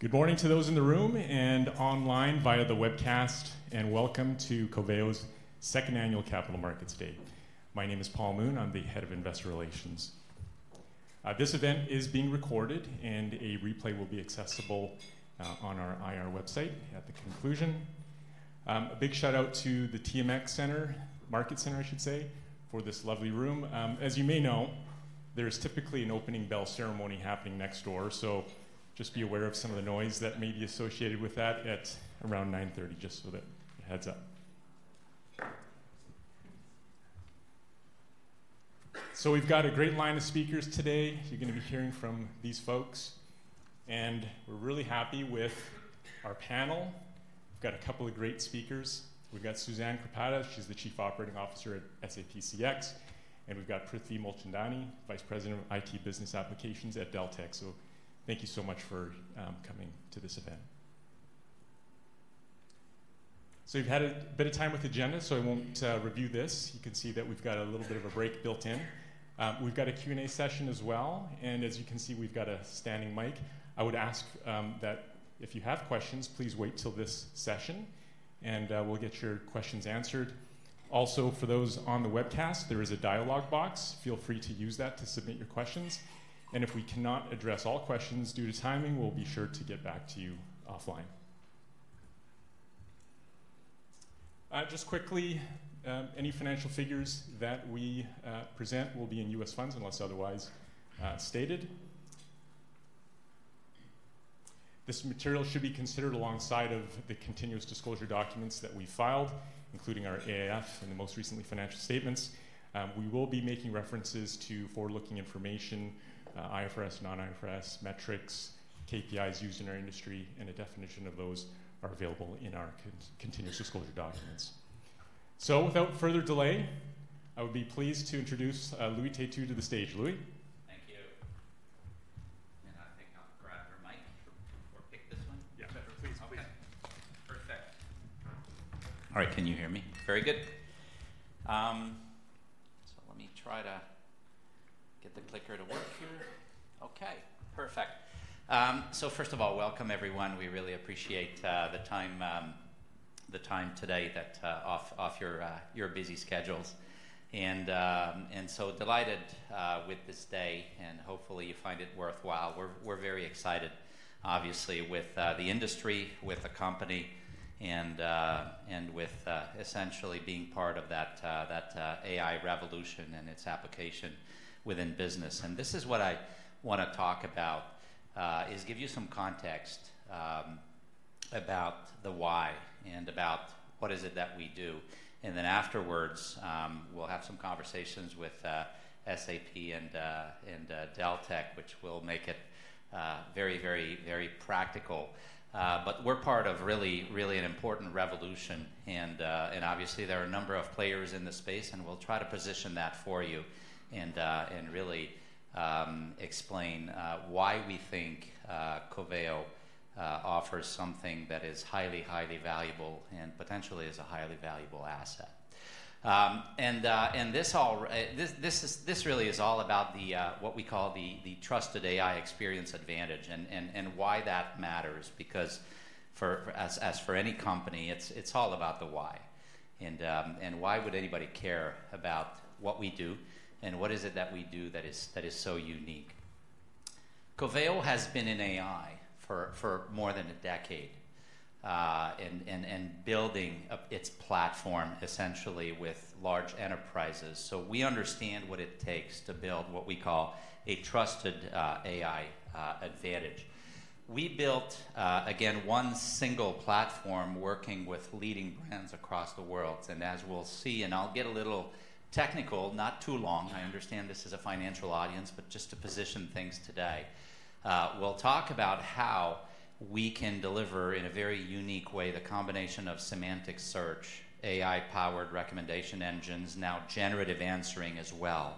Good morning to those in the room and online via the webcast welcome to Coveo's Second Annual Capital Market Update. My name is Paul Moon. I'm the Head of Investor Relations. This event is being recorded a replay will be accessible on our IR website at the conclusion. A big shout-out to the TMX Market Centre for this lovely room. As you may know, there is typically an opening bell ceremony happening next door, so just be aware of some of the noise that may be associated with that at around 9:30 A.M., just so that a heads-up. So we've got a great line of speakers today. You're gonna be hearing from these folks we're really happy with our panel. We've got a couple of great speakers. We've got Suzanne Krpata, she's the Chief Operating Officer at SAP CX we've got Prithvi Mulchandani, Vice President of IT Business Applications at Deltek. So thank you so much for coming to this event. So you've had a bit of time with the agenda, so I won't review this. You can see that we've got a little bit of a break built in. We've got a Q&A session as well as you can see, we've got a standing mic. I would ask that if you have questions, please wait till this session we'll get your questions answered. Also, for those on the webcast, there is a dialogue box. Feel free to use that to submit your questions if we cannot address all questions due to timing, we'll be sure to get back to you offline. Just quickly, any financial figures that we present will be in U.S. funds unless otherwise stated. This material should be considered alongside of the continuous disclosure documents that we filed, including our AIF and the most recent financial statements. We will be making references to forward-looking information, IFRS, non-IFRS metrics, KPIs used in our industry a definition of those are available in our continuous disclosure documents. So without further delay, I would be pleased to introduce Louis Têtu to the stage. Louis? Thank you. I think I'll grab your mic or take this one? Yeah. Please, please. Okay, perfect. All right. Can you hear me? Very good. So let me try to get the clicker to work here. Okay, perfect. So first of all, welcome everyone. We really appreciate the time today that off your busy schedules. And so delighted with this day hopefully you find it worthwhile. We're very excited, obviously, with the industry, with the company with essentially being part of that AI revolution and its application within business. And this is what I wanna talk about is give you some context about the why and about what is it that we do. And then afterwards, we'll have some conversations with SAP and Deltek, which will make it very practical. But we're part of really, really an important revolution and obviously there are a number of players in this space we'll try to position that for you and really explain why we think Coveo offers something that is highly, highly valuable and potentially is a highly valuable asset. And this all, this is— this really is all about what we call the trusted AI experience advantage and why that matters. Because for as for any company, it's all about the why. And why would anybody care about what we do what is it that we do that is so unique? Coveo has been in AI for more than a decade and building up its platform essentially with large enterprises. So we understand what it takes to build what we call a trusted, AI, advantage. We built, again, one single platform working with leading brands across the world. And as we'll see I'll get a little technical, not too long, I understand this is a financial audience, but just to position things today. We'll talk about how we can deliver in a very unique way, the combination of semantic search, AI-powered recommendation engines, now generative answering as well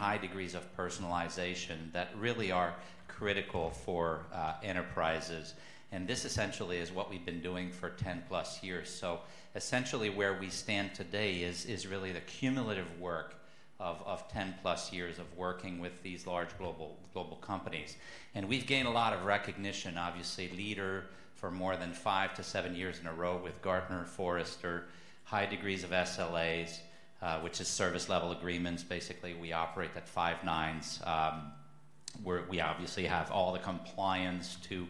high degrees of personalization that really are critical for, enterprises. And this essentially is what we've been doing for 10+ years. So essentially, where we stand today is really the cumulative work of 10+ years of working with these large global companies. We've gained a lot of recognition, obviously, leader for more than 5-7 years in a row with Gartner, Forrester, high degrees of SLAs, which is service level agreements. Basically, we operate at 5 nines, where we obviously have all the compliance to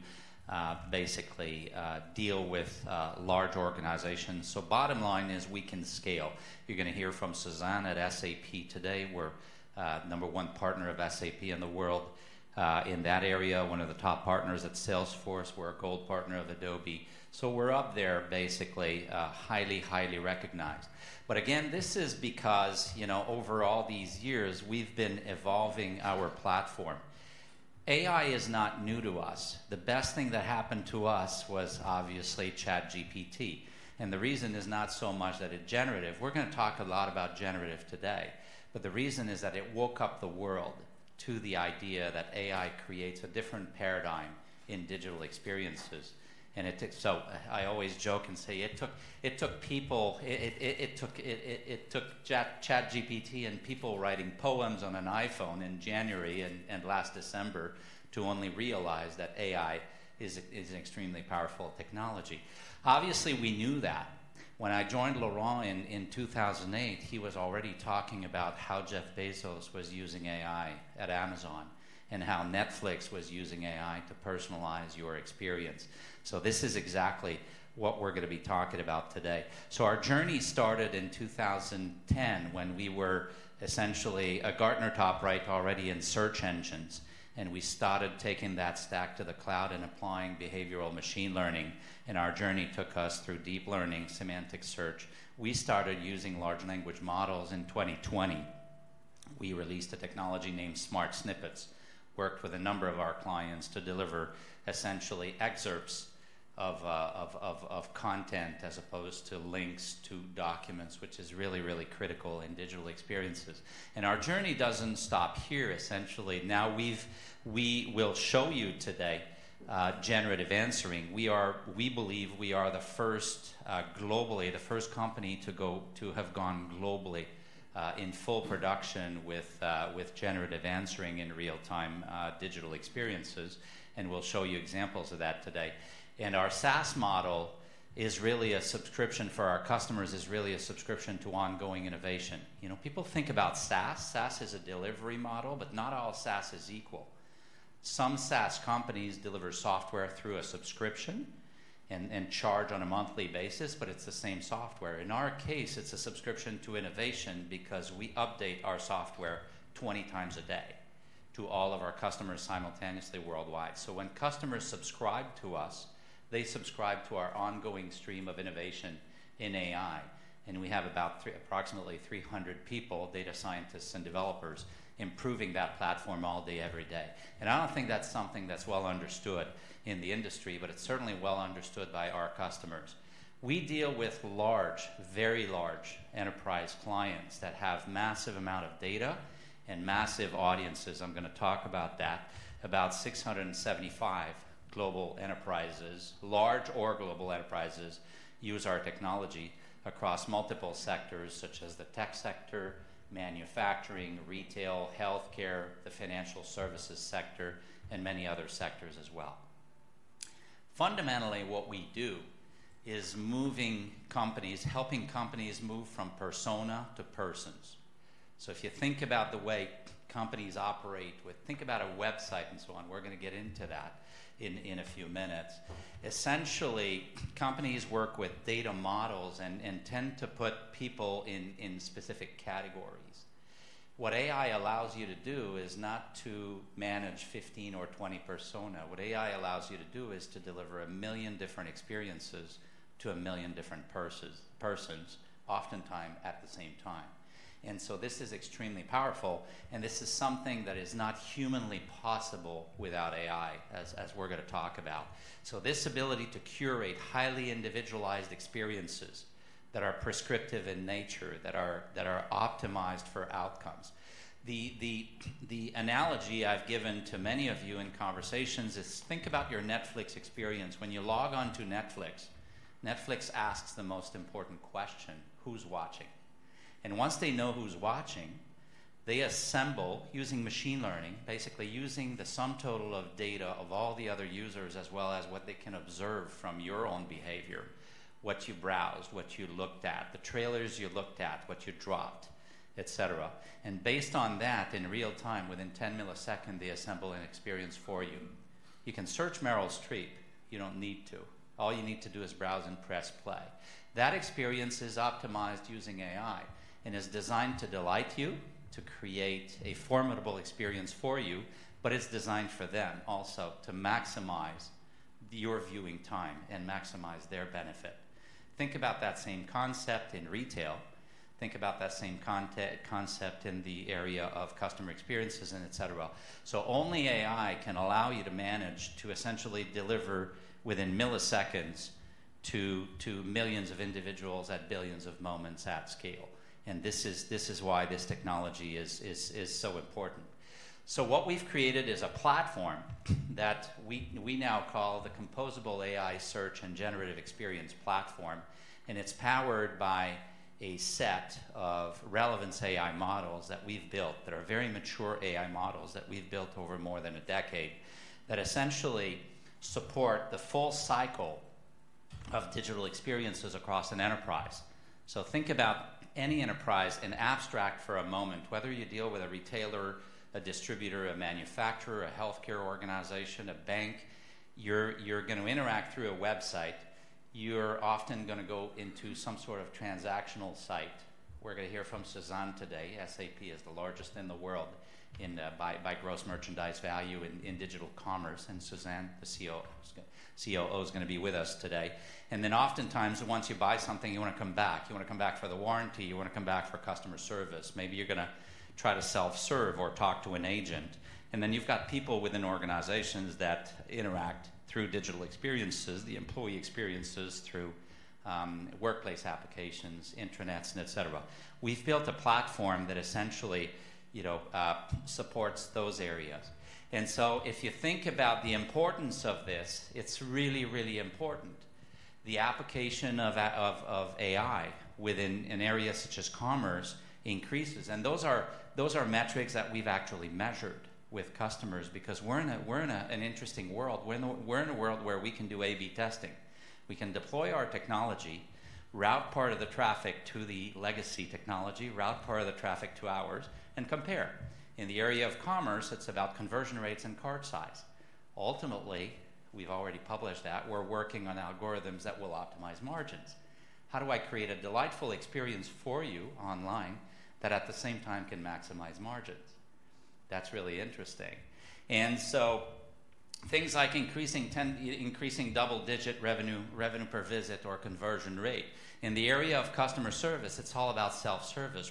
basically deal with large organizations. So bottom line is, we can scale. You're gonna hear from Susanne at SAP today. We're a No. 1 partner of SAP in the world, in that area, one of the top partners at Salesforce. We're a gold partner of Adobe. So we're up there, basically, highly, highly recognized. But again, this is because, over all these years, we've been evolving our platform. AI is not new to us. The best thing that happened to us was obviously ChatGPT the reason is not so much that it's generative. We're gonna talk a lot about generative today, but the reason is that it woke up the world to the idea that AI creates a different paradigm in digital experiences it took. So I always joke and say, it took ChatGPT and people writing poems on an iPhone in January and last December to only realize that AI is an extremely powerful technology. Obviously, we knew that. When I joined Laurent in 2008, he was already talking about how Jeff Bezos was using AI at Amazon and how Netflix was using AI to personalize your experience. So this is exactly what we're gonna be talking about today. So our journey started in 2010 when we were essentially a Gartner top, right, already in search engines we started taking that stack to the cloud and applying behavioral machine learning our journey took us through deep learning, semantic search. We started using large language models in 2020. We released a technology named Smart Snippets, worked with a number of our clients to deliver essentially excerpts of content as opposed to links to documents, which is really, really critical in digital experiences. And our journey doesn't stop here, essentially. Now, we will show you today generative answering. We believe we are the first globally, the first company to go, to have gone globally in full production with generative answering in real-time digital experiences we'll show you examples of that today. And our SaaS model is really a subscription for our customers, is really a subscription to ongoing innovation. You know, people think about SaaS. SaaS is a delivery model, but not all SaaS is equal. Some SaaS companies deliver software through a subscription and charge on a monthly basis, but it's the same software. In our case, it's a subscription to innovation because we update our software 20 times a day to all of our customers simultaneously worldwide. So when customers subscribe to us, they subscribe to our ongoing stream of innovation in AI we have approximately 300 people, data scientists and developers, improving that platform all day, every day. And I don't think that's something that's well understood in the industry, but it's certainly well understood by our customers. We deal with large, very large enterprise clients that have massive amount of data and massive audiences. I'm gonna talk about that. About 675 global enterprises, large or global enterprises, use our technology across multiple sectors such as the tech sector, manufacturing, retail, healthcare, the financial services sector many other sectors as well. Fundamentally, what we do is moving companies, helping companies move from persona to persons. So if you think about the way companies operate with. Think about a website and so on. We're gonna get into that in a few minutes. Essentially, companies work with data models and tend to put people in specific categories. What AI allows you to do is not to manage 15 or 20 persona. What AI allows you to do is to deliver 1 million different experiences to 1 million different purses—persons, oftentimes at the same time. This is extremely powerful this is something that is not humanly possible without AI, as we're gonna talk about. This ability to curate highly individualized experiences that are prescriptive in nature, that are optimized for outcomes. The analogy I've given to many of you in conversations is: think about your Netflix experience. When you log on to Netflix, Netflix asks the most important question, "Who's watching?" And once they know who's watching, they assemble, using machine learning, basically using the sum total of data of all the other users, as well as what they can observe from your own behavior, what you browsed, what you looked at, the trailers you looked at, what you dropped, et cetera. Based on that, in real time, within 10 milliseconds, they assemble an experience for you. You can search Meryl Streep. You don't need to. All you need to do is browse and press play. That experience is optimized using AI and is designed to delight you, to create a formidable experience for you, but it's designed for them also to maximize your viewing time and maximize their benefit. Think about that same concept in retail. Think about that same concept in the area of customer experiences and et cetera. So only AI can allow you to manage to essentially deliver within milliseconds to millions of individuals at billions of moments at scale this is why this technology is so important. So what we've created is a platform that we now call the Composable AI Search and Generative Experience Platform it's powered by a set of relevance AI models that we've built, that are very mature AI models that we've built over more than a decade, that essentially support the full cycle of digital experiences across an enterprise. So think about any enterprise in abstract for a moment. Whether you deal with a retailer, a distributor, a manufacturer, a healthcare organization, a bank, you're going to interact through a website. You're often gonna go into some sort of transactional site. We're going to hear from Susanne today. SAP is the largest in the world by gross merchandise value in digital commerce Susanne, the CEO, COO, is gonna be with us today. Then oftentimes, once you buy something, you wanna come back. You wanna come back for the warranty. You wanna come back for customer service. Maybe you're gonna try to self-serve or talk to an agent. And then you've got people within organizations that interact through digital experiences, the employee experiences, through workplace applications, intranets et cetera. We've built a platform that essentially, supports those areas. And so if you think about the importance of this, it's really, really important. The application of AI within an area such as commerce increases those are metrics that we've actually measured with customers because we're in an interesting world. We're in a world where we can do A/B testing. We can deploy our technology, route part of the traffic to the legacy technology, route part of the traffic to ours compare. In the area of commerce, it's about conversion rates and cart size. Ultimately, we've already published that, we're working on algorithms that will optimize margins. How do I create a delightful experience for you online that at the same time can maximize margins? That's really interesting. And so things like increasing double-digit revenue, revenue per visit or conversion rate. In the area of customer service, it's all about self-service.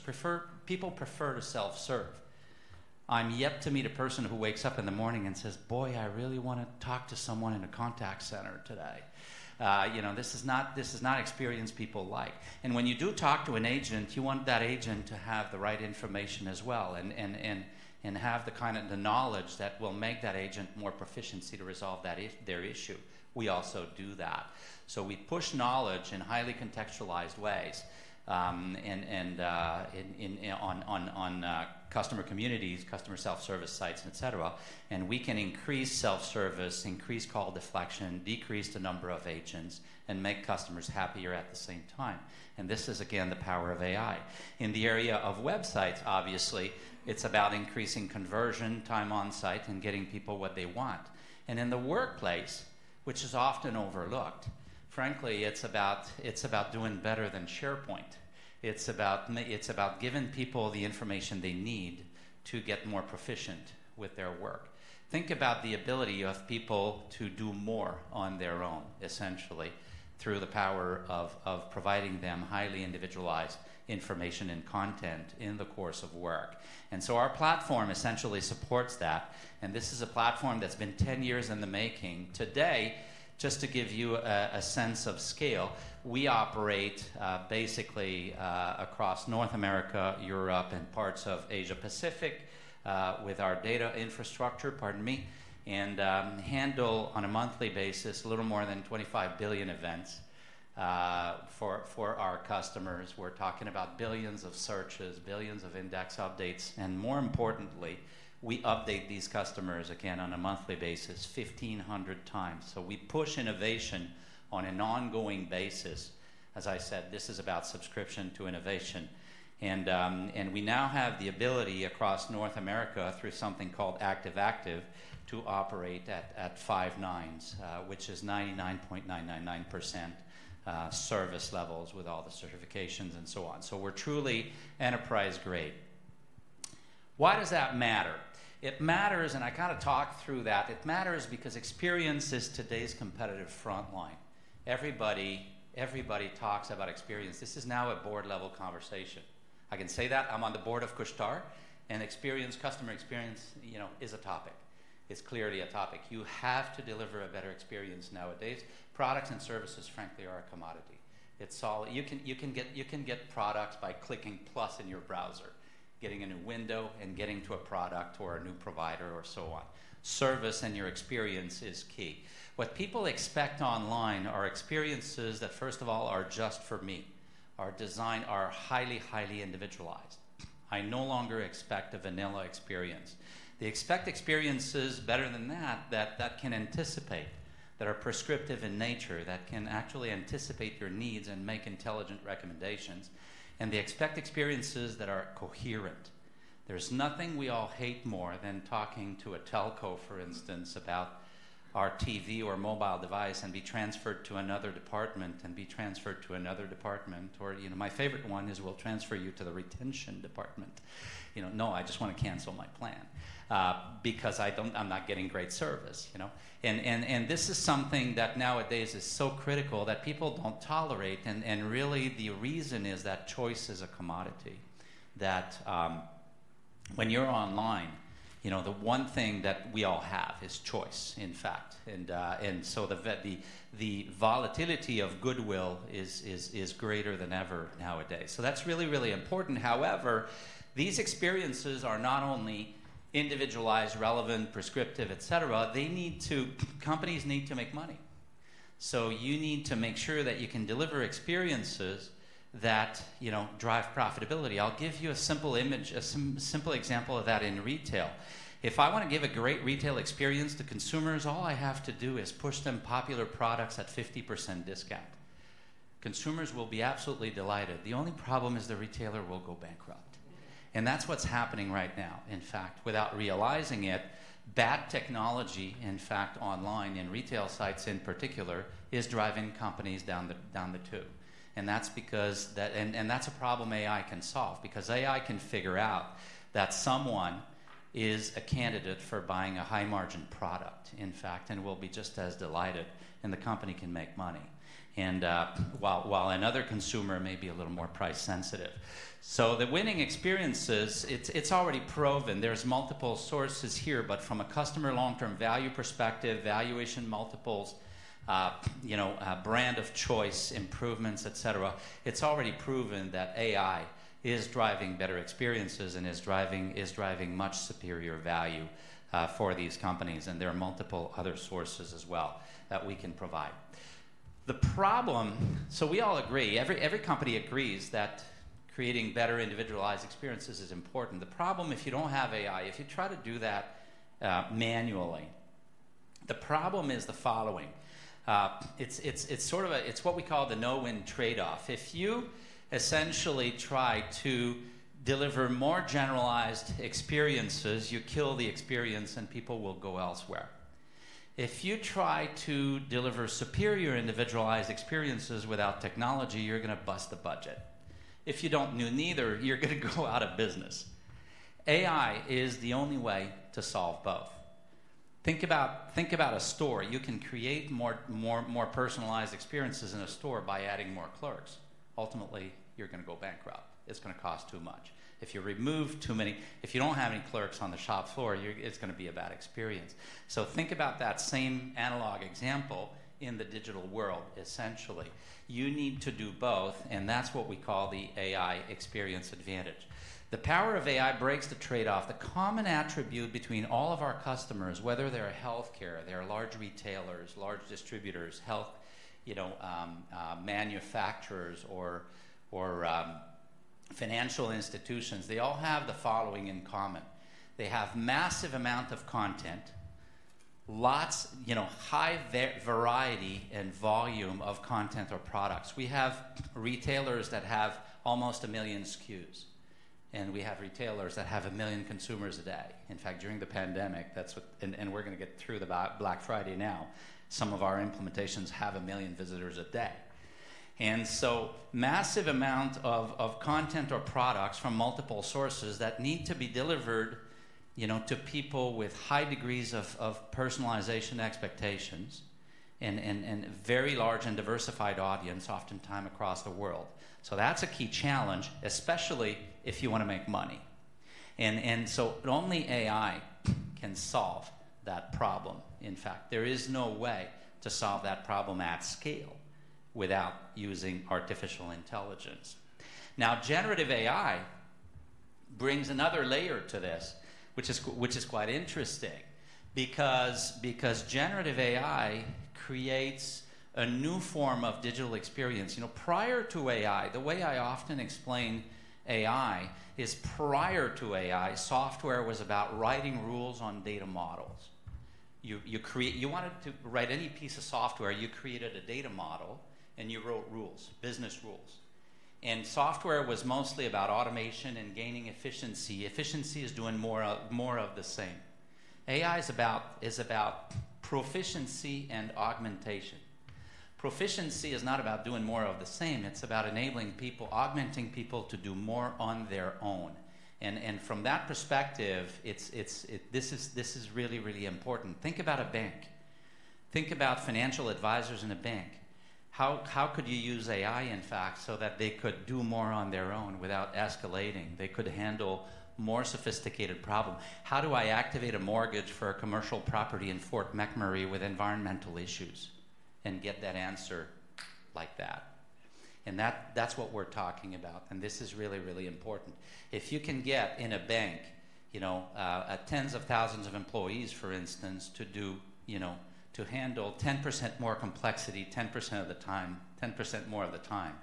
People prefer to self-serve. I'm yet to meet a person who wakes up in the morning and says, "Boy, I really want to talk to someone in a contact center today." You know, this is not, this is not experience people like. When you do talk to an agent, you want that agent to have the right information as well have the kind of knowledge that will make that agent more proficient to resolve their issue. We also do that. So we push knowledge in highly contextualized ways in customer communities, customer self-service sites, et cetera we can increase self-service, increase call deflection, decrease the number of agents make customers happier at the same time. This is, again, the power of AI. In the area of websites, obviously, it's about increasing conversion, time on site getting people what they want. In the workplace, which is often overlooked, frankly, it's about doing better than SharePoint. It's about giving people the information they need to get more proficient with their work. Think about the ability of people to do more on their own, essentially, through the power of providing them highly individualized information and content in the course of work. And so our platform essentially supports that this is a platform that's been 10 years in the making. Today, just to give you a sense of scale, we operate basically across North America, Europe parts of Asia-Pacific with our data infrastructure, pardon me handle on a monthly basis a little more than 25 billion events for our customers. We're talking about billions of searches, billions of index updates more importantly, we update these customers again on a monthly basis 1,500 times. So we push innovation on an ongoing basis. As I said, this is about subscription to innovation. And we now have the ability across North America, through something called Active-Active, to operate at five nines, which is 99.999% service levels with all the certifications and so on. So we're truly enterprise-grade. Why does that matter? It matters I kind of talked through that. It matters because experience is today's competitive frontline. Everybody, everybody talks about experience. This is now a board-level conversation. I can say that, I'm on the board of Couche-Tard experience, customer experience, is a topic. It's clearly a topic. You have to deliver a better experience nowadays. Products and services, frankly, are a commodity. It's all. You can get products by clicking plus in your browser, getting in a window getting to a product or a new provider or so on. Service and your experience is key. What people expect online are experiences that, first of all, are just for me, are designed—are highly, highly individualized. I no longer expect a vanilla experience. They expect experiences better than that, that can anticipate, that are prescriptive in nature, that can actually anticipate your needs and make intelligent recommendations they expect experiences that are coherent. There's nothing we all hate more than talking to a telco, for instance, about our TV or mobile device be transferred to another department be transferred to another department, or, you know. My favorite one is: "We'll transfer you to the retention department." You know, "No, I just want to cancel my plan, because I don't, I'm not getting great service," you know? And this is something that nowadays is so critical that people don't tolerate really the reason is that choice is a commodity. That, when you're online, the one thing that we all have is choice, in fact. And so the volatility of goodwill is greater than ever nowadays. So that's really, really important. However, these experiences are not only individualized, relevant, prescriptive, et cetera, they need to—companies need to make money. So you need to make sure that you can deliver experiences that, drive profitability. I'll give you a simple image, a simple example of that in retail. If I want to give a great retail experience to consumers, all I have to do is push them popular products at 50% discount. Consumers will be absolutely delighted. The only problem is the retailer will go bankrupt. And that's what's happening right now, in fact. Without realizing it, bad technology, in fact, online, in retail sites in particular, is driving companies down the tube. And that's because. And that's a problem AI can solve, because AI can figure out that someone is a candidate for buying a high-margin product, in fact will be just as delighted the company can make money while another consumer may be a little more price sensitive. So the winning experiences, it's already proven. There's multiple sources here, but from a customer long-term value perspective, valuation multiples, brand of choice, improvements, et cetera, it's already proven that AI is driving better experiences and is driving much superior value for these companies there are multiple other sources as well that we can provide. The problem. So we all agree, every company agrees that creating better individualized experiences is important. The problem, if you don't have AI, if you try to do that manually, the problem is the following: it's sort of a, it's what we call the no-win trade-off. If you essentially try to deliver more generalized experiences, you kill the experience people will go elsewhere. If you try to deliver superior individualized experiences without technology, you're going to bust the budget. If you don't do neither, you're going to go out of business. AI is the only way to solve both. Think about, think about a store. You can create more, more, more personalized experiences in a store by adding more clerks. Ultimately, you're going to go bankrupt. It's going to cost too much. If you remove too many. If you don't have any clerks on the shop floor, you're - it's going to be a bad experience. So think about that same analog example in the digital world. Essentially, you need to do both that's what we call the AI experience advantage. The power of AI breaks the trade-off. The common attribute between all of our customers, whether they're healthcare, they're large retailers, large distributors, health, manufacturers or financial institutions, they all have the following in common: They have massive amount of content, lots-- high variety and volume of content or products. We have retailers that have almost 1 million SKUs we have retailers that have 1 million consumers a day. In fact, during the pandemic, that's what we're going to get through the Black Friday now. Some of our implementations have 1 million visitors a day. And so massive amount of content or products from multiple sources that need to be delivered, to people with high degrees of personalization expectations and very large and diversified audience, oftentimes across the world. So that's a key challenge, especially if you want to make money. And so only AI can solve that problem, in fact. There is no way to solve that problem at scale without using artificial intelligence. Now, GenAI brings another layer to this, which is quite interesting because GenAI creates a new form of digital experience. You know, prior to AI, the way I often explain AI is, prior to AI, software was about writing rules on data models. You create—You wanted to write any piece of software, you created a data model you wrote rules, business rules. And software was mostly about automation and gaining efficiency. Efficiency is doing more of the same. AI is about proficiency and augmentation. Proficiency is not about doing more of the same. It's about enabling people, augmenting people to do more on their own. And from that perspective, it's this is really, really important. Think about a bank. Think about financial advisors in a bank. How could you use AI, in fact, so that they could do more on their own without escalating? They could handle more sophisticated problem. How do I activate a mortgage for a commercial property in Fort McMurray with environmental issues and get that answer like that? And that's what we're talking about this is really, really important. If you can get in a bank, tens of thousands of employees, for instance, to do, to handle 10% more complexity 10% of the time, 10% more of the time,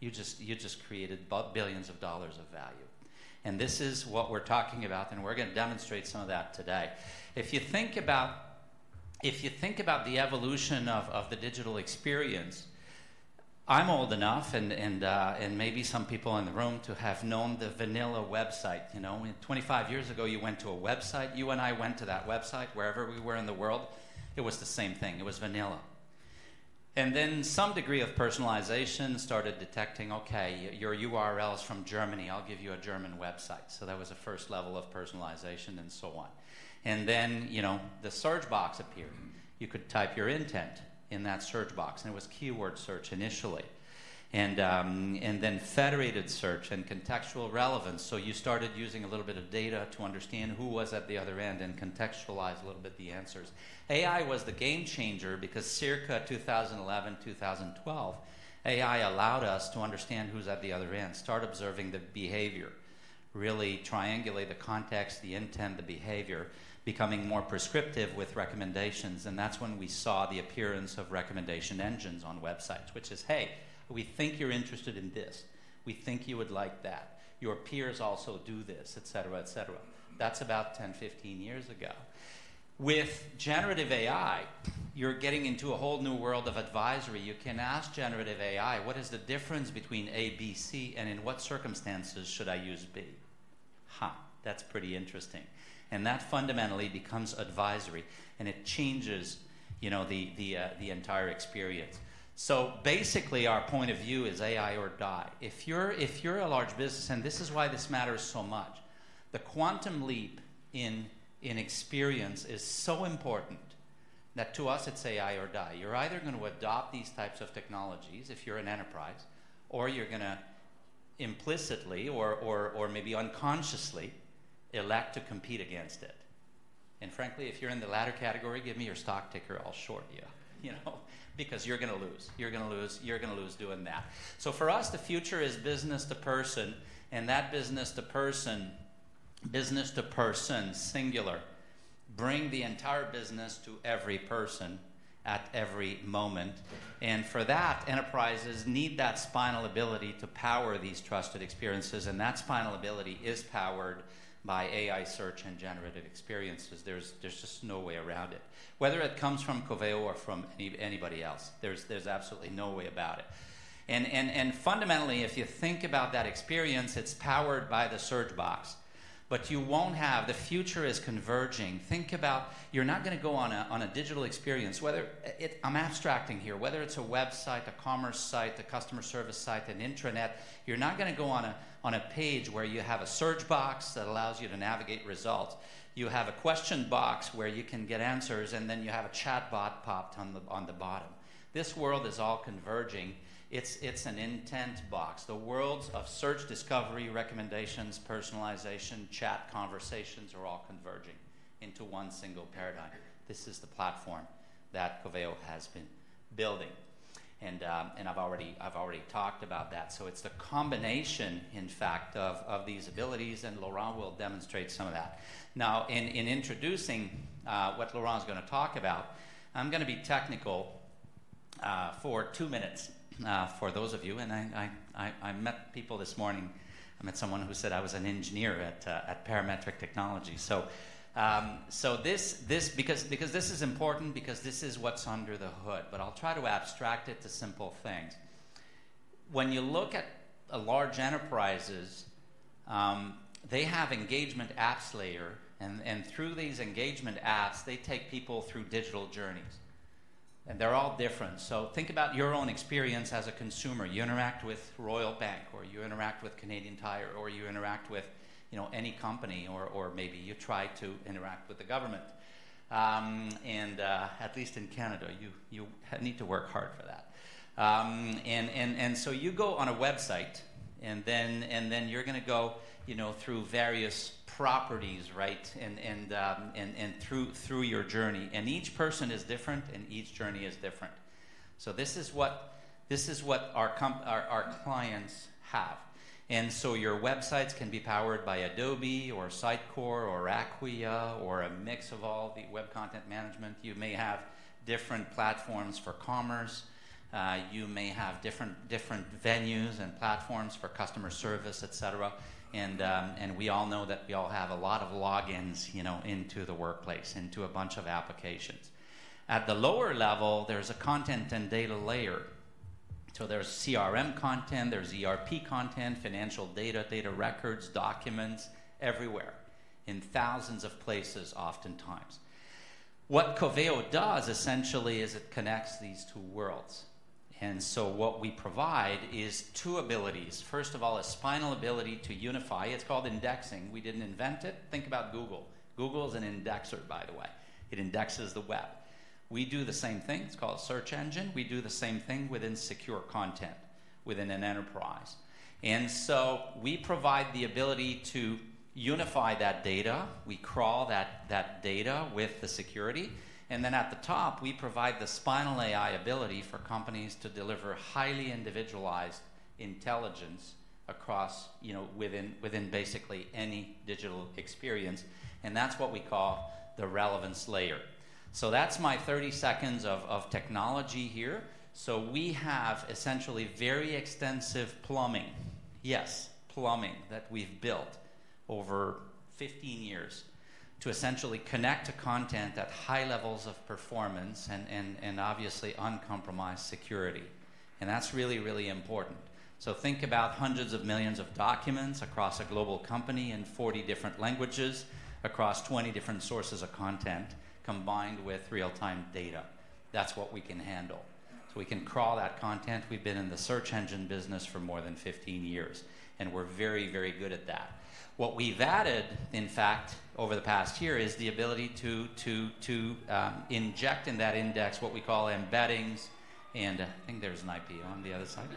you just created $ billions of value. This is what we're talking about we're going to demonstrate some of that today. If you think about, if you think about the evolution of the digital experience, I'm old enough maybe some people in the room, to have known the vanilla website. You know, 25 years ago, you went to a website, you and I went to that website, wherever we were in the world, it was the same thing. It was vanilla. And then some degree of personalization started detecting, "Okay, your URL is from Germany. I'll give you a German website." So that was a first level of personalization so on. And then, the search box appeared. You could type your intent in that search box it was keyword search initially then federated search and contextual relevance, so you started using a little bit of data to understand who was at the other end and contextualize a little bit the answers. AI was the game changer because circa 2011, 2012, AI allowed us to understand who's at the other end, start observing the behavior, really triangulate the context, the intent, the behavior, becoming more prescriptive with recommendations that's when we saw the appearance of recommendation engines on websites, which is, "Hey, we think you're interested in this. We think you would like that. Your peers also do this," et cetera, et cetera. That's about 10, 15 years ago. With GenAI, you're getting into a whole new world of advisory. You can ask GenAI: What is the difference between A, B, C in what circumstances should I use B? Ha, that's pretty interesting. And that fundamentally becomes advisory it changes, the, the, the entire experience. So basically, our point of view is AI or die. If you're, if you're a large business this is why this matters so much, the quantum leap in, in experience is so important that to us, it's AI or die. You're either going to adopt these types of technologies, if you're an enterprise, or you're gonna implicitly or, or, or maybe unconsciously elect to compete against it. And frankly, if you're in the latter category, give me your stock ticker, I'll short you, because you're gonna lose. You're gonna lose, you're gonna lose doing that. So for us, the future is business to person that business to person, business to person, singular, bring the entire business to every person at every moment for that, enterprises need that spinal ability to power these trusted experiences that spinal ability is powered by AI search and generative experiences. There's just no way around it. Whether it comes from Coveo or from anybody else, there's absolutely no way about it. And fundamentally, if you think about that experience, it's powered by the search box. But you won't have. The future is converging. Think about, you're not gonna go on a, on a digital experience, whether it-- I'm abstracting here. Whether it's a website, a commerce site, a customer service site, an intranet, you're not gonna go on a page where you have a search box that allows you to navigate results. You have a question box where you can get answers then you have a chatbot popped on the bottom. This world is all converging. It's an intent box. The worlds of search, discovery, recommendations, personalization, chat conversations are all converging into one single paradigm. This is the platform that Coveo has been building I've already talked about that. So it's the combination, in fact, of these abilities Laurent will demonstrate some of that. Now, in introducing what Laurent is gonna talk about, I'm gonna be technical for 2 minutes, for those of you. I met people this morning. I met someone who said I was an engineer at, at Parametric Technology. So, so this, this—because, because this is important, because this is what's under the hood, but I'll try to abstract it to simple things. When you look at, large enterprises, they have engagement apps layer through these engagement apps, they take people through digital journeys they're all different. So think about your own experience as a consumer. You interact with Royal Bank, or you interact with Canadian Tire, or you interact with, any company, or, or maybe you try to interact with the government. And, at least in Canada, you, you need to work hard for that. So you go on a website then you're gonna go, through various properties, right? And through your journey. And each person is different each journey is different. So this is what our clients have. And so your websites can be powered by Adobe or Sitecore or Acquia or a mix of all the web content management. You may have different platforms for commerce. You may have different venues and platforms for customer service, et cetera. And we all know that we all have a lot of logins, into the workplace, into a bunch of applications. At the lower level, there's a content and data layer. So there's CRM content, there's ERP content, financial data, data records, documents everywhere, in thousands of places oftentimes. What Coveo does essentially is it connects these two worlds so what we provide is two abilities. First of all, a spinal ability to unify. It's called indexing. We didn't invent it. Think about Google. Google is an indexer, by the way. It indexes the web. We do the same thing. It's called search engine. We do the same thing within secure content, within an enterprise. And so we provide the ability to unify that data. We crawl that data with the security then at the top, we provide the spinal AI ability for companies to deliver highly individualized intelligence across, within basically any digital experience that's what we call the Relevance Layer. So that's my 30 seconds of technology here. So we have essentially very extensive plumbing, yes, plumbing, that we've built over 15 years to essentially connect to content at high levels of performance and obviously uncompromised security that's really, really important. So think about hundreds of millions of documents across a global company in 40 different languages, across 20 different sources of content, combined with real-time data. That's what we can handle. So we can crawl that content. We've been in the search engine business for more than 15 years we're very, very good at that. What we've added, in fact, over the past year, is the ability to inject in that index what we call embeddings I think there's an IP on the other side.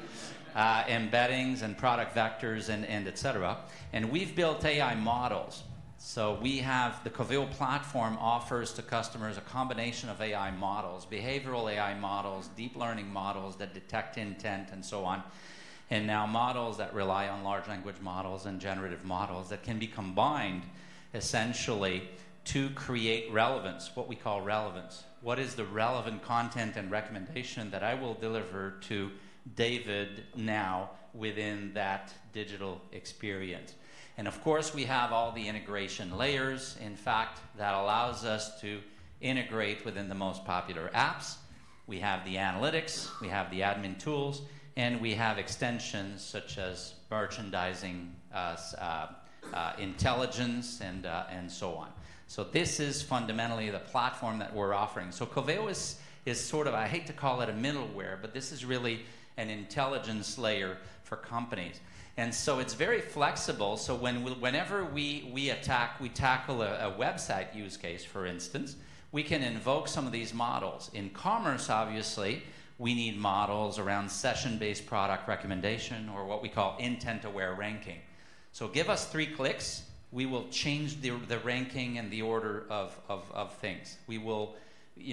Embeddings and product vectors and etc. And we've built AI models. So we have. The Coveo platform offers to customers a combination of AI models, behavioral AI models, deep learning models that detect intent and so on now models that rely on large language models and generative models that can be combined essentially to create relevance, what we call relevance. What is the relevant content and recommendation that I will deliver to David now within that digital experience? And of course, we have all the integration layers, in fact, that allows us to integrate within the most popular apps. We have the analytics, we have the admin tools we have extensions such as merchandising, intelligence and so on. So this is fundamentally the platform that we're offering. So Coveo is sort of, I hate to call it a middleware, but this is really an intelligence layer for companies so it's very flexible. So when whenever we tackle a website use case, for instance, we can invoke some of these models. In commerce, obviously, we need models around session-based recommendation or what we call intent-aware ranking. So give us three clicks, we will change the ranking and the order of things. We will,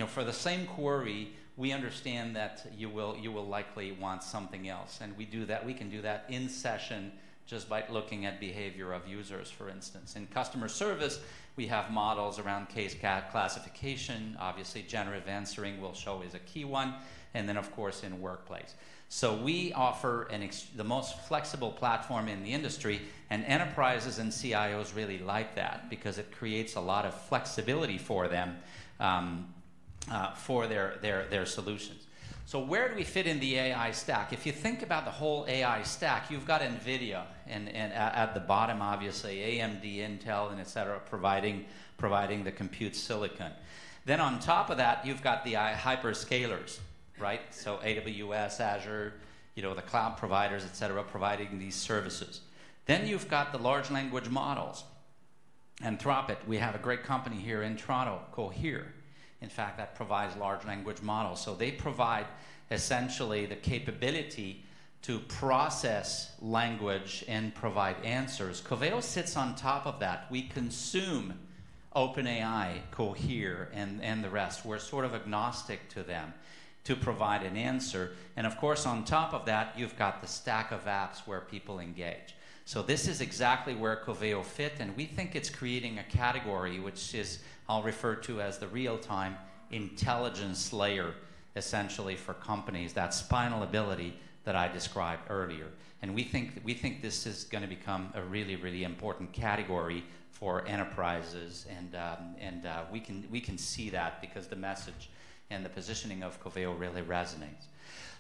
for the same query, we understand that you will likely want something else we can do that in session just by looking at behavior of users, for instance. In customer service, we have models around case classification. Obviously, generative answering we'll show is a key one then, of course, in workplace. So we offer the most flexible platform in the industry enterprises and CIOs really like that because it creates a lot of flexibility for them for their solutions. So where do we fit in the AI stack? If you think about the whole AI stack, you've got NVIDIA and at the bottom, obviously, AMD, Intel et cetera, providing the compute silicon. Then on top of that, you've got the hyperscalers, right? So AWS, Azure, the cloud providers, et cetera, providing these services. Then you've got the large language models. Anthropic, we have a great company here in Toronto, Cohere, in fact, that provides large language models. So they provide essentially the capability to process language and provide answers. Coveo sits on top of that. We consume OpenAI, Cohere the rest. We're sort of agnostic to them to provide an answer. And of course, on top of that, you've got the stack of apps where people engage. So this is exactly where Coveo fit we think it's creating a category, which is, I'll refer to as the real-time intelligence layer, essentially for companies, that spinal ability that I described earlier. And we think, we think this is going to become a really, really important category for enterprises, we can, we can see that because the message and the positioning of Coveo really resonates.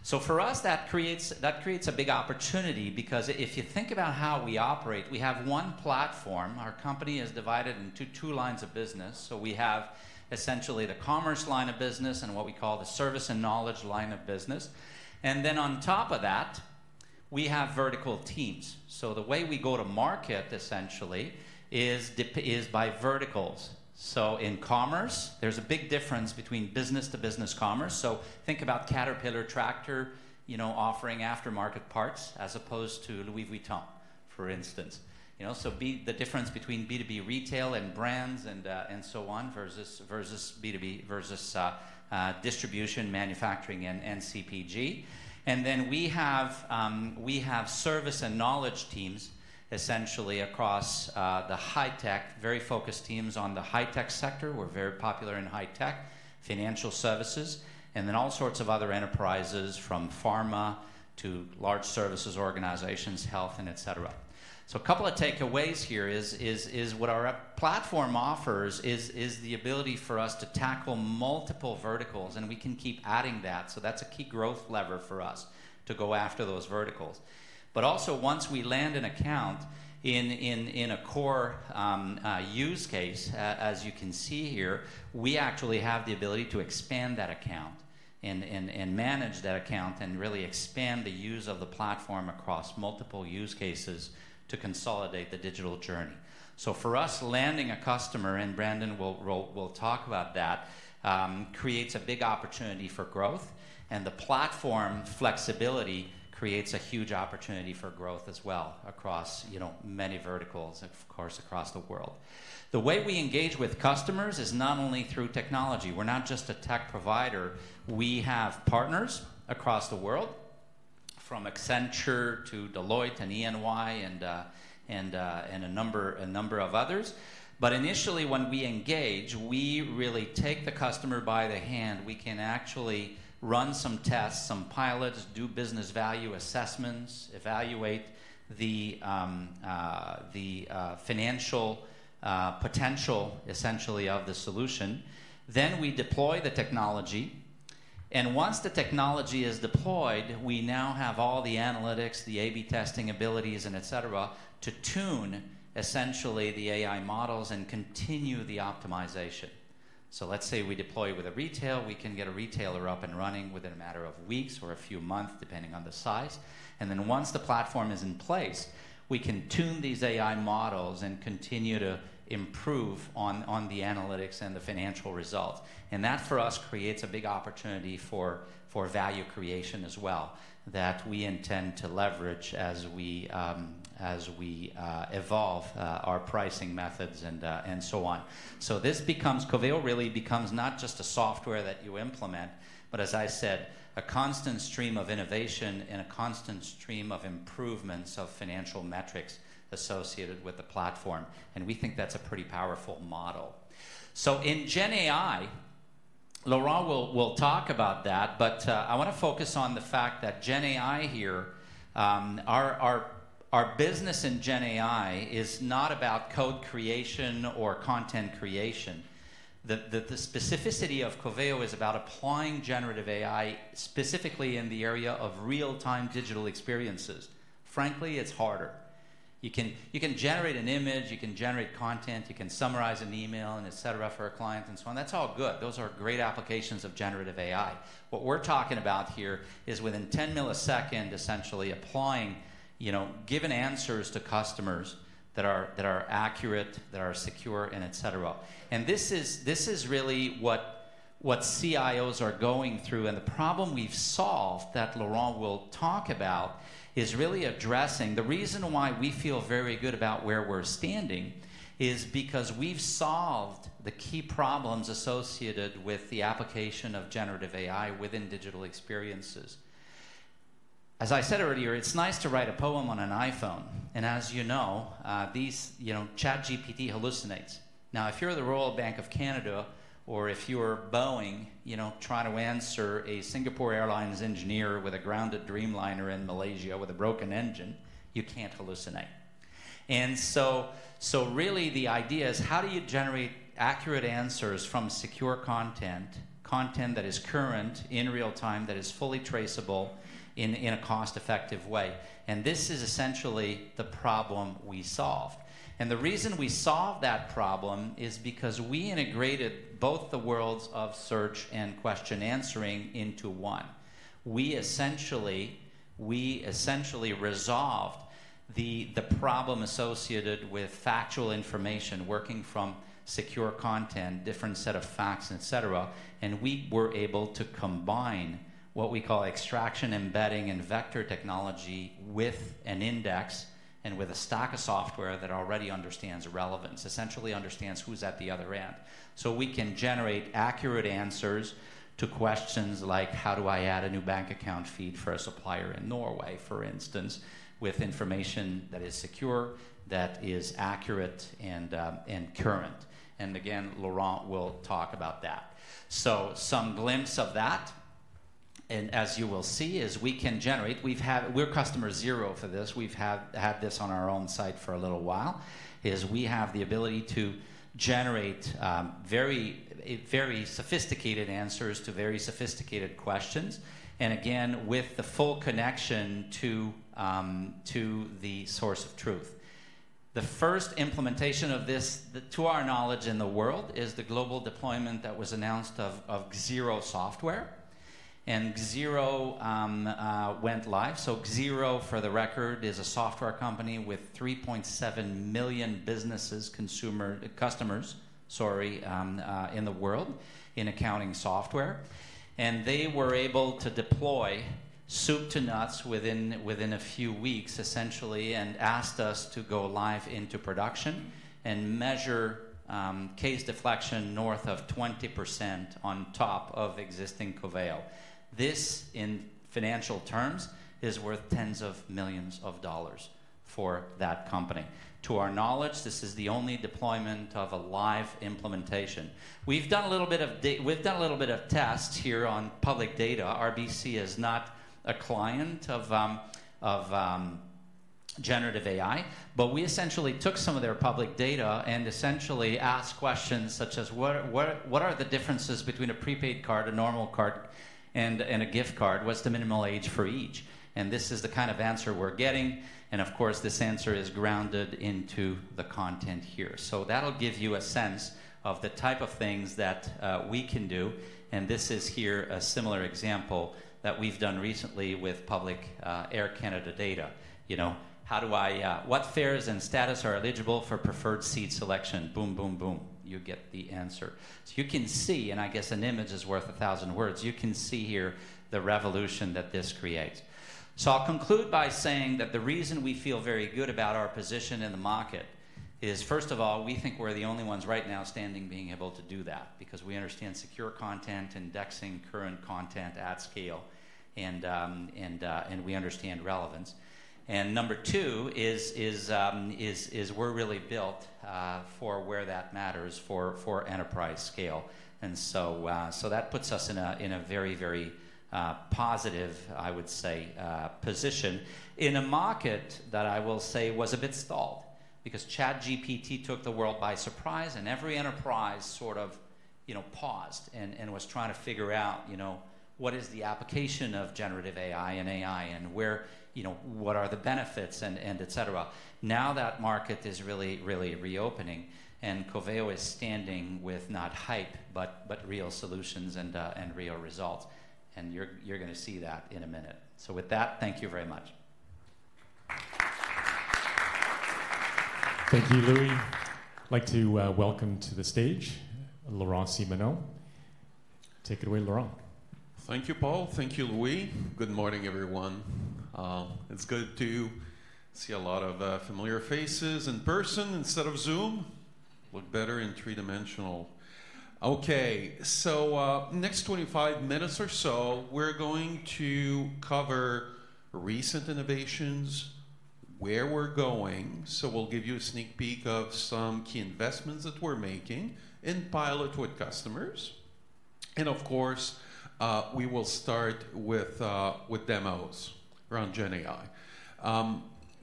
So for us, that creates, that creates a big opportunity because if you think about how we operate, we have one platform. Our company is divided into two lines of business. So we have essentially the commerce line of business and what we call the service and knowledge line of business. And then on top of that, we have vertical teams. So the way we go to market, essentially, is by verticals. So in commerce, there's a big difference between business-to-business commerce. So think about Caterpillar, offering aftermarket parts as opposed to Louis Vuitton, for instance. You know, so the difference between B2B retail and brands and so on, versus B2B, versus distribution, manufacturing CPG. And then we have service and knowledge teams, essentially across the high tech, very focused teams on the high tech sector. We're very popular in high tech, financial services then all sorts of other enterprises, from pharma to large services organizations, health et cetera. A couple of takeaways here is what our platform offers is the ability for us to tackle multiple verticals we can keep adding that. That's a key growth lever for us to go after those verticals. But also, once we land an account in a core use case, as you can see here, we actually have the ability to expand that account and manage that account and really expand the use of the platform across multiple use cases to consolidate the digital journey. For us, landing a customer Brandon will talk about that, creates a big opportunity for growth the platform flexibility creates a huge opportunity for growth as well across, many verticals, of course, across the world. The way we engage with customers is not only through technology. We're not just a tech provider. We have partners across the world, from Accenture to Deloitte and EY and a number of others. But initially, when we engage, we really take the customer by the hand. We can actually run some tests, some pilots, do business value assessments, evaluate the financial potential, essentially, of the solution. Then we deploy the technology once the technology is deployed, we now have all the analytics, the A/B testing abilities et cetera, to tune essentially the AI models and continue the optimization. So let's say we deploy with a retailer, we can get a retailer up and running within a matter of weeks or a few months, depending on the size. And then once the platform is in place, we can tune these AI models and continue to improve on the analytics and the financial results. And that, for us, creates a big opportunity for value creation as well, that we intend to leverage as we evolve our pricing methods and so on. So this becomes. Coveo really becomes not just a software that you implement, but as I said, a constant stream of innovation and a constant stream of improvements of financial metrics associated with the platform we think that's a pretty powerful model. So in GenAI, Laurent will talk about that, but I want to focus on the fact that GenAI here, Our business in GenAI is not about code creation or content creation. The specificity of Coveo is about applying GenAI specifically in the area of real-time digital experiences. Frankly, it's harder. You can generate an image, you can generate content, you can summarize an email and et cetera, for a client so on. That's all good. Those are great applications of GenAI. What we're talking about here is within 10 millisecond, essentially applying, giving answers to customers that are accurate, that are secure et cetera. And this is really what CIOs are going through the problem we've solved, that Laurent will talk about, is really addressing. The reason why we feel very good about where we're standing is because we've solved the key problems associated with the application of GenAI within digital experiences. As I said earlier, it's nice to write a poem on an iPhone as these, ChatGPT hallucinates. Now, if you're the Royal Bank of Canada or if you're Boeing, trying to answer a Singapore Airlines engineer with a grounded Dreamliner in Malaysia with a broken engine, you can't hallucinate. So really the idea is: how do you generate accurate answers from secure content, content that is current, in real time, that is fully traceable in a cost-effective way? And this is essentially the problem we solved. And the reason we solved that problem is because we integrated both the worlds of search and question answering into one. We essentially resolved the problem associated with factual information, working from secure content, different set of facts, et cetera we were able to combine what we call extraction, embedding vector technology with an index and with a stack of software that already understands relevance, essentially understands who's at the other end. So we can generate accurate answers to questions like, "How do I add a new bank account feed for a supplier in Norway?" for instance, with information that is secure, that is accurate and current. Again, Laurent will talk about that. Some glimpse of that as you will see, is we can generate. We've had-- We're customer zero for this. We've had this on our own site for a little while, is we have the ability to generate very, very sophisticated answers to very sophisticated questions again, with the full connection to the source of truth. The first implementation of this, to our knowledge in the world, is the global deployment that was announced of Xero software. And Xero went live. So Xero, for the record, is a software company with 3.7 million business customers in the world in accounting software. And they were able to deploy soup to nuts within a few weeks, essentially asked us to go live into production and measure case deflection north of 20% on top of existing Coveo. This, in financial terms, is worth $10s of millions for that company. To our knowledge, this is the only deployment of a live implementation. We've done a little bit of tests here on public data. RBC is not a client of GenAI, but we essentially took some of their public data and essentially asked questions such as, "What are the differences between a prepaid card, a normal card a gift card? What's the minimum age for each?" And this is the kind of answer we're getting of course, this answer is grounded into the content here. So that'll give you a sense of the type of things that we can do. And this is here a similar example that we've done recently with public Air Canada data. You know, "How do I. What fares and status are eligible for preferred seat selection?" Boom, boom, boom, you get the answer. So you can see I guess an image is worth a thousand words, you can see here the revolution that this creates. So I'll conclude by saying that the reason we feel very good about our position in the market is, first of all, we think we're the only ones right now standing, being able to do that, because we understand secure content, indexing current content at scale we understand relevance. And number two is, we're really built for where that matters for enterprise scale. And so, so that puts us in a very, very positive, I would say, position in a market that I will say was a bit stalled. Because ChatGPT took the world by surprise every enterprise sort of, paused and was trying to figure out, what is the application of GenAI and AI and where, what are the benefits and et cetera. Now that market is really, really reopening Coveo is standing with not hype, but, but real solutions and real results. And you're, you're gonna see that in a minute. So with that, thank you very much. Thank you, Louis. I'd like to welcome to the stage Laurent Simoneau. Take it away, Laurent. Thank you, Paul. Thank you, Louis. Good morning, everyone. It's good to see a lot of familiar faces in person instead of Zoom. Look better in three-dimensional. Okay, so next 25 minutes or so, we're going to cover recent innovations, where we're going, so we'll give you a sneak peek of some key investments that we're making in pilot with customers. And of course, we will start with demos around GenAI.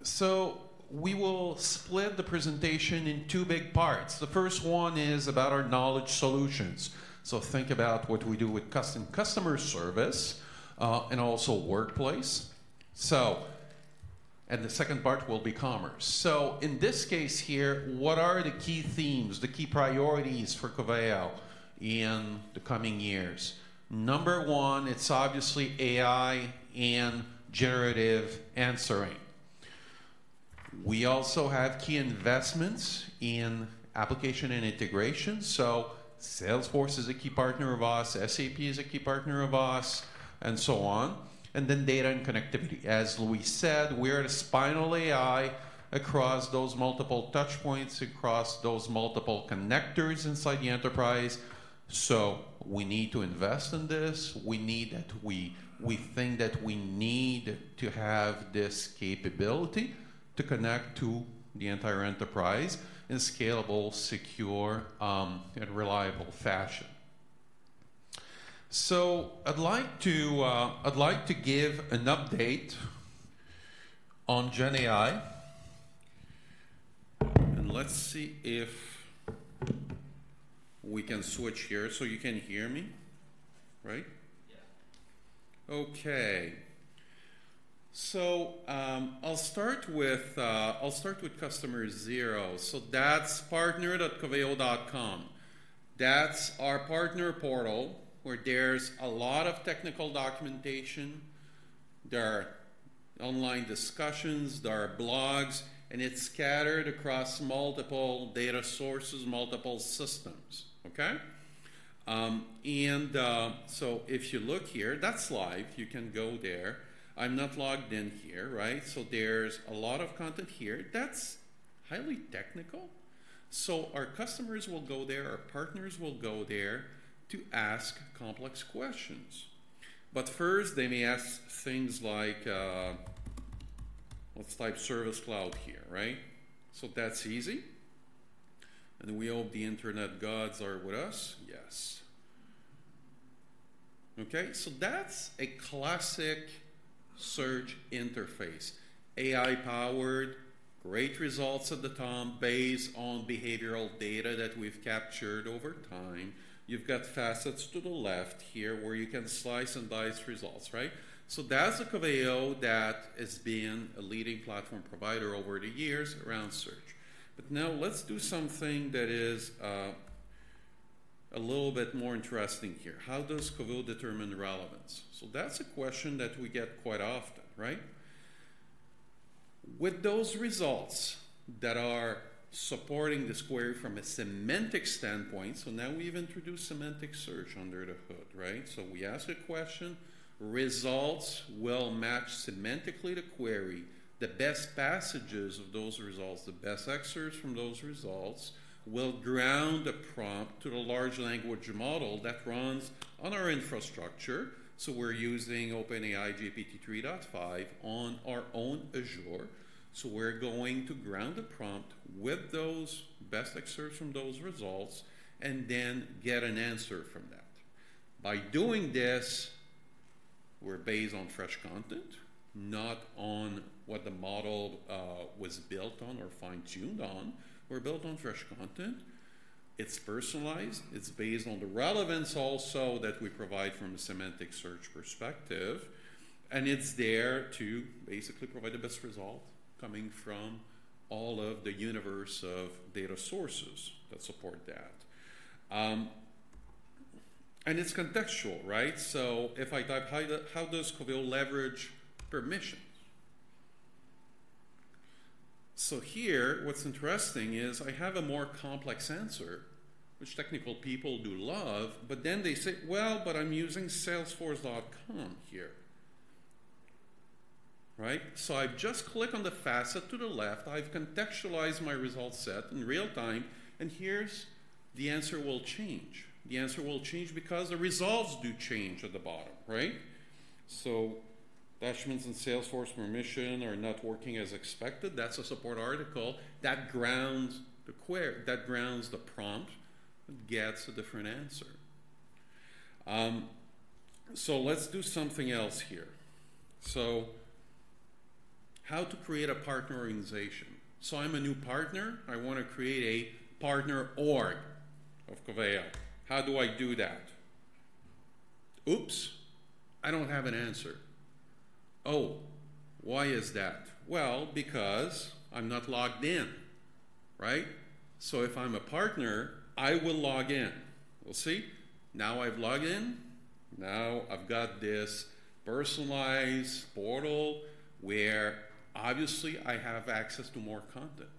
So we will split the presentation in two big parts. The first one is about our knowledge solutions. So think about what we do with custom customer service also workplace. And the second part will be commerce. So in this case here, what are the key themes, the key priorities for Coveo in the coming years? Number one, it's obviously AI and generative answering. We also have key investments in application and integration, so Salesforce is a key partner of us, SAP is a key partner of us so on. And then data and connectivity. As Louis said, we are a spinal AI across those multiple touch points, across those multiple connectors inside the enterprise, so we need to invest in this. We need that we think that we need to have this capability to connect to the entire enterprise in a scalable, secure reliable fashion. So I'd like to give an update on GenAI. And let's see if we can switch here. So you can hear me, right? Okay. So, I'll start with, I'll start with customer zero. So that's partner.coveo.com. That's our partner portal, where there's a lot of technical documentation, there are online discussions, there are blogs it's scattered across multiple data sources, multiple systems, okay? And, so if you look here, that's live. You can go there. I'm not logged in here, right? So there's a lot of content here that's highly technical. So our customers will go there, our partners will go there to ask complex questions. But first, they may ask things like, let's type Service Cloud here, right? So that's easy. And we hope the internet gods are with us. Yes. Okay, so that's a classic search interface: AI-powered, great results at the top based on behavioral data that we've captured over time. You've got facets to the left here, where you can slice and dice results, right? So that's the Coveo that has been a leading platform provider over the years around search. But now let's do something that is a little bit more interesting here. How does Coveo determine relevance? So that's a question that we get quite often, right? With those results that are supporting this query from a semantic standpoint. So now we've introduced semantic search under the hood, right? So we ask a question, results will match semantically to query. The best passages of those results, the best excerpts from those results, will ground the prompt to the large language model that runs on our infrastructure. So we're using OpenAI GPT-3.5 on our own Azure. So we're going to ground the prompt with those best excerpts from those results and then get an answer from that. By doing this, we're based on fresh content, not on what the model was built on or fine-tuned on. We're built on fresh content. It's personalized, it's based on the relevance also that we provide from a semantic search perspective it's there to basically provide the best result coming from all of the universe of data sources that support that. And it's contextual, right? So if I type, "How does Coveo leverage permission?" So here, what's interesting is I have a more complex answer, which technical people do love, but then they say, "Well, but I'm using Salesforce here." Right? So I just click on the facet to the left. I've contextualized my result set in real time here's. The answer will change. The answer will change because the results do change at the bottom, right? So "Dashboards in Salesforce permission are not working as expected," that's a support article that grounds the query, that grounds the prompt and gets a different answer. So, let's do something else here. So, how to create a partner organization. So I'm a new partner, I want to create a partner org of Coveo. How do I do that? Oops, I don't have an answer. Oh, why is that? Well, because I'm not logged in, right? So if I'm a partner, I will log in. Well, see, now I've logged in. Now I've got this personalized portal where obviously I have access to more content.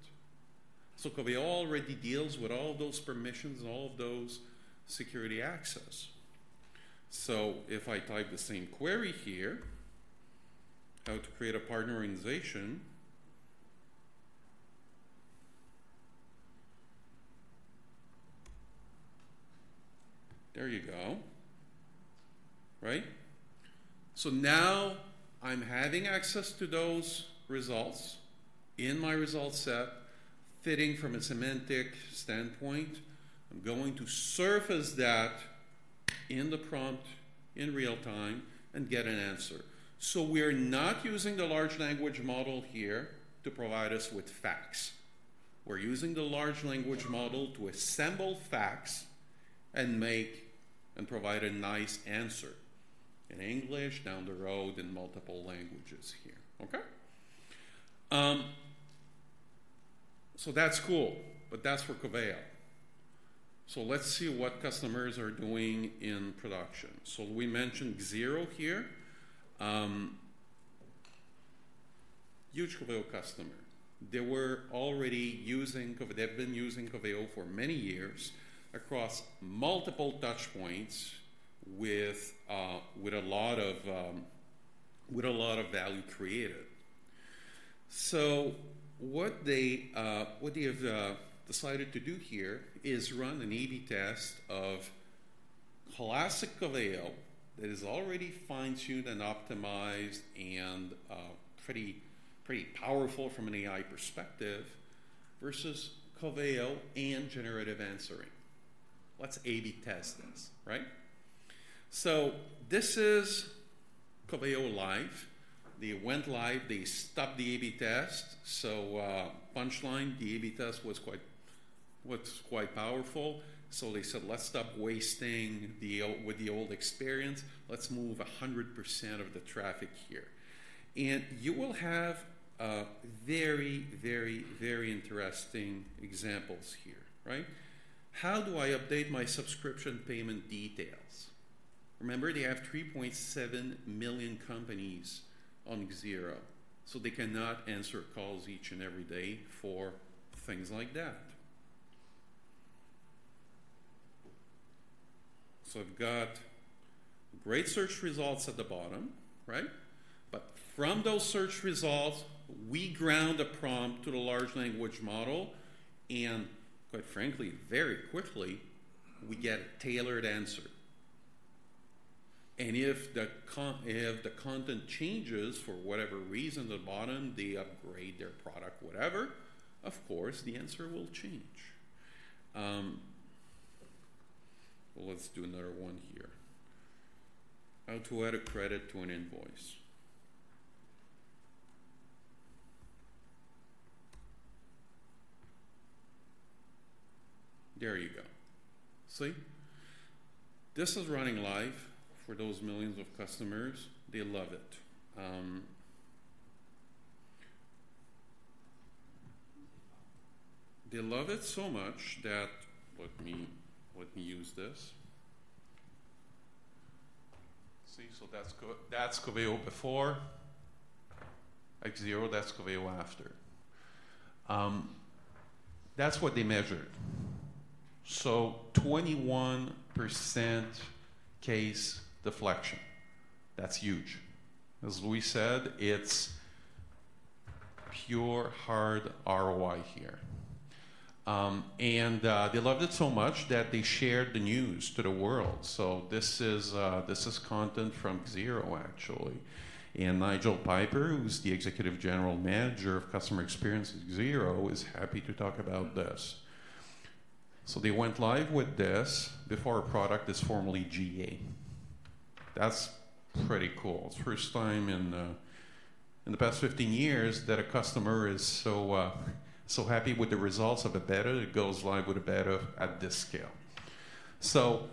So Coveo already deals with all those permissions and all of those security access. So if I type the same query here, "How to create a partner organization?" There you go Right? So now I'm having access to those results in my result set, fitting from a semantic standpoint. I'm going to surface that in the prompt in real time and get an answer. So we're not using the large language model here to provide us with facts. We're using the large language model to assemble facts and make provide a nice answer in English, down the road in multiple languages here. Okay? So that's cool, but that's for Coveo. So let's see what customers are doing in production. So we mentioned Xero here, huge Coveo customer. They were already using Coveo-- They've been using Coveo for many years across multiple touch points with, with a lot of, with a lot of value created. So what they have decided to do here is run an A/B test of classic Coveo that is already fine-tuned and optimized and, pretty, pretty powerful from an AI perspective, versus Coveo and generative answering. Let's A/B test this, right? So this is Coveo live. They went live, they stopped the A/B test. So, punchline, the A/B test was quite powerful. So they said, "Let's stop wasting the old one with the old experience. Let's move 100% of the traffic here." And you will have, very, very, very interesting examples here, right? How do I update my subscription payment details? Remember, they have 3.7 million companies on Xero, so they cannot answer calls each and every day for things like that. So I've got great search results at the bottom, right? But from those search results, we ground a prompt to the Large Language Model quite frankly, very quickly, we get a tailored answer. And if the content changes for whatever reason at the bottom, they upgrade their product, whatever, of course, the answer will change. Well, let's do another one here. How to add a credit to an invoice. There you go. See? This is running live for those millions of customers. They love it. They love it so much that. Let me, let me use this. See, so that's Coveo before Xero, that's Coveo after. That's what they measured. So 21% case deflection, that's huge. As Louis said, it's pure hard ROI here. And they loved it so much that they shared the news to the world. So this is content from Xero, actually. Nigel Piper, who's the Executive General Manager of Customer Experience at Xero, is happy to talk about this. So they went live with this before a product is formally GA. That's pretty cool. It's the first time in the past 15 years that a customer is so happy with the results of a beta, that goes live with a beta at this scale. So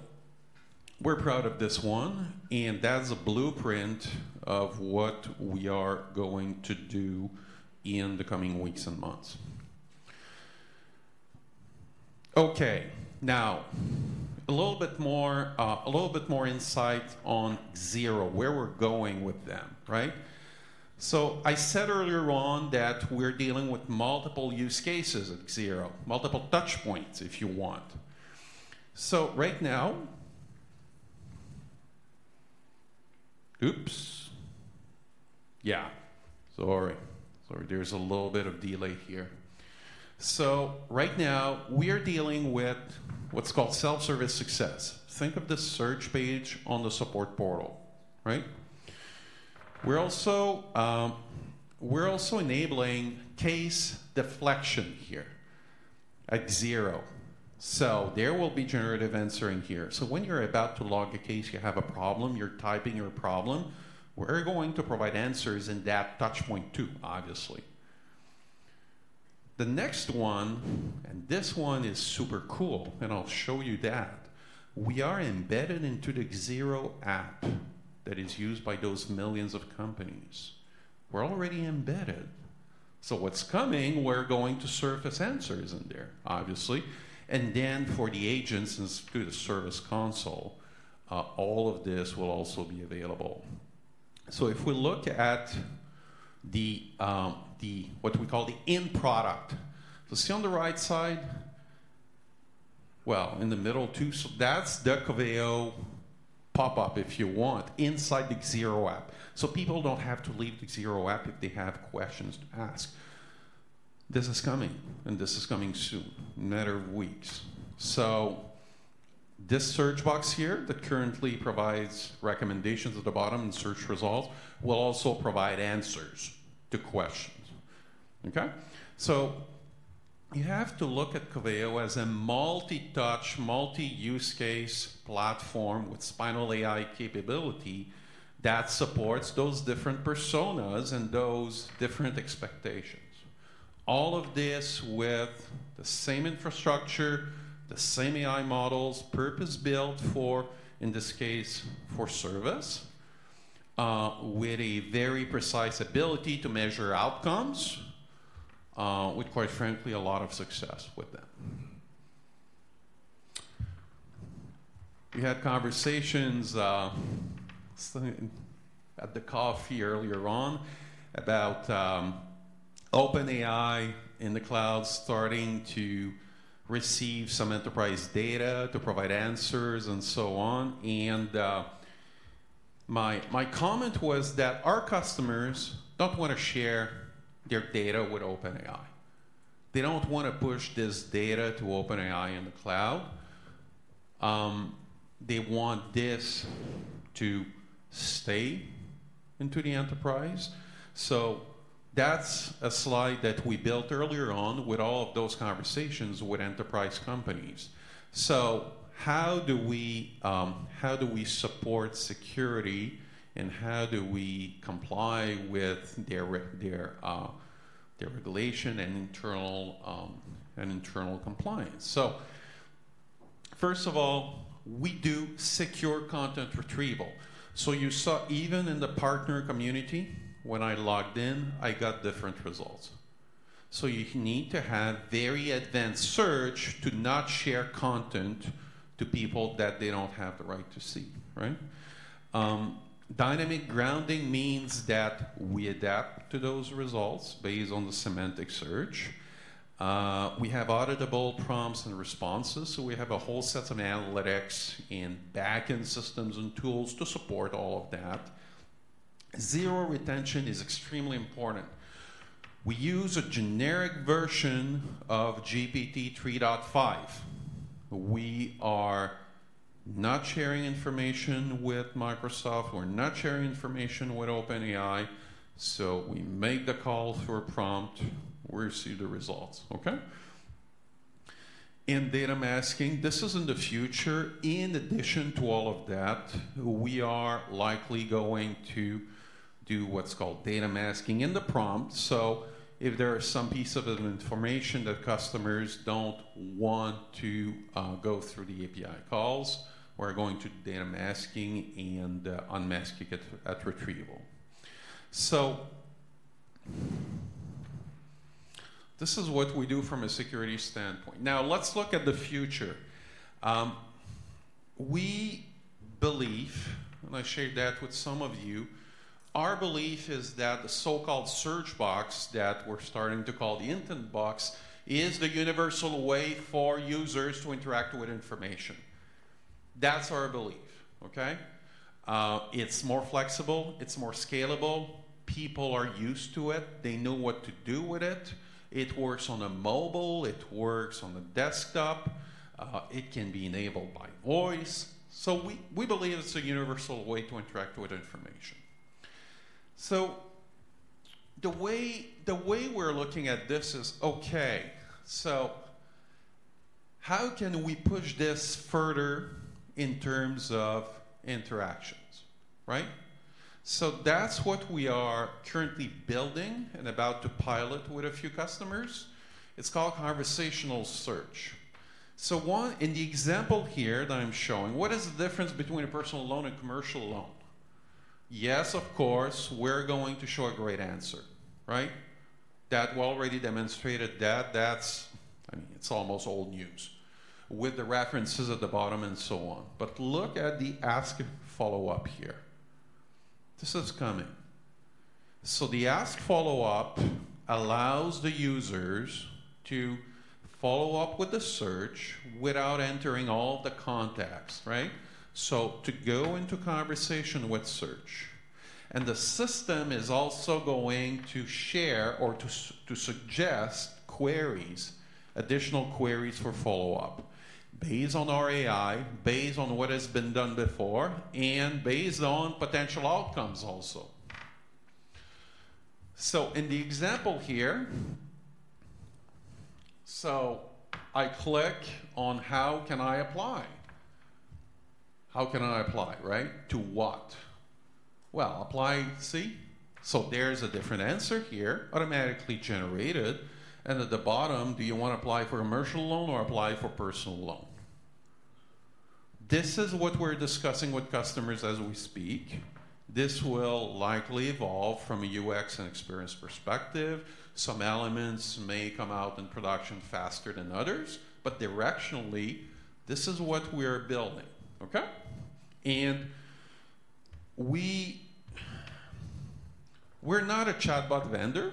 we're proud of this one that's a blueprint of what we are going to do in the coming weeks and months. Okay, now, a little bit more, a little bit more insight on Xero, where we're going with them, right? So right now. Oops! Yeah, sorry. Sorry, there's a little bit of delay here. So right now, we are dealing with what's called self-service success. Think of the search page on the support portal, right? We're also, we're also enabling case deflection here at Xero. So there will be generative answering here. So when you're about to log a case, you have a problem, you're typing your problem, we're going to provide answers in that touch point too, obviously. The next one this one is super cool I'll show you that. We are embedded into the Xero app that is used by those millions of companies. We're already embedded. So what's coming, we're going to surface answers in there, obviously. And then for the agents and through the service console, all of this will also be available. So if we look at the, the. what we call the end product, so see on the right side? Well, in the middle too, so that's the Coveo pop-up, if you want, inside the Xero app. So people don't have to leave the Xero app if they have questions to ask. This is coming this is coming soon, in a matter of weeks. So this search box here that currently provides recommendations at the bottom and search results will also provide answers to questions, okay? So you have to look at Coveo as a multi-touch, multi-use case platform with spinal AI capability that supports those different personas and those different expectations. All of this with the same infrastructure, the same AI models, purpose-built for, in this case, for service, with a very precise ability to measure outcomes, with, quite frankly, a lot of success with that. We had conversations at the coffee earlier on about OpenAI in the cloud starting to receive some enterprise data to provide answers and so on my comment was that our customers don't want to share their data with OpenAI. They don't want to push this data to OpenAI in the cloud. They want this to stay into the enterprise. So that's a slide that we built earlier on with all of those conversations with enterprise companies. So how do we support security how do we comply with their regulation and internal compliance? So first of all, we do secure content retrieval. So you saw even in the partner community, when I logged in, I got different results. So you need to have very advanced search to not share content to people that they don't have the right to see, right? Dynamic grounding means that we adapt to those results based on the semantic search. We have auditable prompts and responses, so we have a whole set of analytics and backend systems and tools to support all of that. Zero retention is extremely important. We use a generic version of GPT-3.5. We are not sharing information with Microsoft. We're not sharing information with OpenAI, so we make the call through a prompt. We receive the results, okay? Data masking, this is in the future. In addition to all of that, we are likely going to do what's called data masking in the prompt. So if there are some piece of information that customers don't want to go through the API calls, we're going to do data masking and unmask it at retrieval. So this is what we do from a security standpoint. Now, let's look at the future. We believe I shared that with some of you, our belief is that the so-called search box that we're starting to call the Intent Box, is the universal way for users to interact with information. That's our belief, okay? It's more flexible, it's more scalable. People are used to it. They know what to do with it. It works on a mobile, it works on a desktop, it can be enabled by voice. So we believe it's a universal way to interact with information. So the way we're looking at this is: okay, so how can we push this further in terms of interactions, right? So that's what we are currently building and about to pilot with a few customers. It's called conversational search. So, in the example here that I'm showing, what is the difference between a personal loan and commercial loan? Yes, of course, we're going to show a great answer, right? That we already demonstrated that. That's, I mean, it's almost old news, with the references at the bottom and so on. But look at the ask follow-up here. This is coming. So the ask follow-up allows the users to follow up with a search without entering all the contacts, right? So to go into conversation with search the system is also going to share or to suggest queries, additional queries for follow-up based on our AI, based on what has been done before based on potential outcomes also. So in the example here. So I click on: How can I apply? How can I apply, right? To what? Well, apply, see. So there's a different answer here, automatically generated at the bottom, do you want to apply for a commercial loan or apply for personal loan? This is what we're discussing with customers as we speak. This will likely evolve from a UX and experience perspective. Some elements may come out in production faster than others, but directionally, this is what we're building, okay? And we, we're not a chatbot vendor,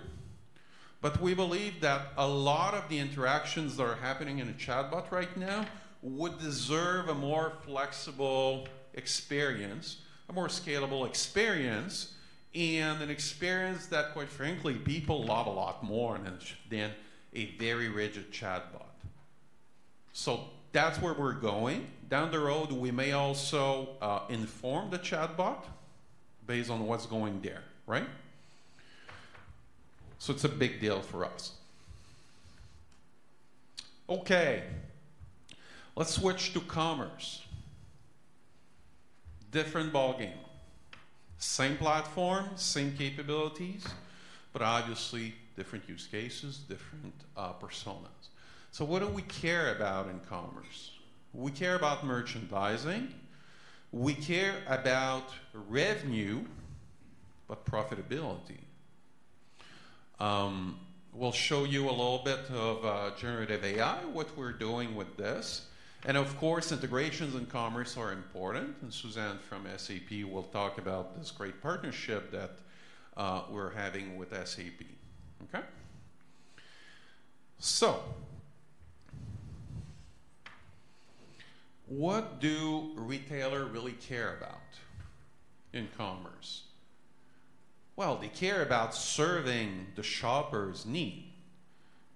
but we believe that a lot of the interactions that are happening in a chatbot right now would deserve a more flexible experience, a more scalable experience an experience that, quite frankly, people love a lot more than a very rigid chatbot. So that's where we're going. Down the road, we may also inform the chatbot based on what's going there, right? So it's a big deal for us. Okay, let's switch to commerce. Different ballgame. Same platform, same capabilities, but obviously different use cases, different personas. So what do we care about in commerce? We care about merchandising. We care about revenue, but profitability. We'll show you a little bit of GenAI, what we're doing with this of course, integrations and commerce are important Susanne from SAP will talk about this great partnership that we're having with SAP. Okay? So, what do retailer really care about in commerce? Well, they care about serving the shopper's need.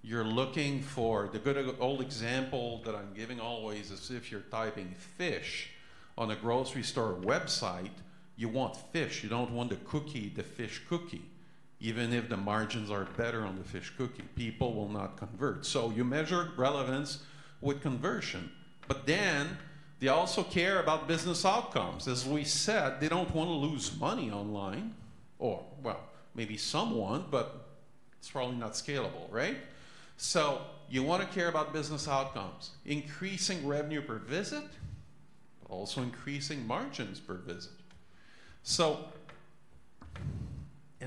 You're looking for—the good old example that I'm giving always is if you're typing fish on a grocery store website, you want fish. You don't want the cookie, the fish cookie. Even if the margins are better on the fish cookie, people will not convert. So you measure relevance with conversion. But then, they also care about business outcomes. As we said, they don't want to lose money online, or, well, maybe some want, but it's probably not scalable, right? So you want to care about business outcomes, increasing revenue per visit, but also increasing margins per visit.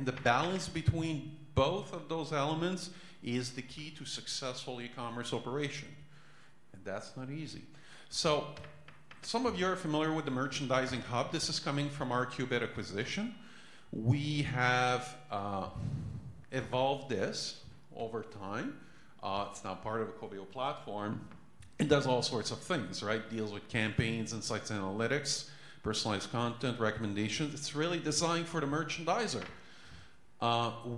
The balance between both of those elements is the key to successful e-commerce operation that's not easy. Some of you are familiar with the Merchandising Hub. This is coming from our Qubit acquisition. We have evolved this over time. It's now part of a Coveo platform. It does all sorts of things, right? Deals with campaigns, insights and analytics, personalized content, recommendations. It's really designed for the merchandiser.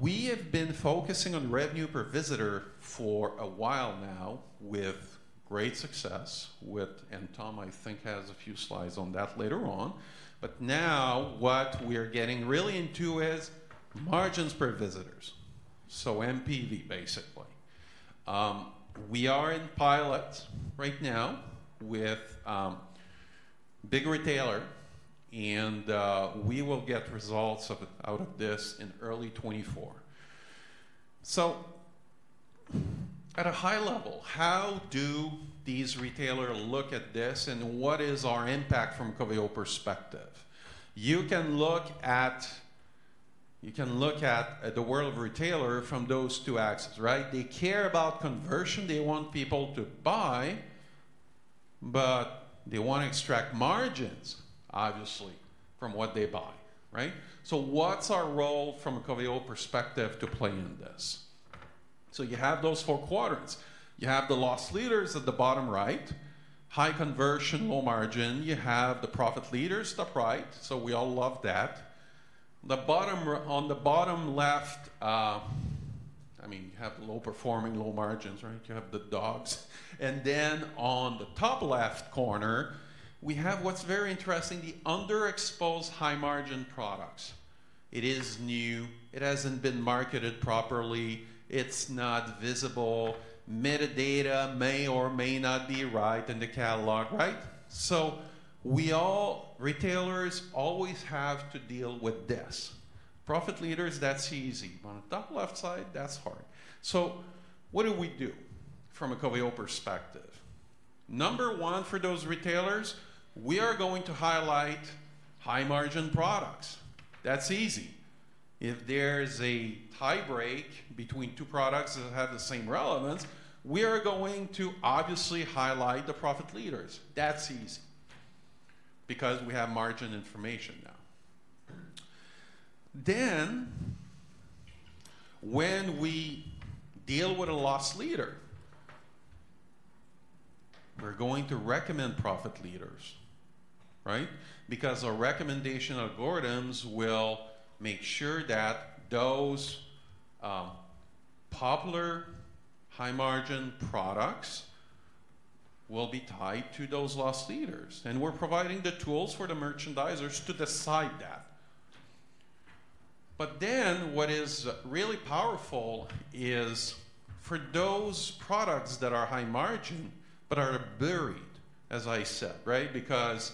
We have been focusing on revenue per visitor for a while now with great success. And Tom, I think, has a few slides on that later on. But now, what we are getting really into is margins per visitors. So MPV, basically. We are in pilot right now with big retailer we will get results out of this in early 2024. So at a high level, how do these retailer look at this what is our impact from a Coveo perspective? You can look at, you can look at, at the world of retailer from those two axes, right? They care about conversion. They want people to buy, but they want to extract margins, obviously, from what they buy, right? So what's our role from a Coveo perspective to play in this? So you have those four quadrants. You have the loss leaders at the bottom right, high conversion, low margin. You have the profit leaders, top right, so we all love that. The bottom left, I mean, you have low performing, low margins, right? You have the dogs. And then on the top left corner, we have what's very interesting, the underexposed high-margin products. It is new. It hasn't been marketed properly. It's not visible. Metadata may or may not be right in the catalog, right? So we all, retailers always have to deal with this. Profit leaders, that's easy. On the top left side, that's hard. So what do we do from a Coveo perspective? Number one, for those retailers, we are going to highlight high-margin products. That's easy. If there's a tie break between two products that have the same relevance, we are going to obviously highlight the profit leaders. That's easy because we have margin information now. Then, when we deal with a loss leader, we're going to recommend profit leaders, right? Because a recommendation of Gordon's will make sure that those popular high-margin products will be tied to those loss leaders we're providing the tools for the merchandisers to decide that. But then, what is really powerful is for those products that are high margin, but are buried, as I said, right? Because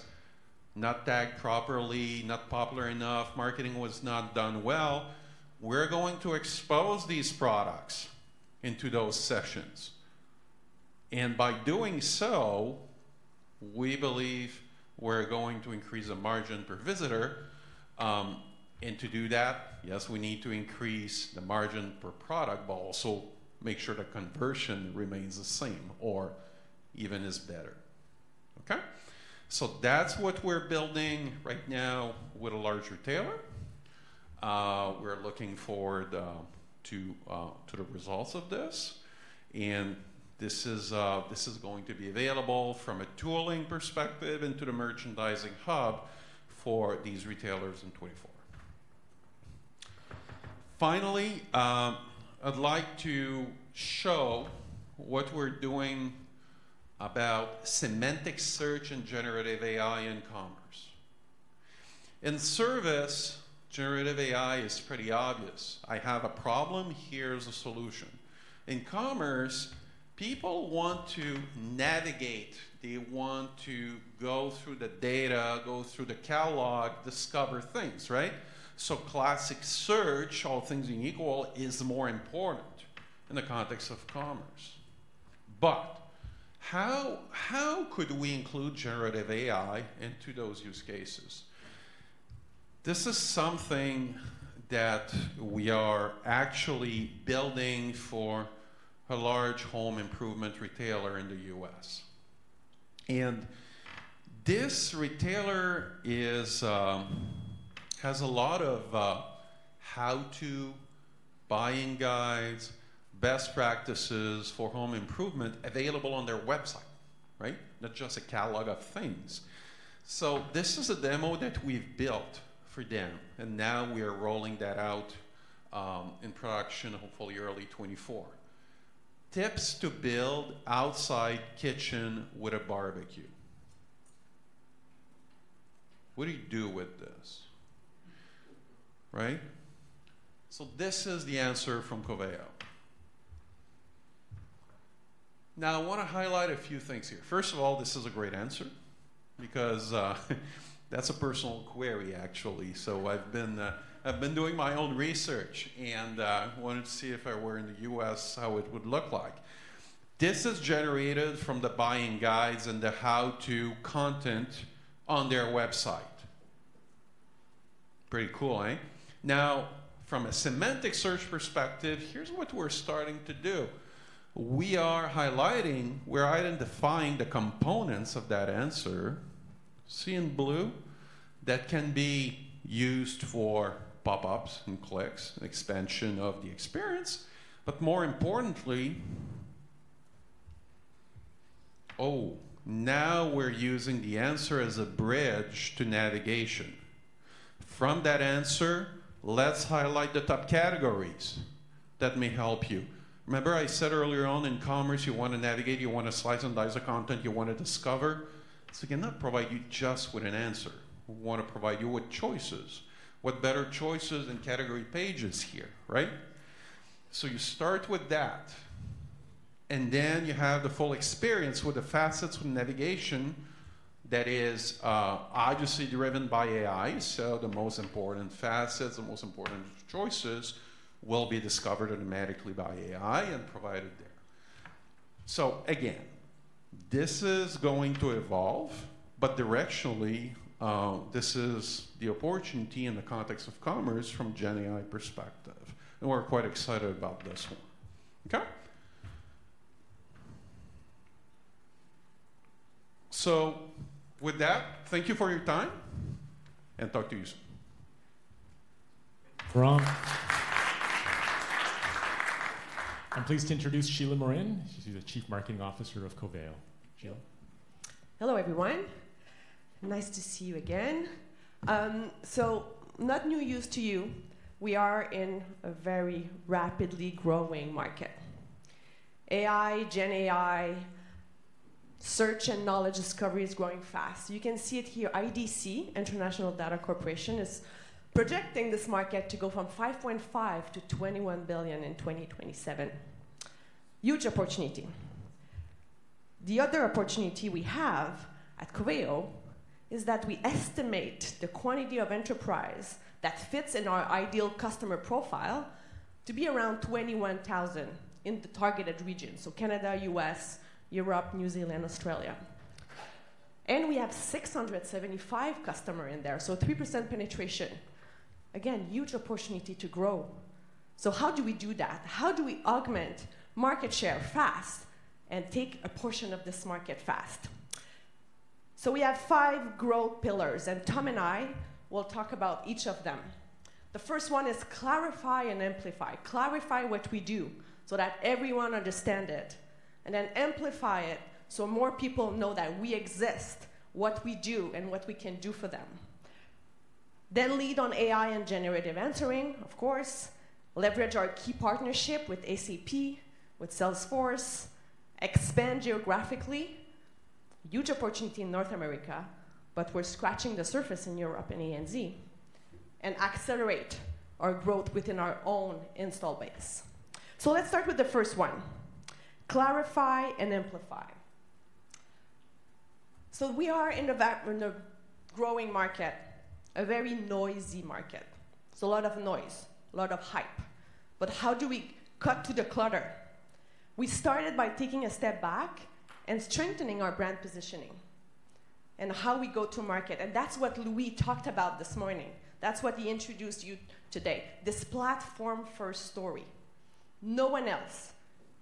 not tagged properly, not popular enough, marketing was not done well, we're going to expose these products into those sections. And by doing so, we believe we're going to increase the margin per visitor. And to do that, yes, we need to increase the margin per product, but also make sure the conversion remains the same or even is better. Okay? So that's what we're building right now with a large retailer. We're looking forward to the results of this this is going to be available from a tooling perspective into the Merchandising Hub for these retailers in 2024. Finally, I'd like to show what we're doing about semantic search and GenAI in commerce. In service, GenAI is pretty obvious: I have a problem, here's a solution. In commerce, people want to navigate. They want to go through the data, go through the catalog, discover things, right? So classic search, all things being equal, is more important in the context of commerce. But how could we include GenAI into those use cases? This is something that we are actually building for a large home improvement retailer in the U.S. This retailer has a lot of how-to buying guides, best practices for home improvement available on their website, right? Not just a catalog of things. This is a demo that we've built for them now we are rolling that out in production, hopefully early 2024. Tips to build outside kitchen with a barbecue. What do you do with this, right? This is the answer from Coveo. Now, I wanna highlight a few things here. First of all, this is a great answer because that's a personal query, actually. I've been doing my own research and wanted to see if I were in the U.S., how it would look like. This is generated from the buying guides and the how-to content on their website. Pretty cool, eh? Now, from a semantic search perspective, here's what we're starting to do. We are highlighting. We're identifying the components of that answer, see in blue? That can be used for pop-ups and clicks and expansion of the experience, but more importantly. Oh, now we're using the answer as a bridge to navigation. From that answer, let's highlight the top categories that may help you. Remember I said earlier on, in commerce, you wanna navigate, you wanna slice and dice the content, you wanna discover? So we cannot provide you just with an answer. We wanna provide you with choices. What better choices than category pages here, right? So you start with that then you have the full experience with the facets from navigation that is, obviously driven by AI. So the most important facets, the most important choices, will be discovered automatically by AI and provided there. \So again, this is going to evolve, but directionally, this is the opportunity in the context of commerce from GenAI perspective we're quite excited about this one. Okay? So with that, thank you for your time talk to you soon. Thank you, Laurent. I'm pleased to introduce Sheila Morin. She's the Chief Marketing Officer of Coveo. Sheila? Hello, everyone. Nice to see you again. So not new news to you, we are in a very rapidly growing market. AI, GenAI, search and knowledge discovery is growing fast. You can see it here. IDC, International Data Corporation, is projecting this market to go from $5.5 billion to $21 billion in 2027. Huge opportunity. The other opportunity we have at Coveo is that we estimate the quantity of enterprise that fits in our ideal customer profile to be around 21,000 in the targeted region, so Canada, US, Europe, New Zealand, Australia. And we have 675 customer in there, so 3% penetration. Again, huge opportunity to grow. So how do we do that? How do we augment market share fast and take a portion of this market fast? So we have five growth pillars Tom and I will talk about each of them. The first one is clarify and amplify. Clarify what we do so that everyone understand it then amplify it so more people know that we exist, what we do what we can do for them. Then lead on AI and generative answering, of course. Leverage our key partnership with SAP, with Salesforce. Expand geographically, huge opportunity in North America, but we're scratching the surface in Europe and ANZ. And accelerate our growth within our own install base. So let's start with the first one: clarify and amplify. So we are in a growing market, a very noisy market. It's a lot of noise, a lot of hype, but how do we cut through the clutter? We started by taking a step back and strengthening our brand positioning and how we go to market that's what Louis talked about this morning. That's what he introduced you today, this platform-first story. No one else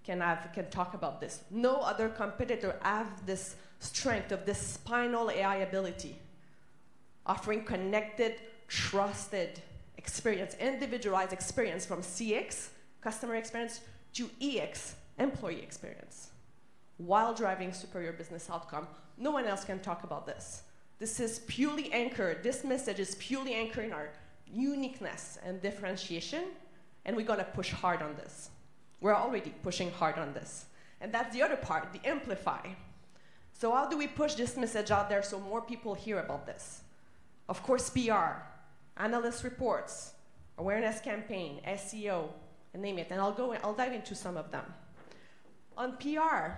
can have—can talk about this. No other competitor have this strength of this spinal AI ability, offering connected, trusted experience, individualized experience from CX, customer experience, to EX, employee experience while driving superior business outcome, no one else can talk about this. This is purely anchored, this message is purely anchoring our uniqueness and differentiation we're gonna push hard on this. We're already pushing hard on this that's the other part, the amplify. So how do we push this message out there so more people hear about this? Of course, PR, analyst reports, awareness campaign, SEO, you name it I'll go—I'll dive into some of them. On PR,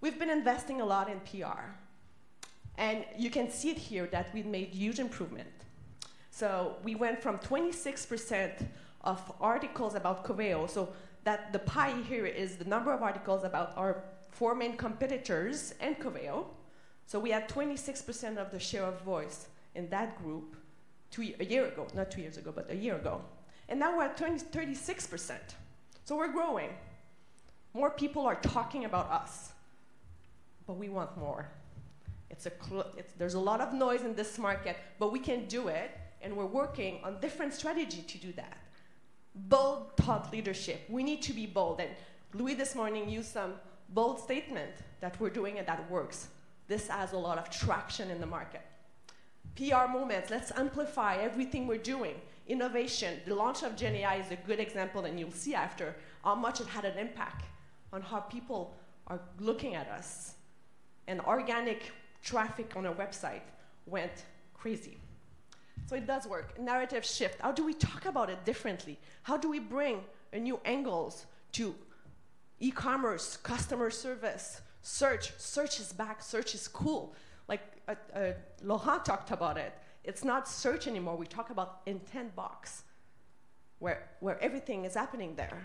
we've been investing a lot in PR you can see it here that we've made huge improvement. So we went from 26% of articles about Coveo, so that the pie here is the number of articles about our four main competitors and Coveo. So we had 26% of the share of voice in that group too, a year ago, not two years ago, but a year ago now we're at 36%. So we're growing. More people are talking about us, but we want more. It's, it's, there's a lot of noise in this market, but we can do it we're working on different strategy to do that. Bold thought leadership. We need to be bold Louis, this morning, used some bold statement that we're doing that works. This has a lot of traction in the market. PR moments, let's amplify everything we're doing. Innovation, the launch of GenAI is a good example you'll see after how much it had an impact on how people are looking at us. Organic traffic on our website went crazy. So it does work. Narrative shift, how do we talk about it differently? How do we bring a new angles to e-commerce, customer service, search? Search is back, search is cool. Like, Lohan talked about it. It's not search anymore. We talk about Intent Box, where everything is happening there.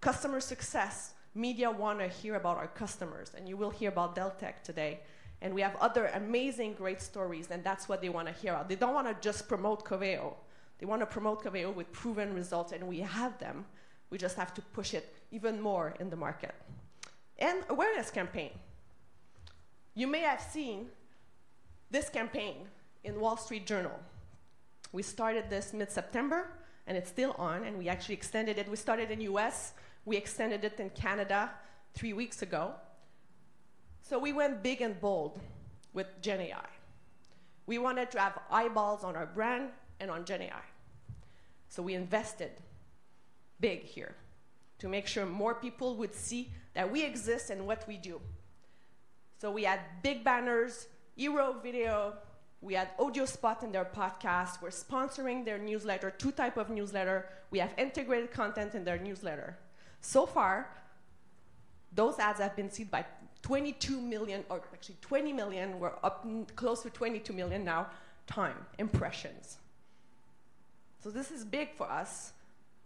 Customer success. Media wanna hear about our customers you will hear about Deltek today we have other amazing, great stories that's what they wanna hear about. They don't wanna just promote Coveo. They wanna promote Coveo with proven results we have them. We just have to push it even more in the market. Awareness campaign. You may have seen this campaign in Wall Street Journal. We started this mid-September it's still on we actually extended it. We started in U.S., we extended it in Canada three weeks ago. So we went big and bold with GenAI. We wanted to have eyeballs on our brand and on GenAI, so we invested big here to make sure more people would see that we exist and what we do. So we had big banners, hero video, we had audio spot in their podcast, we're sponsoring their newsletter, two types of newsletters. We have integrated content in their newsletter. So far, those ads have been seen by 22 million, or actually 20 million, we're up close to 22 million now, impressions. So this is big for us.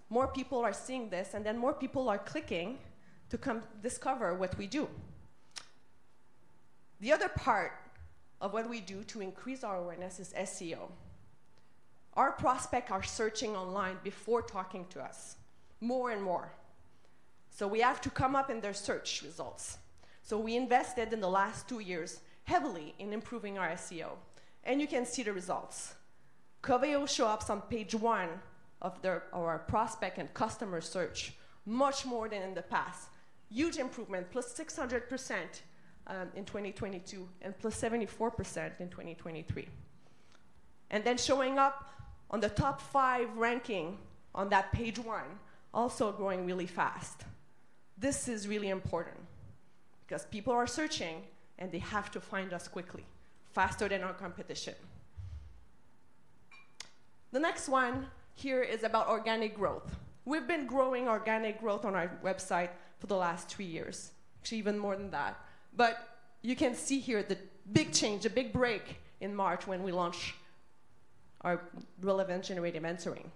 More people are seeing this then more people are clicking to come discover what we do. The other part of what we do to increase our awareness is SEO. Our prospects are searching online before talking to us, more and more, so we have to come up in their search results. So we invested in the last two years heavily in improving our SEO you can see the results. Coveo shows up on page one of their, our prospects and customers search, much more than in the past. Huge improvement, +600% in 2022 +74% in 2023. And then showing up on the top five ranking on that page one, also growing really fast. This is really important because people are searching they have to find us quickly, faster than our competition. The next one here is about organic growth. We've been growing organic growth on our website for the last two years, actually even more than that. But you can see here the big change, a big break in March when we launched our Relevance Generative Answering.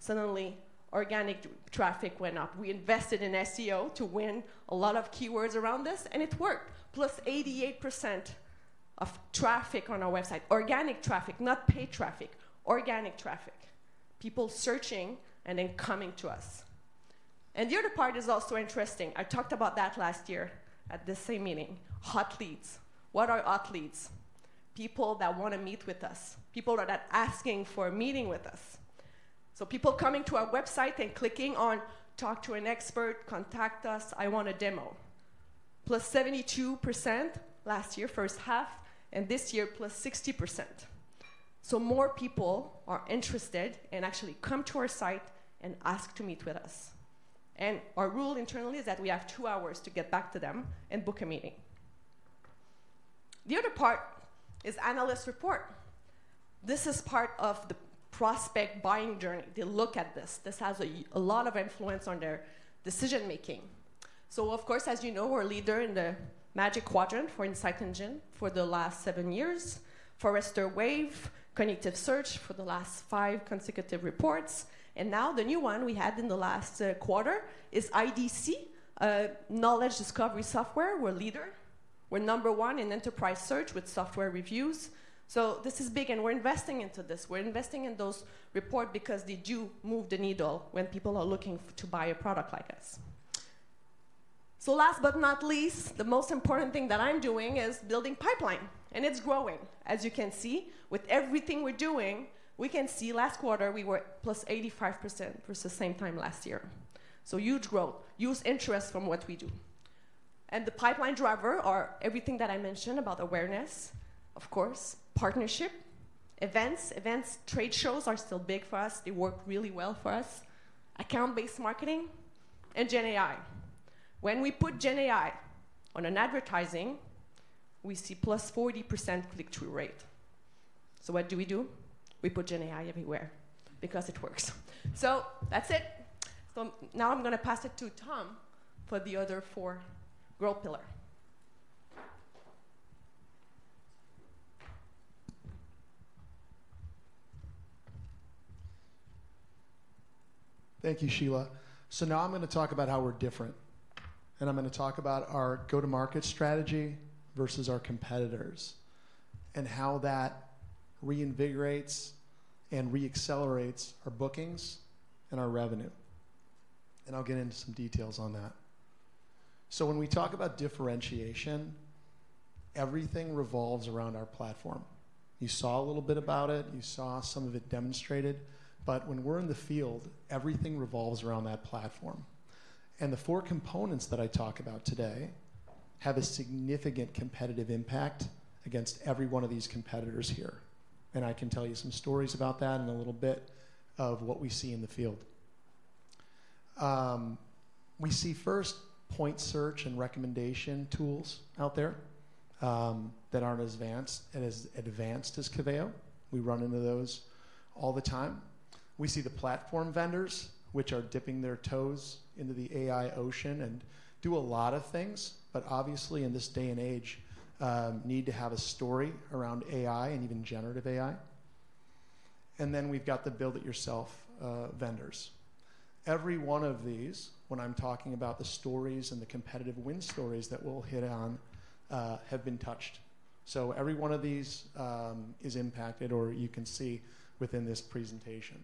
Suddenly, organic traffic went up. We invested in SEO to win a lot of keywords around this it worked. Plus 88% of traffic on our website, organic traffic, not paid traffic, organic traffic. People searching and then coming to us. The other part is also interesting. I talked about that last year at the same meeting. Hot leads. What are hot leads? People that wanna meet with us, people that are asking for a meeting with us. So people coming to our website and clicking on "Talk to an expert," "Contact us," "I want a demo." +72% last year, first half this year, +60%. So more people are interested and actually come to our site and ask to meet with us. And our rule internally is that we have two hours to get back to them and book a meeting. The other part is analyst report. This is part of the prospect buying journey. They look at this. This has a lot of influence on their decision-making. So of course, as we're a leader in the Magic Quadrant for Insight Engines for the last seven years, Forrester Wave, Cognitive Search for the last five consecutive reports now the new one we had in the last quarter is IDC, Knowledge Discovery Software. We're leader. We're number one in enterprise search with software reviews. So this is big we're investing into this. We're investing in those reports because they do move the needle when people are looking to buy a product like us. So last but not least, the most important thing that I'm doing is building pipeline it's growing. As you can see, with everything we're doing, we can see last quarter we were +85% versus the same time last year. So huge growth, huge interest from what we do. And the pipeline drivers are everything that I mentioned about awareness, of course, partnership, events. Events, trade shows are still big for us. They work really well for us. Account-based marketing and GenAI. When we put GenAI on an advertising, we see +40% click-through rate. So what do we do? We put GenAI everywhere because it works. That's it. Now I'm gonna pass it to Tom for the other four growth pillar. Thank you, Sheila. So now I'm gonna talk about how we're different I'm gonna talk about our go-to-market strategy versus our competitors how that reinvigorates and re-accelerates our bookings and our revenue. I'll get into some details on that. So when we talk about differentiation, everything revolves around our platform. You saw a little bit about it, you saw some of it demonstrated, but when we're in the field, everything revolves around that platform. The four components that I talk about today have a significant competitive impact against every one of these competitors here. I can tell you some stories about that in a little bit of what we see in the field. We see first point search and recommendation tools out there that aren't as advanced as Coveo. We run into those all the time. We see the platform vendors, which are dipping their toes into the AI ocean and do a lot of things, but obviously, in this day and age, need to have a story around AI and even GenAI. And then we've got the build it yourself vendors. Every one of these, when I'm talking about the stories and the competitive win stories that we'll hit on, have been touched. So every one of these is impacted, or you can see within this presentation.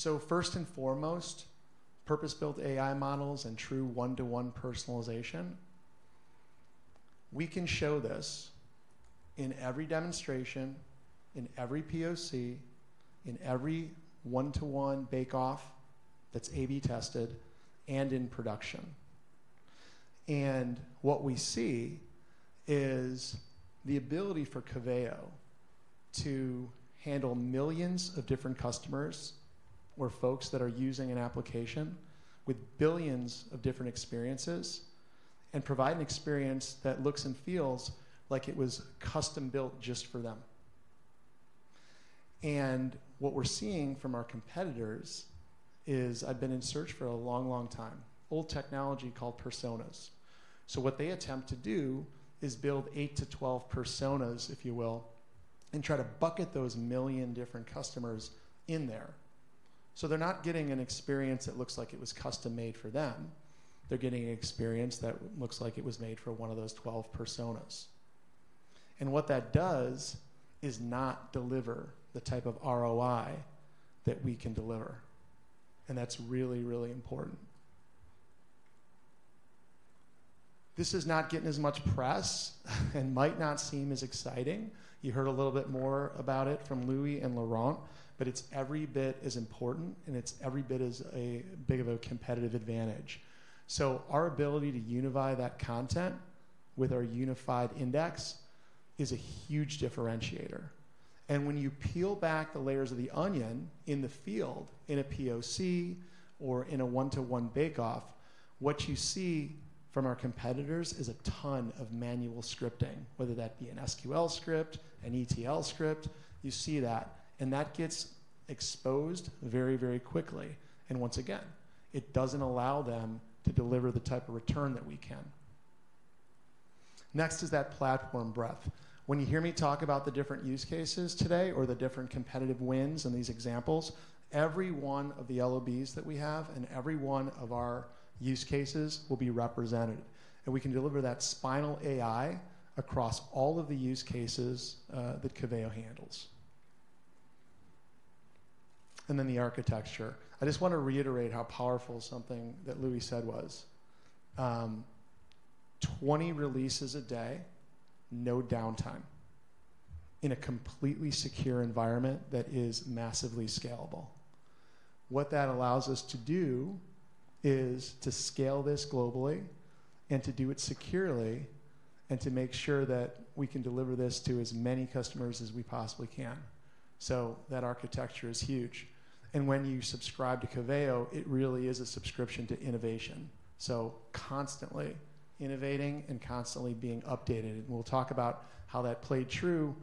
So first and foremost, purpose-built AI models and true one-to-one personalization. We can show this in every demonstration, in every POC, in every one-to-one bake-off that's A/B tested and in production. What we see is the ability for Coveo to handle millions of different customers or folks that are using an application with billions of different experiences provide an experience that looks and feels like it was custom-built just for them. What we're seeing from our competitors is. I've been in search for a long, long time, old technology called personas. What they attempt to do is build 8-12 personas, if you will try to bucket those million different customers in there. They're not getting an experience that looks like it was custom-made for them. They're getting an experience that looks like it was made for one of those 12 personas. What that does is not deliver the type of ROI that we can deliver that's really, really important. This is not getting as much press and might not seem as exciting. You heard a little bit more about it from Louis and Laurent, but it's every bit as important it's every bit as a big of a competitive advantage. Our ability to unify that content with our unified index is a huge differentiator. When you peel back the layers of the onion in the field, in a POC or in a one-to-one bake-off, what you see from our competitors is a ton of manual scripting, whether that be an SQL script, an ETL script, you see that that gets exposed very, very quickly once again, it doesn't allow them to deliver the type of return that we can. Next is that platform breadth. When you hear me talk about the different use cases today or the different competitive wins in these examples, every one of the LOBs that we have and every one of our use cases will be represented we can deliver that spinal AI across all of the use cases that Coveo handles. And then the architecture. I just want to reiterate how powerful something that Louis said was. 20 releases a day, no downtime, in a completely secure environment that is massively scalable. What that allows us to do is to scale this globally and to do it securely to make sure that we can deliver this to as many customers as we possibly can. So that architecture is huge. And when you subscribe to Coveo, it really is a subscription to innovation. So constantly innovating and constantly being updated we'll talk about how that played true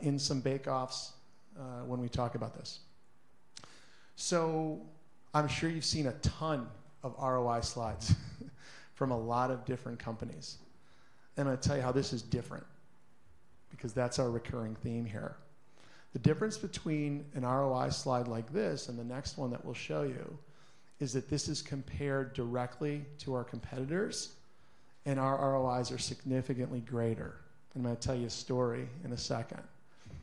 in some bake-offs when we talk about this. So I'm sure you've seen a ton of ROI slides from a lot of different companies I'll tell you how this is different, because that's our recurring theme here. The difference between an ROI slide like this and the next one that we'll show you is that this is compared directly to our competitors our ROIs are significantly greater. I'm gonna tell you a story in a second.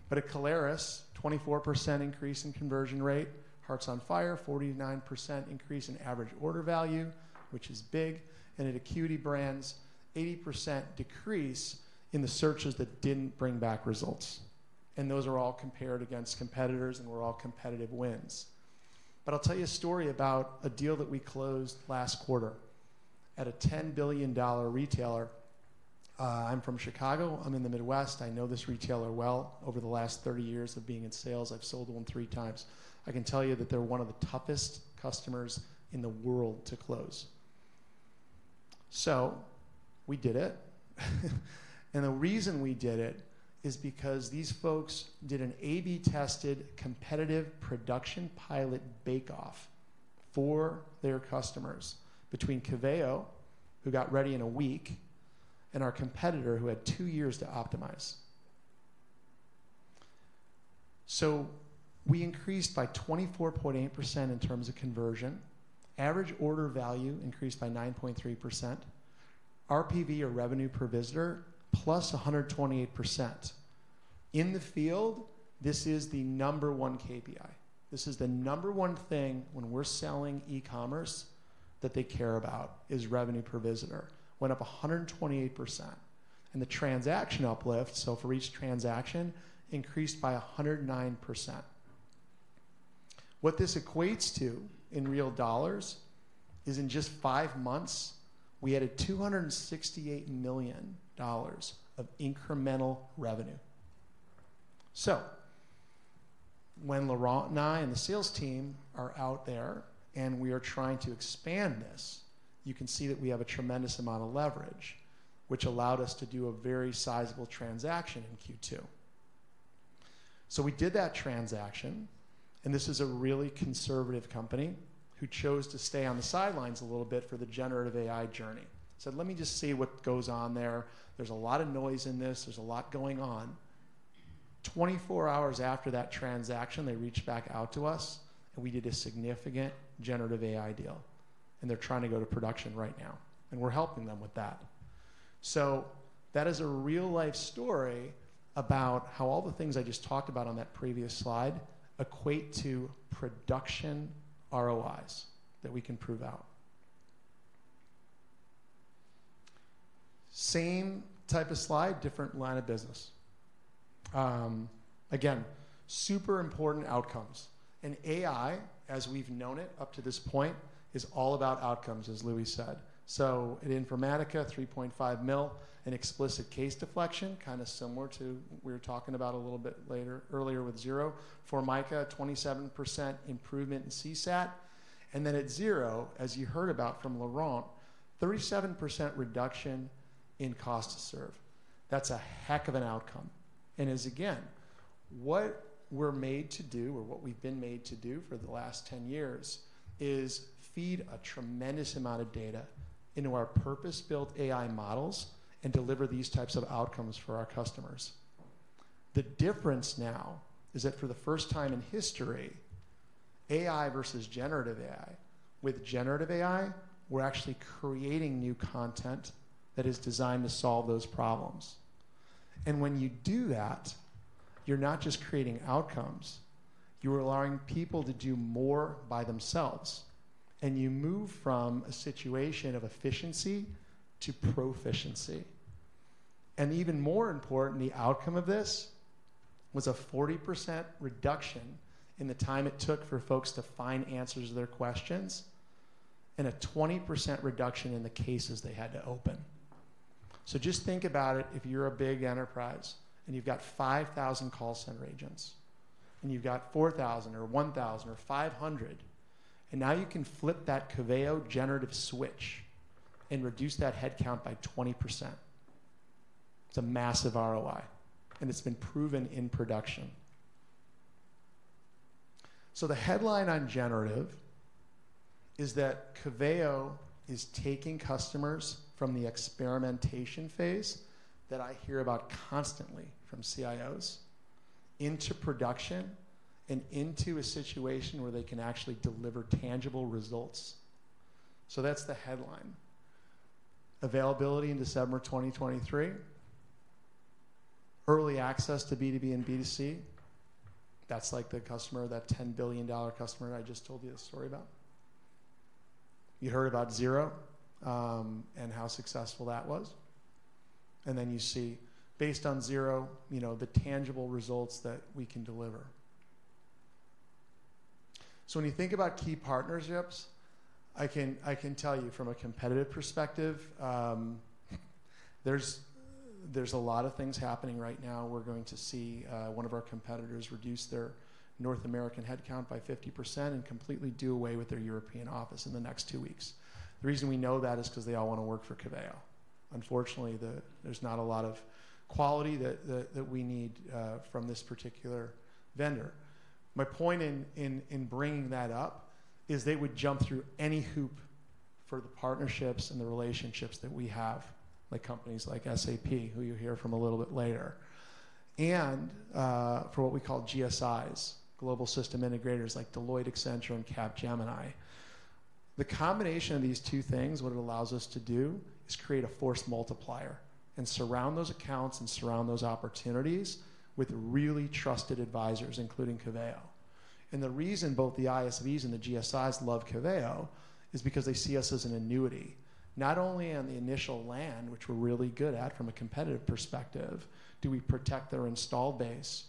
But at Caleres, 24% increase in conversion rate. Hearts on Fire, 49% increase in average order value, which is big. And at Acuity Brands, 80% decrease in the searches that didn't bring back results those are all compared against competitors we're all competitive wins. But I'll tell you a story about a deal that we closed last quarter at a $10 billion retailer. I'm from Chicago. I'm in the Midwest. I know this retailer well. Over the last 30 years of being in sales, I've sold to them three times. I can tell you that they're one of the toughest customers in the world to close. So we did it. And the reason we did it is because these folks did an A/B-tested, competitive production pilot bake-off for their customers between Coveo, who got ready in a week our competitor, who had two years to optimize. So we increased by 24.8% in terms of conversion. Average order value increased by 9.3%. RPV, or revenue per visitor, plus 128%. In the field, this is the number one KPI. This is the number one thing when we're selling e-commerce that they care about, is revenue per visitor, went up 128%. And the transaction uplift, so for each transaction, increased by 109%. What this equates to in real dollars is in just 5 months, we added $268 million of incremental revenue. So when Laurent and I and the sales team are out there we are trying to expand this, you can see that we have a tremendous amount of leverage, which allowed us to do a very sizable transaction in Q2. So we did that transaction this is a really conservative company who chose to stay on the sidelines a little bit for the GenAI journey. Said, "Let me just see what goes on there. There's a lot of noise in this. There's a lot going on." 24 hours after that transaction, they reached back out to us we did a significant GenAI deal they're trying to go to production right now we're helping them with that. So that is a real-life story about how all the things I just talked about on that previous slide equate to production ROIs that we can prove out. Same type of slide, different line of business. Again, super important outcomes. And AI, as we've known it up to this point, is all about outcomes, as Louis said. So at Informatica, $3.5 million in explicit case deflection, kind of similar to what we were talking about a little bit later, earlier with Xero. Xero, 27% improvement in CSAT. And then at Xero, as you heard about from Laurent, 37% reduction in cost to serve. That's a heck of an outcome. And as again, what we're made to do or what we've been made to do for the last 10 years, is feed a tremendous amount of data into our purpose-built AI models and deliver these types of outcomes for our customers. The difference now is that for the first time in history, AI versus GenAI, with GenAI, we're actually creating new content that is designed to solve those problems. And when you do that, you're not just creating outcomes, you are allowing people to do more by themselves you move from a situation of efficiency to proficiency. And even more important, the outcome of this was a 40% reduction in the time it took for folks to find answers to their questions and a 20% reduction in the cases they had to open. So just think about it. If you're a big enterprise and you've got 5,000 call center agents you've got 4,000 or 1,000 or 500 now you can flip that Coveo generative switch and reduce that headcount by 20%. It's a massive ROI it's been proven in production. So the headline on generative is that Coveo is taking customers from the experimentation phase, that I hear about constantly from CIOs, into production and into a situation where they can actually deliver tangible results. So that's the headline. Availability in December 2023. Early access to B2B and B2C. That's like the customer, that $10 billion customer I just told you a story about. You heard about Xero how successful that was. And then you see, based on Xero, the tangible results that we can deliver. So when you think about key partnerships, I can tell you from a competitive perspective, there's a lot of things happening right now. We're going to see one of our competitors reduce their North American headcount by 50% and completely do away with their European office in the next two weeks. The reason we know that is 'cause they all want to work for Coveo. Unfortunately, there's not a lot of quality that we need from this particular vendor. My point in bringing that up is they would jump through any hoop for the partnerships and the relationships that we have, like companies like SAP, who you'll hear from a little bit later. And for what we call GSIs, Global System Integrators, like Deloitte, Accenture Capgemini. The combination of these two things, what it allows us to do is create a force multiplier and surround those accounts and surround those opportunities with really trusted advisors, including Coveo. And the reason both the ISVs and the GSIs love Coveo is because they see us as an annuity, not only on the initial land, which we're really good at from a competitive perspective, do we protect their install base,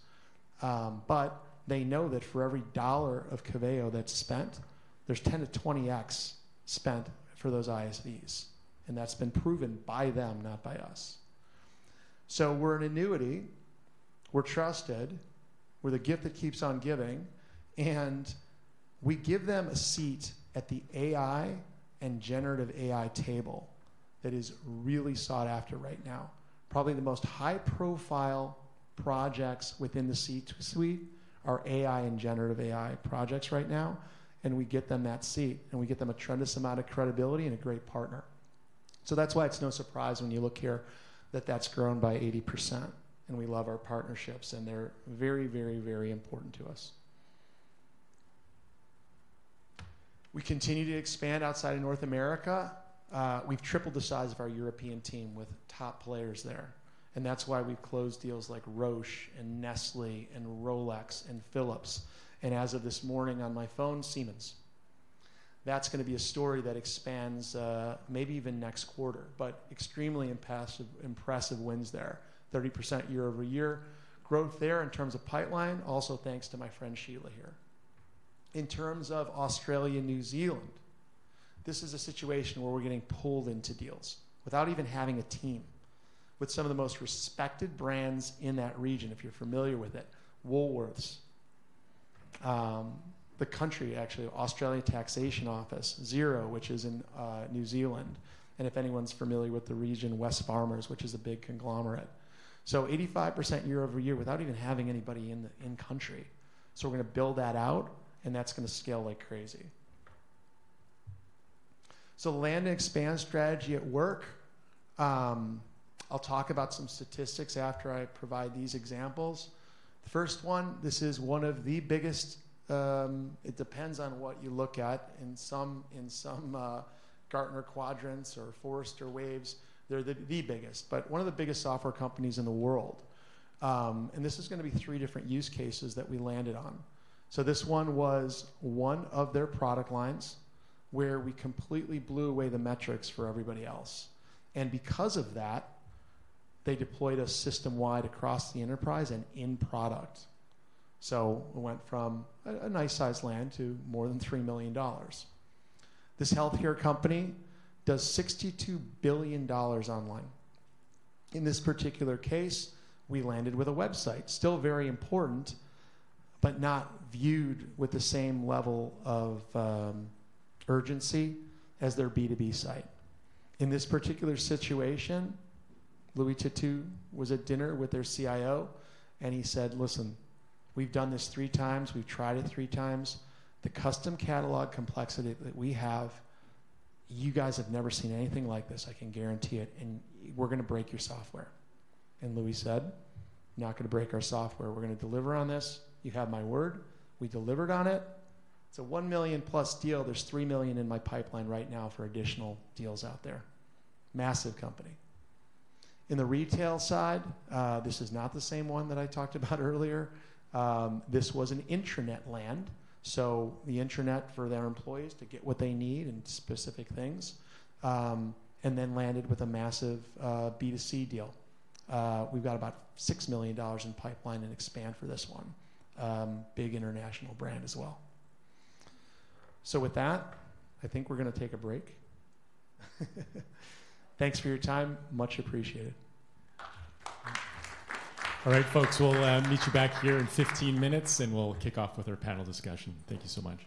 but they know that for every $1 of Coveo that's spent, there's 10-20x spent for those ISVs that's been proven by them, not by us. So we're an annuity, we're trusted, we're the gift that keeps on giving we give them a seat at the AI and GenAI table that is really sought after right now. Probably the most high-profile projects within the C-suite are AI and GenAI projects right now we get them that seat we get them a tremendous amount of credibility and a great partner. So that's why it's no surprise when you look here that that's grown by 80% we love our partnerships they're very, very, very important to us. We continue to expand outside of North America. We've tripled the size of our European team with top players there that's why we've closed deals like Roche and Nestlé and Rolex and Philips as of this morning on my phone, Siemens. That's going to be a story that expands, maybe even next quarter, but extremely impressive wins there. 30% year-over-year growth there in terms of pipeline, also thanks to my friend Sheila here. In terms of Australia, New Zealand, this is a situation where we're getting pulled into deals without even having a team, with some of the most respected brands in that region, if you're familiar with it. Woolworths, actually, Australian Taxation Office, Xero, which is in New Zealand if anyone's familiar with the region, Wesfarmers, which is a big conglomerate. So 85% year-over-year without even having anybody in-country. So we're going to build that out that's going to scale like crazy. So land expand strategy at work. I'll talk about some statistics after I provide these examples. The first one, this is one of the biggest. It depends on what you look at. In some Gartner quadrants or Forrester Waves, they're the biggest, but one of the biggest software companies in the world. And this is going to be 3 different use cases that we landed on. So this one was one of their product lines, where we completely blew away the metrics for everybody else. And because of that, they deployed us system-wide across the enterprise and in product. So we went from a, a nice sized land to more than $3 million. This healthcare company does $62 billion online. In this particular case, we landed with a website, still very important, but not viewed with the same level of, urgency as their B2B site. In this particular situation, Louis Têtu was at dinner with their CIO he said: "Listen, we've done this 3x. We've tried it 3x. The custom catalog complexity that we have, you guys have never seen anything like this, I can guarantee it we're going to break your software. And Louis said, "You're not going to break our software. We're going to deliver on this. You have my word." We delivered on it. It's a $1 million-plus deal. There's $3 million in my pipeline right now for additional deals out there. Massive company. In the retail side, this is not the same one that I talked about earlier. This was an intranet land, so the intranet for their employees to get what they need and specific things then landed with a massive, B2C deal. We've got about $6 million in pipeline and expand for this one. Big international brand as well. So with that, I think we're going to take a break. Thanks for your time. Much appreciated. All right, folks, we'll meet you back here in 15 minutes we'll kick off with our panel discussion. Thank you so much.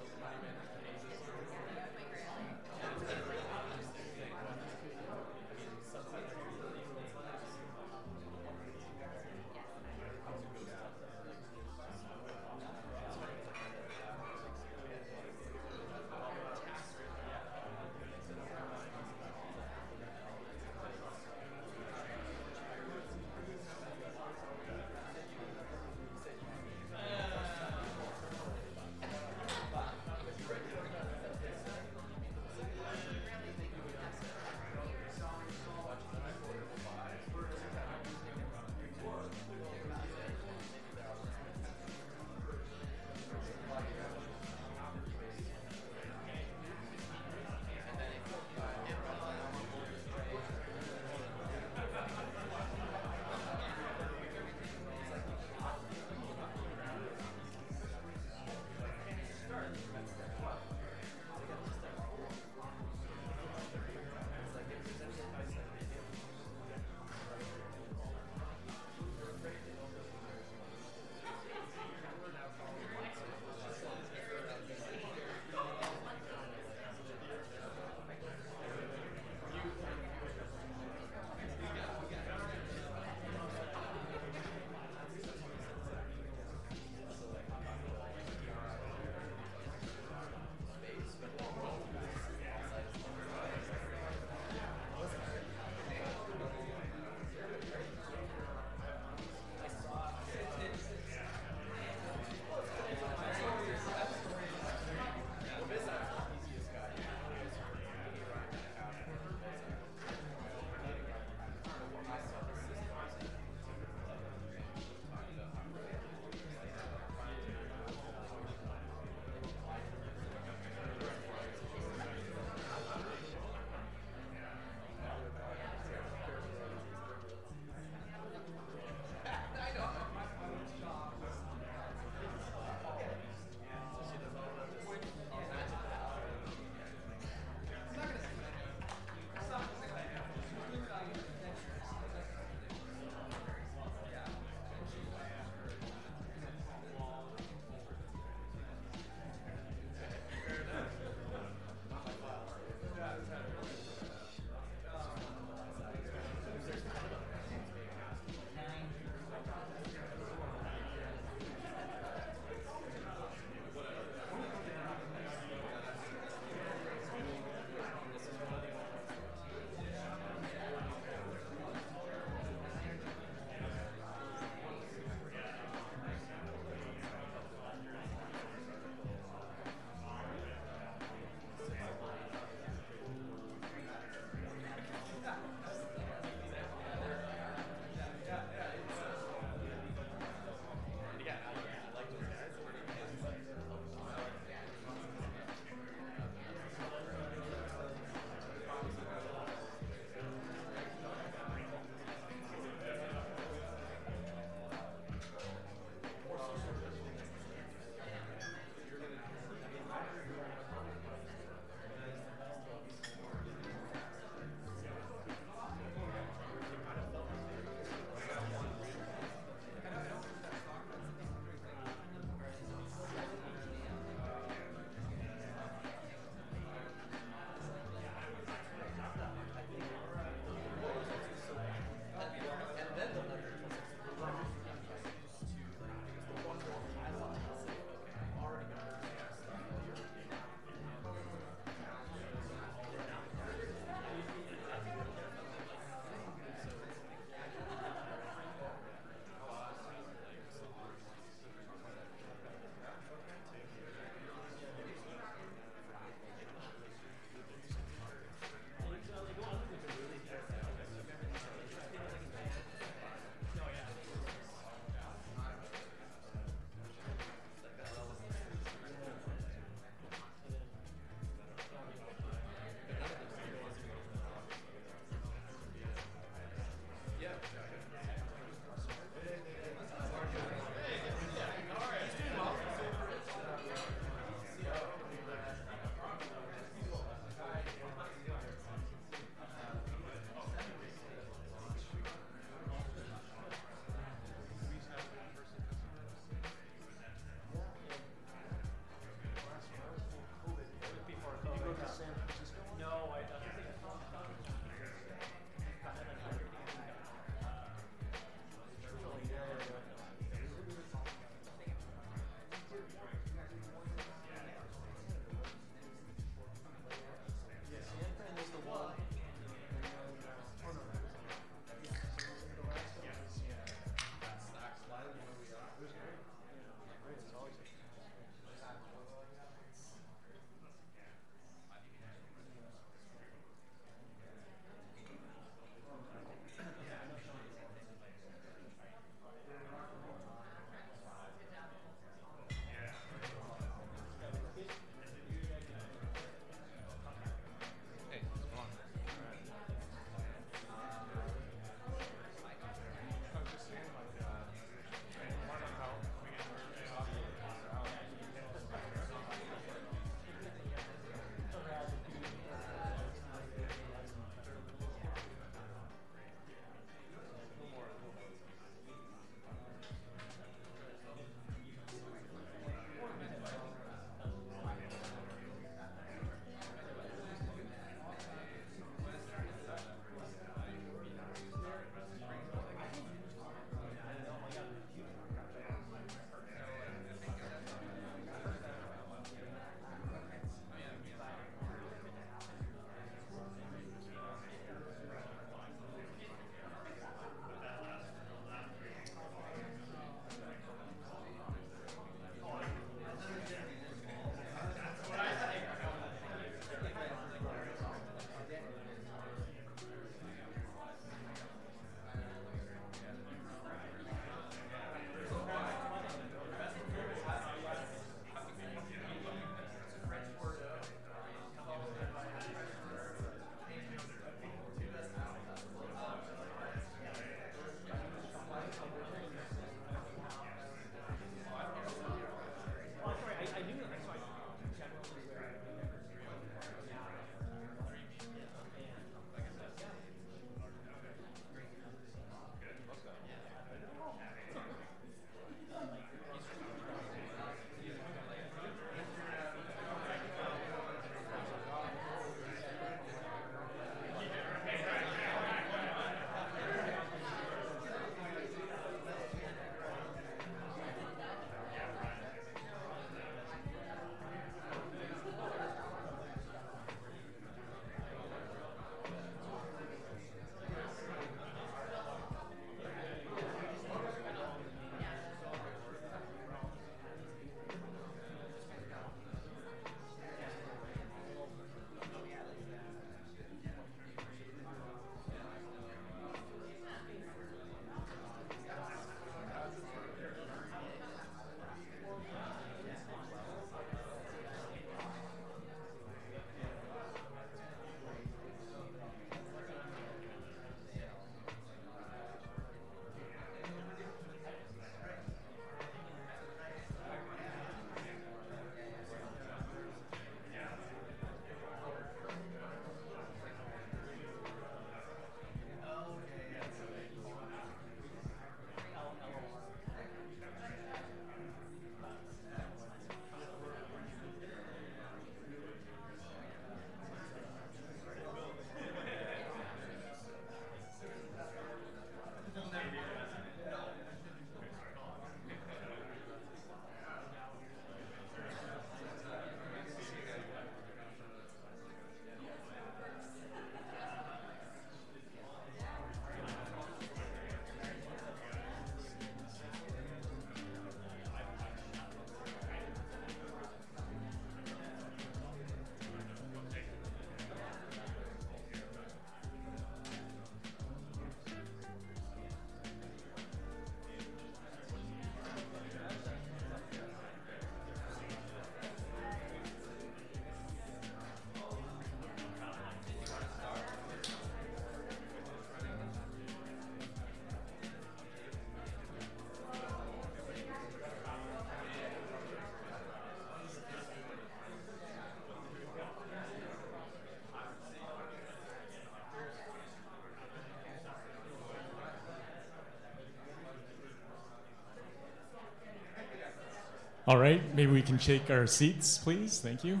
All right, maybe we can shake our seats, please. Thank you.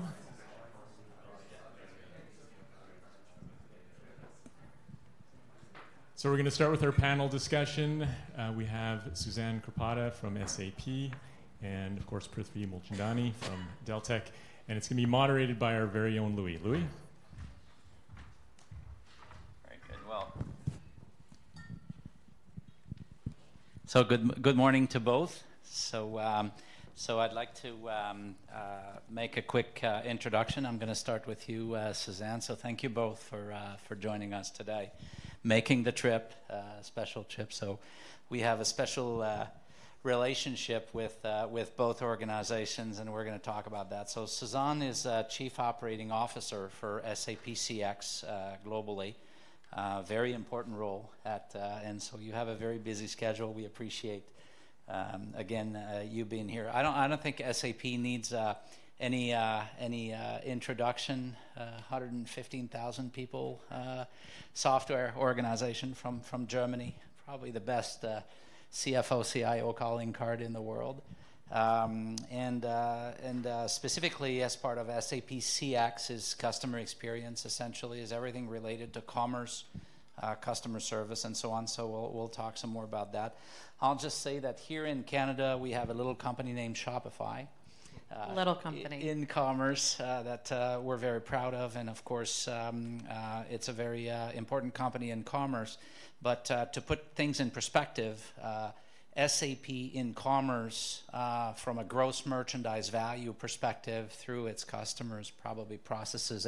So we're gonna start with our panel discussion. We have Susanne Krupara from SAP of course, Prithvi Mulchandani from Deltek. And it's gonna be moderated by our very own Louis. Louis? Very good. Well, good morning to both. So I'd like to make a quick introduction. I'm gonna start with you, Susanne. So thank you both for joining us today, making the trip, special trip. So we have a special relationship with both organizations we're gonna talk about that. So Susanne is Chief Operating Officer for SAP CX, globally. Very important role at. And so you have a very busy schedule. We appreciate, again, you being here. I don't think SAP needs any introduction. 115,000 people, software organization from Germany. Probably the best CFO, CIO calling card in the world. Specifically, as part of SAP CX's customer experience, essentially, is everything related to commerce, customer service so on. So we'll talk some more about that. I'll just say that here in Canada, we have a little company named Shopify. Little company. In commerce, that we're very proud of. And of course, it's a very important company in commerce. But to put things in perspective, SAP in commerce, from a gross merchandise value perspective through its customers, probably processes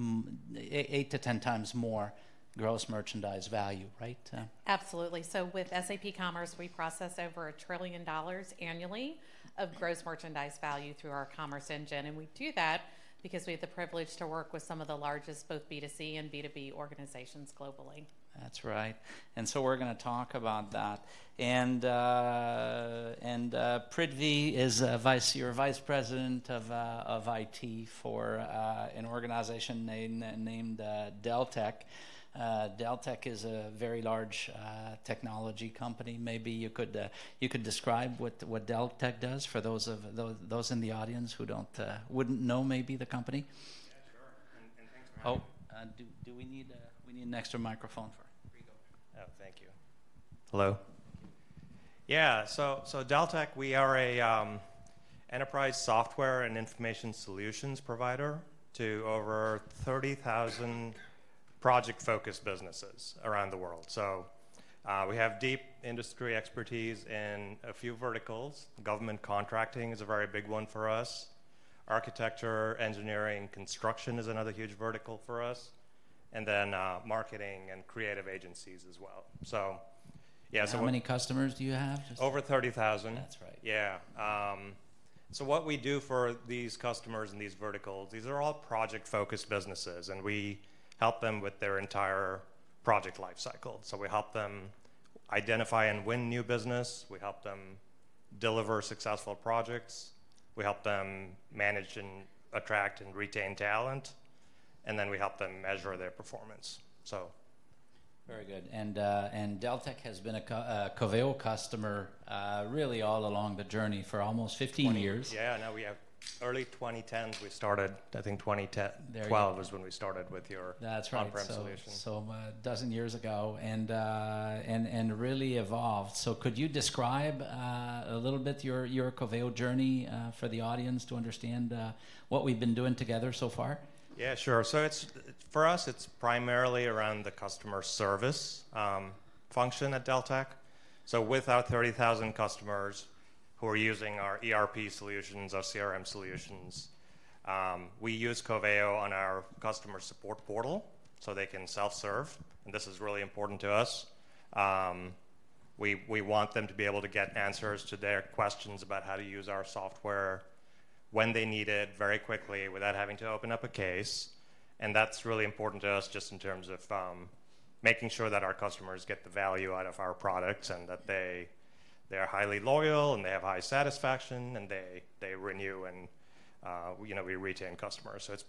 8-10 times more gross merchandise value, right? Absolutely. So with SAP Commerce, we process over $1 trillion annually of gross merchandise value through our commerce engine we do that because we have the privilege to work with some of the largest, both B2C and B2B organizations globally. That's right so we're gonna talk about that. And Prithvi, you're Vice President of IT for an organization named Deltek. Deltek is a very large technology company. Maybe you could describe what Deltek does for those in the audience who wouldn't know maybe the company. Yeah, sure. And thanks for having me. Oh, do we need a? We need an extra microphone for Prithvi. Oh, thank you. Hello? Yeah, so Deltek, we are a enterprise software and information solutions provider to over 30,000 project-focused businesses around the world. So, we have deep industry expertise in a few verticals. Government contracting is a very big one for us. Architecture, engineering, construction is another huge vertical for us then, marketing and creative agencies as well. So yeah, so. How many customers do you have? Just. Over 30,000. That's right. Yeah. So what we do for these customers in these verticals, these are all project-focused businesses we help them with their entire project lifecycle. So we help them identify and win new business, we help them deliver successful projects, we help them manage and attract and retain talent then we help them measure their performance, so. Very good. Deltek has been a Coveo customer, really all along the journey for almost 15 years. 20 years. Yeah, now we have. Early 2010s, we started. I think twenty te- There you go. 12 is when we started with your. That's right. On-prem solution. So, dozen years ago really evolved. So could you describe a little bit your Coveo journey for the audience to understand what we've been doing together so far? Yeah, sure. So it's for us, it's primarily around the customer service function at Deltek. So with our 30,000 customers who are using our ERP solutions, our CRM solutions, we use Coveo on our customer support portal so they can self-serve this is really important to us. We want them to be able to get answers to their questions about how to use our software when they need it, very quickly, without having to open up a case. And that's really important to us just in terms of making sure that our customers get the value out of our products that they're highly loyal they have high satisfaction they renew we retain customers. So it's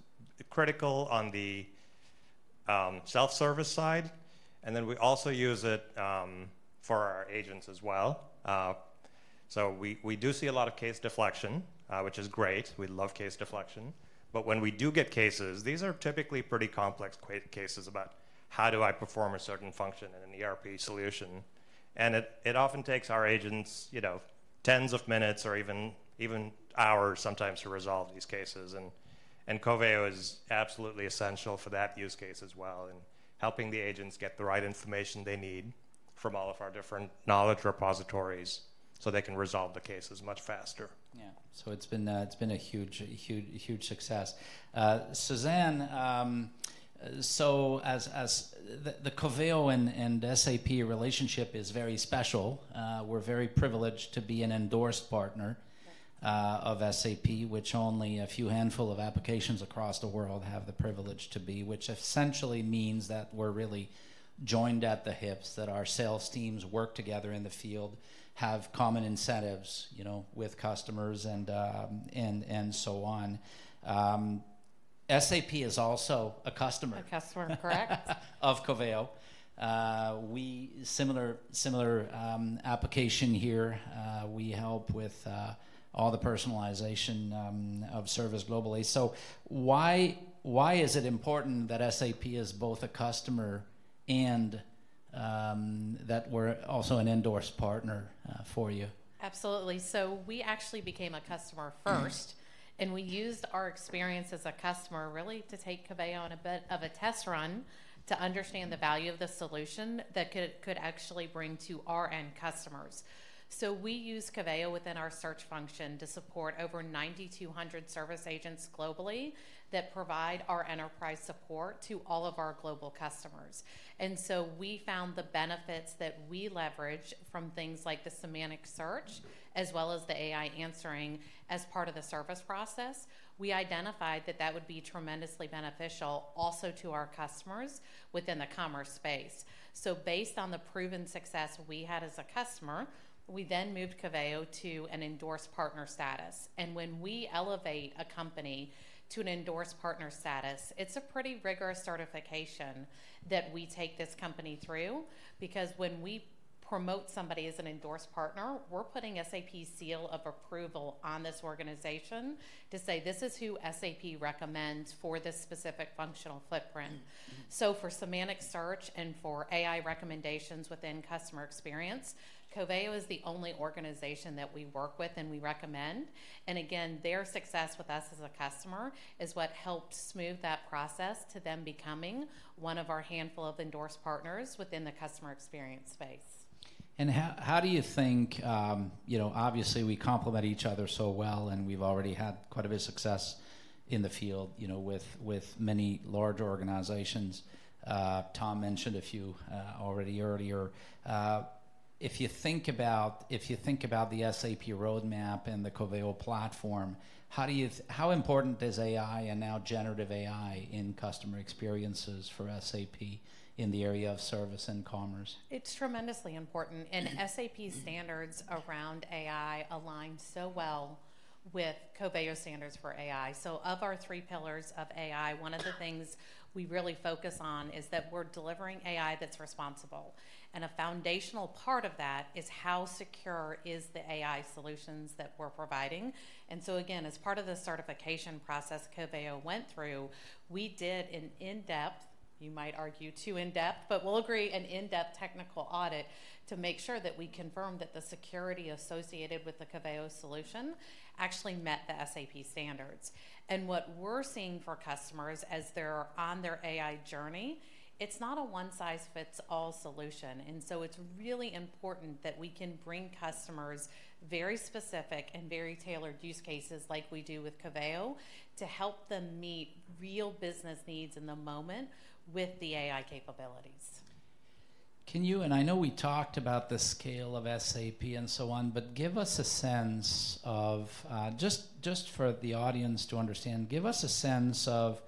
critical on the self-service side then we also use it for our agents as well. So we do see a lot of case deflection, which is great. We love case deflection, but when we do get cases, these are typically pretty complex cases about: how do I perform a certain function in an ERP solution? And it often takes our agents, tens of minutes or even hours sometimes to resolve these cases. And Coveo is absolutely essential for that use case as well helping the agents get the right information they need from all of our different knowledge repositories, so they can resolve the cases much faster. Yeah. So it's been a huge, huge, huge success. Susanne, so as the Coveo and SAP relationship is very special. We're very privileged to be an endorsed partner. of SAP, which only a few handful of applications across the world have the privilege to be, which essentially means that we're really joined at the hips, that our sales teams work together in the field, have common incentives, with customers and so on. SAP is also a customer. A customer, correct. Of Coveo. We have a similar application here. We help with all the personalization of service globally. So why is it important that SAP is both a customer and that we're also an endorsed partner for you? Absolutely. So we actually became a customer first. We used our experience as a customer really to take Coveo on a bit of a test run to understand the value of the solution that could actually bring to our end customers. We use Coveo within our search function to support over 9,200 service agents globally, that provide our enterprise support to all of our global customers. We found the benefits that we leverage from things like the semantic search, as well as the AI answering as part of the service process. We identified that that would be tremendously beneficial also to our customers within the commerce space. Based on the proven success we had as a customer, we then moved Coveo to an endorsed partner status. When we elevate a company to an endorsed partner status, it's a pretty rigorous certification that we take this company through, because when we promote somebody as an endorsed partner, we're putting SAP seal of approval on this organization to say, "This is who SAP recommends for this specific functional footprint For semantic search and for AI recommendations within customer experience, Coveo is the only organization that we work with and we recommend. Again, their success with us as a customer is what helped smooth that process to them becoming one of our handful of endorsed partners within the customer experience space. How, how do you think. You know, obviously, we complement each other so well we've already had quite a bit of success in the field, with, with many large organizations. Tom mentioned a few already earlier. If you think about, if you think about the SAP roadmap and the Coveo platform, how do you how important is AI and now GenAI in customer experiences for SAP in the area of service and commerce? It's tremendously important. SAP standards around AI align so well with Coveo standards for AI. So of our three pillars of AI, one of the things we really focus on is that we're delivering AI that's responsible a foundational part of that is how secure is the AI solutions that we're providing. And so again, as part of the certification process Coveo went through, we did an in-depth, you might argue, too in-depth, but we'll agree, an in-depth technical audit to make sure that we confirm that the security associated with the Coveo solution actually met the SAP standards. And what we're seeing for customers as they're on their AI journey, it's not a one-size-fits-all solution. And so it's really important that we can bring customers very specific and very tailored use cases like we do with Coveo, to help them meet real business needs in the moment with the AI capabilities. Can you, And I know we talked about the scale of SAP and so on, but give us a sense of, just for the audience to understand, give us a sense of,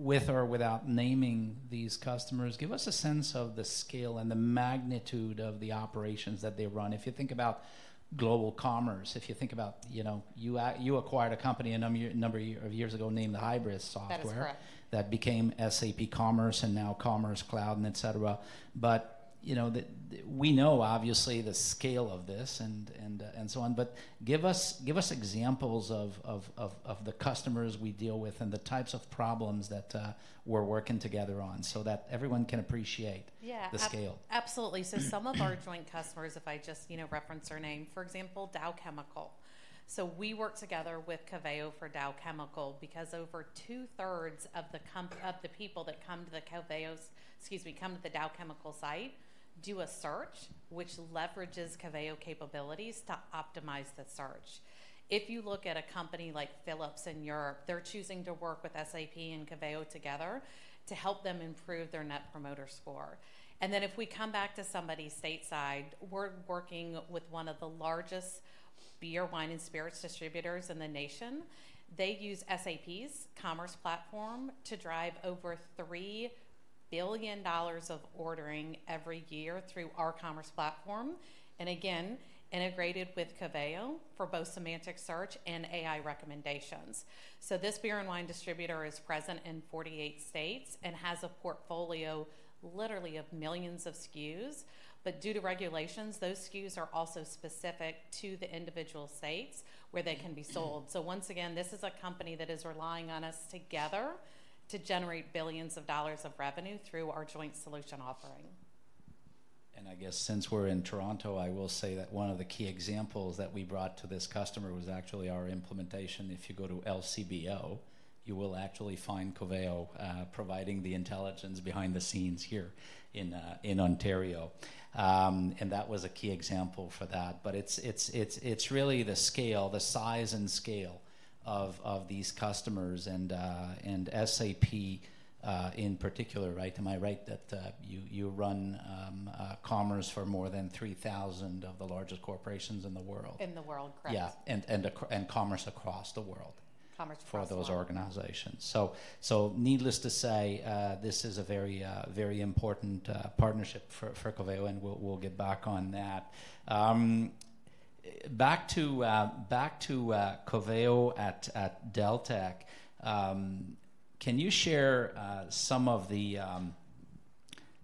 with or without naming these customers, give us a sense of the scale and the magnitude of the operations that they run. If you think about global commerce, if you think about, you acquired a company a number of years ago named the Hybris Software. That is correct. That became SAP Commerce and now Commerce Cloud and et cetera. But, we know obviously the scale of this and so on. But give us examples of the customers we deal with and the types of problems that we're working together on so that everyone can appreciate the scale. Absolutely. So some of our joint customers, if I just, reference their name, for example, Dow Chemical. So we work together with Coveo for Dow Chemical, because over two-thirds of the com of the people that come to the Coveo's, excuse me, come to the Dow Chemical site, do a search, which leverages Coveo capabilities to optimize the search. If you look at a company like Philips in Europe, they're choosing to work with SAP and Coveo together to help them improve their Net Promoter Score. And then if we come back to somebody stateside, we're working with one of the largest beer, wine spirits distributors in the nation. They use SAP's commerce platform to drive over $3 billion of ordering every year through our commerce platform again, integrated with Coveo for both semantic search and AI recommendations. So this beer and wine distributor is present in 48 states and has a portfolio literally of millions of SKUs. But due to regulations, those SKUs are also specific to the individual states where they can be sold. Once again, this is a company that is relying on us together to generate $ billions of revenue through our joint solution offering. I guess since we're in Toronto, I will say that one of the key examples that we brought to this customer was actually our implementation. If you go to LCBO, you will actually find Coveo providing the intelligence behind the scenes here in Ontario. And that was a key example for that. But it's really the scale, the size and scale of these customers and SAP in particular, right? Am I right that you run commerce for more than 3,000 of the largest corporations in the world? In the world, correct. Yeah commerce across the world. Commerce across the world. For those organizations. So, so needless to say, this is a very, very important partnership for, for Coveo we'll, we'll get back on that. Back to, back to, Coveo at, at Deltek, can you share, some of the,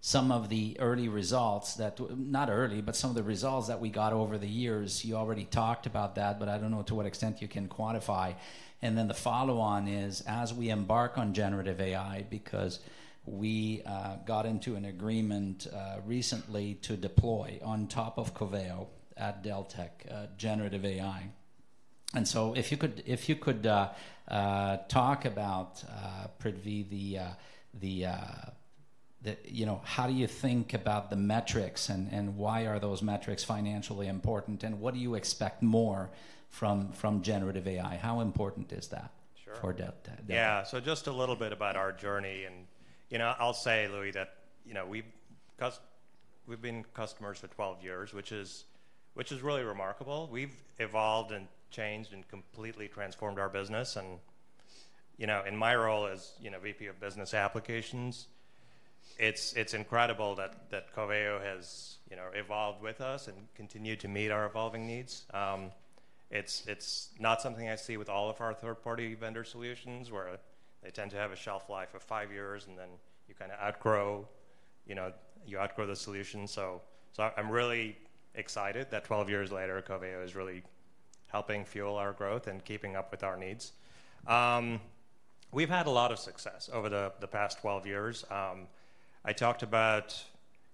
some of the early results that. Not early, but some of the results that we got over the years? You already talked about that, but I don't know to what extent you can quantify. And then the follow-on is, as we embark on GenAI, because we, got into an agreement, recently to deploy on top of Coveo at Deltek, GenAI. And so if you could, if you could, talk about, Prithvi, the, the, the, how do you think about the and why are those metrics financially important? What do you expect more from GenAI? How important is that. Sure. For Deltek? Yeah. So just a little bit about our journey, I'll say, Louis, that, we've been customers for 12 years, which is, which is really remarkable. We've evolved and changed and completely transformed our business. And, in my role as, VP of Business Applications, it's, it's incredible that, that Coveo has, evolved with us and continued to meet our evolving needs. It's not something I see with all of our third-party vendor solutions, where they tend to have a shelf life of 5 years then you kind of outgrow, you outgrow the solution. So I'm really excited that 12 years later, Coveo is really helping fuel our growth and keeping up with our needs. We've had a lot of success over the past 12 years. I talked about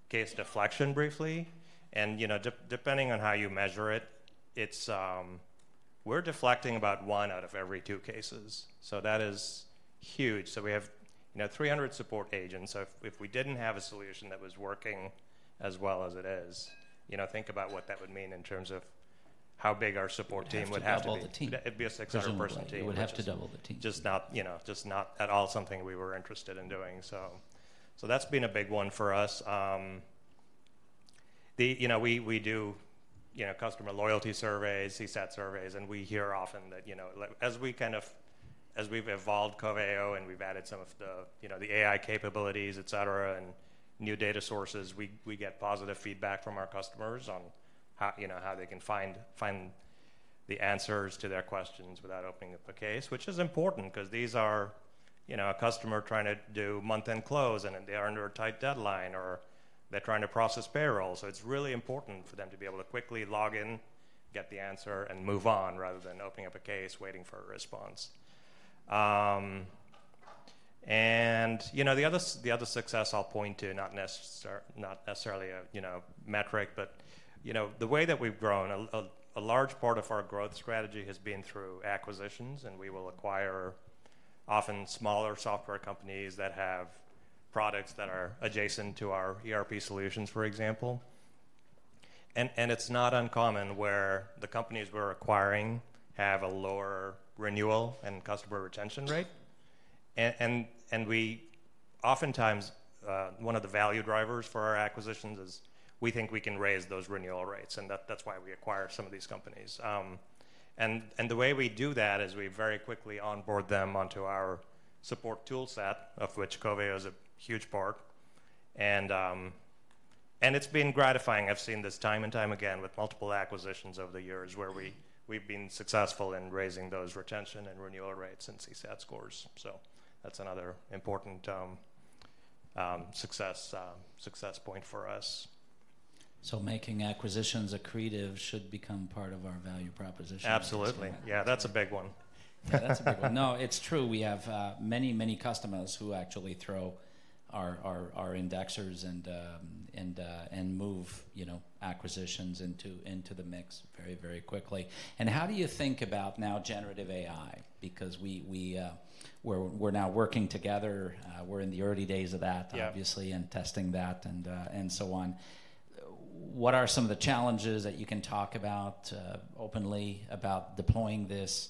case deflection briefly, depending on how you measure it, it's. We're deflecting about one out of every two cases, so that is huge. So we have, 300 support agents. So if, if we didn't have a solution that was working as well as it is, think about what that would mean in terms of how big our support team would have to be. You'd have to double the team. It'd be a 600-person team. You would have to double the team. Just not, just not at all something we were interested in doing. So, so that's been a big one for us. The, we, we do, customer loyalty surveys, CSAT surveys we hear often that, like, as we kind of, as we've evolved Coveo we've added some of the, the AI capabilities, et cetera new data sources, we, we get positive feedback from our customers on how, how they can find, find the answers to their questions without opening up a case. Which is important, 'cause these are, a customer trying to do month-end close they are under a tight deadline, or they're trying to process payroll. So it's really important for them to be able to quickly log in, get the answer move on, rather than opening up a case, waiting for a response. You know, the other success I'll point to, not necessarily a, metric, but, the way that we've grown, a large part of our growth strategy has been through acquisitions we will acquire often smaller software companies that have products that are adjacent to our ERP solutions, for example. And it's not uncommon where the companies we're acquiring have a lower renewal and customer retention rate. And we oftentimes, one of the value drivers for our acquisitions is we think we can raise those renewal rates that's why we acquire some of these companies. And the way we do that is we very quickly onboard them onto our support toolset, of which Coveo is a huge part. And it's been gratifying. I've seen this time and time again with multiple acquisitions over the years, where we've been successful in raising those retention and renewal rates and CSAT scores. So that's another important success point for us. Making acquisitions accretive should become part of our value proposition? Absolutely. Yeah, that's a big one. Yeah, that's a big one. No, it's true. We have many, many customers who actually throw our indexers and move, acquisitions into the mix very, very quickly. And how do you think about now GenAI? Because we, we're now working together. We're in the early days of tha obviously testing that and so on. What are some of the challenges that you can talk about openly about deploying this?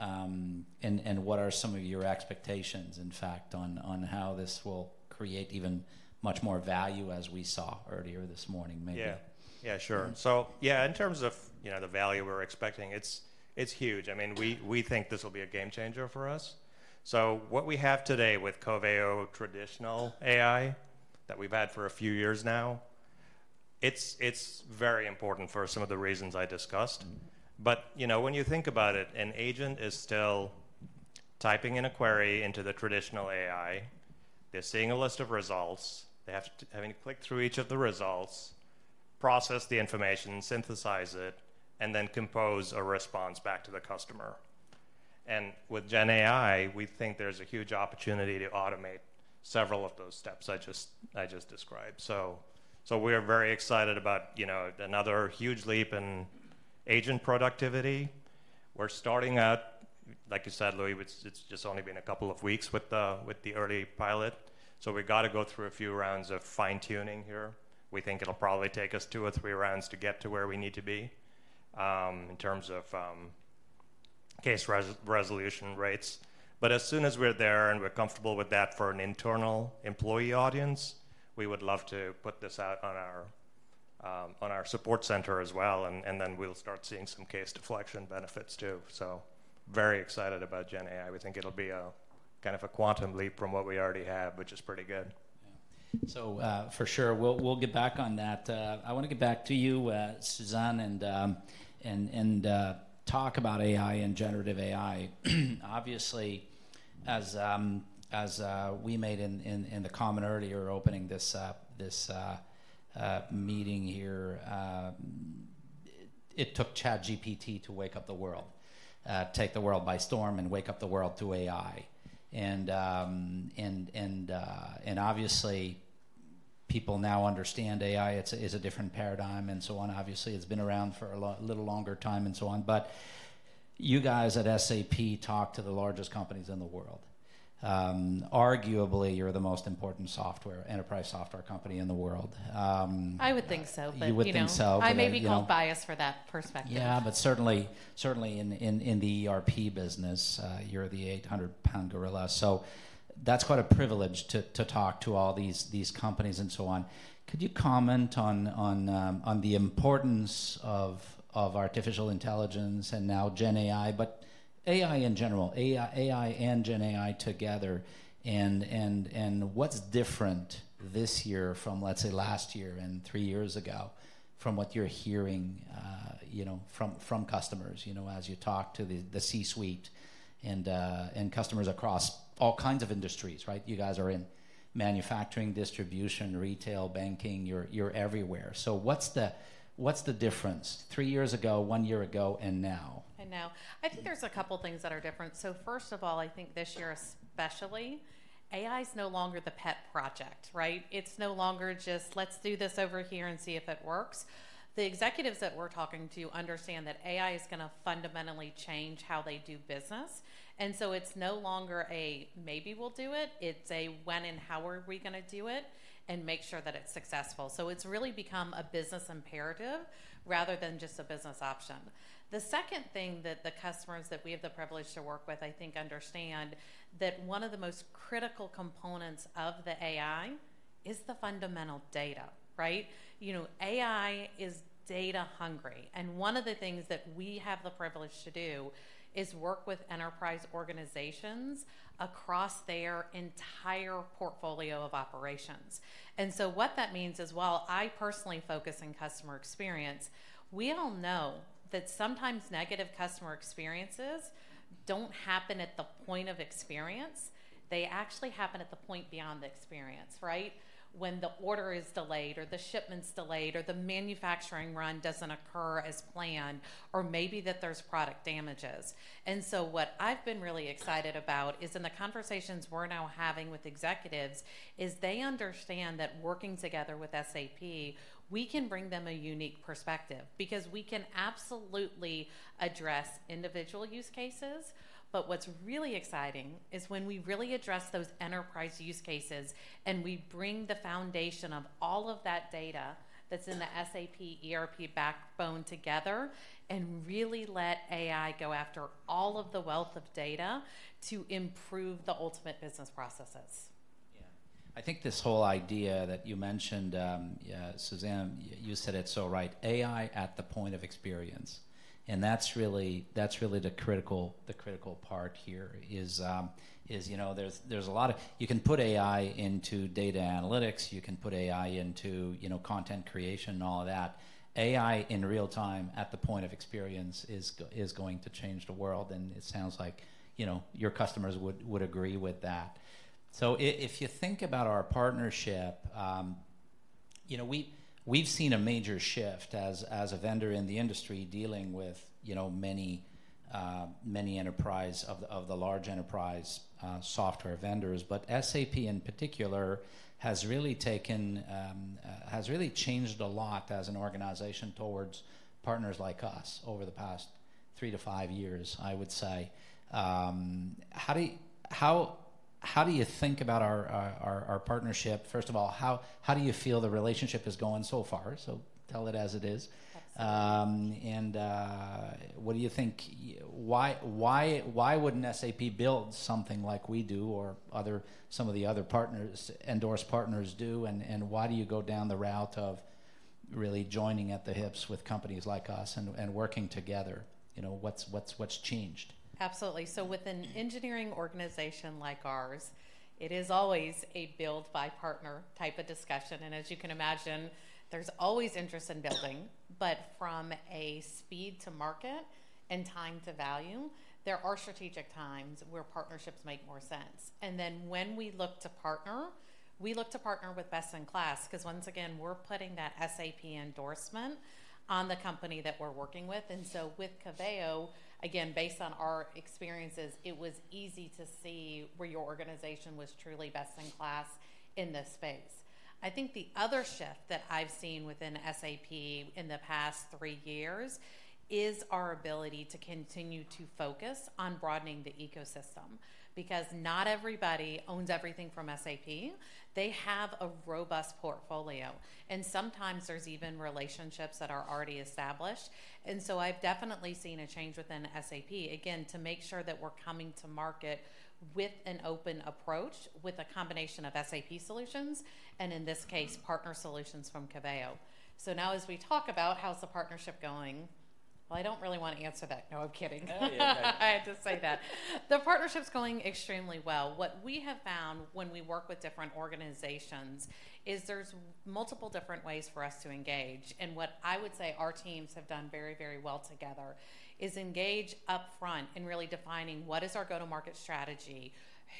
And what are some of your expectations, in fact, on how this will create even much more value, as we saw earlier this morning, maybe? Yeah. Yeah, sure. So yeah, in terms of, the value we're expecting, it's, it's huge. I mean, we, we think this will be a game changer for us. So what we have today with Coveo traditional AI, that we've had for a few years now. It's, it's very important for some of the reasons I discussed. But, when you think about it, an agent is still typing in a query into the traditional AI. They're seeing a list of results. They have to, having to click through each of the results, process the information, synthesize it then compose a response back to the customer. And with GenAI, we think there's a huge opportunity to automate several of those steps I just, I just described. So, so we're very excited about, another huge leap in agent productivity. We're starting out, like you said, Louis, it's just only been a couple of weeks with the early pilot, so we've got to go through a few rounds of fine-tuning here. We think it'll probably take us two or three rounds to get to where we need to be in terms of case resolution rates. But as soon as we're there and we're comfortable with that for an internal employee audience, we would love to put this out on our support center as well then we'll start seeing some case deflection benefits, too. Very excited about GenAI. We think it'll be a kind of a quantum leap from what we already have, which is pretty good. Yeah. So, for sure, we'll get back on that. I want to get back to you, Susanne talk about AI and GenAI. Obviously, as we made in the comment earlier opening this meeting here, it took ChatGPT to wake up the world, take the world by storm and wake up the world to AI. And obviously, people now understand AI. It's a different paradigm and so on. Obviously, it's been around for a little longer time and so on. But you guys at SAP talk to the largest companies in the world. Arguably, you're the most important software enterprise software company in the world. I would think so, but, you know. You would think so. Okay. I may be biased for that perspective. Yeah, but certainly, certainly in the ERP business, you're the 800-pound gorilla, so that's quite a privilege to talk to all these companies and so on. Could you comment on the importance of artificial intelligence and now GenAI, but AI in general, AI, AI and GenAI together what's different this year from, let's say, last year and three years ago, from what you're hearing, from customers, as you talk to the C-suite and customers across all kinds of industries, right? You guys are in manufacturing, distribution, retail, banking. You're everywhere. So what's the difference three years ago, one year ago now? Now, I think there's a couple things that are different. So first of all, I think this year especially, AI is no longer the pet project, right? It's no longer just, "Let's do this over here and see if it works." The executives that we're talking to understand that AI is going to fundamentally change how they do business so it's no longer a, "Maybe we'll do it," it's a, "When and how are we going to do it and make sure that it's successful?" So it's really become a business imperative rather than just a business option. The second thing that the customers that we have the privilege to work with, I think, understand that one of the most critical components of the AI is the fundamental data, right? You know, AI is data hungry one of the things that we have the privilege to do is work with enterprise organizations across their entire portfolio of operations. And so what that means is, while I personally focus on customer experience, we all know that sometimes negative customer experiences don't happen at the point of experience. They actually happen at the point beyond the experience, right? When the order is delayed, or the shipment's delayed, or the manufacturing run doesn't occur as planned, or maybe that there's product damages. And so what I've been really excited about is in the conversations we're now having with executives, is they understand that working together with SAP, we can bring them a unique perspective, because we can absolutely address individual use cases. What's really exciting is when we really address those enterprise use cases we bring the foundation of all of that data that's in the SAP ERP backbone together really let AI go after all of the wealth of data to improve the ultimate business processes. Yeah. I think this whole idea that you mentioned, yeah, Susanne, you said it so right, AI at the point of experience. And that's really, that's really the critical, the critical part here is, there's, there's a lot of. You can put AI into data analytics, you can put AI into, content creation and all of that. AI in real time at the point of experience is going to change the world it sounds like, your customers would, would agree with that. So if you think about our partnership, we, we've seen a major shift as, as a vendor in the industry dealing with, many, many enterprise of the, of the large enterprise, software vendors. But SAP in particular has really changed a lot as an organization towards partners like us over the past 3-5 years, I would say. How do you think about our partnership? First of all, how do you feel the relationship is going so far? So tell it as it is. Absolutely. And, what do you think. Why, why, why would SAP build something like we do or other, some of the other partners, endorsed partners and why do you go down the route of-. really joining at the hips with companies like us and working together, what's, what's, what's changed? Absolutely. So with an engineering organization like ours, it is always a build-by-partner type of discussion. And as you can imagine, there's always interest in building, but from a speed to market and time to value, there are strategic times where partnerships make more sense. And then when we look to partner, we look to partner with best-in-class, 'cause once again, we're putting that SAP endorsement on the company that we're working with. And so with Coveo, again, based on our experiences, it was easy to see where your organization was truly best-in-class in this space. I think the other shift that I've seen within SAP in the past three years is our ability to continue to focus on broadening the ecosystem, because not everybody owns everything from SAP. They have a robust portfolio sometimes there's even relationships that are already established. I've definitely seen a change within SAP, again, to make sure that we're coming to market with an open approach, with a combination of SAP solutions and, in this case, partner solutions from Coveo. Now, as we talk about how's the partnership going, well, I don't really want to answer that. No, I'm kidding. Yeah, right. I had to say that. The partnership's going extremely well. What we have found when we work with different organizations is there's multiple different ways for us to engage. What I would say our teams have done very, very well together is engage upfront in really defining what is our go-to-market strategy,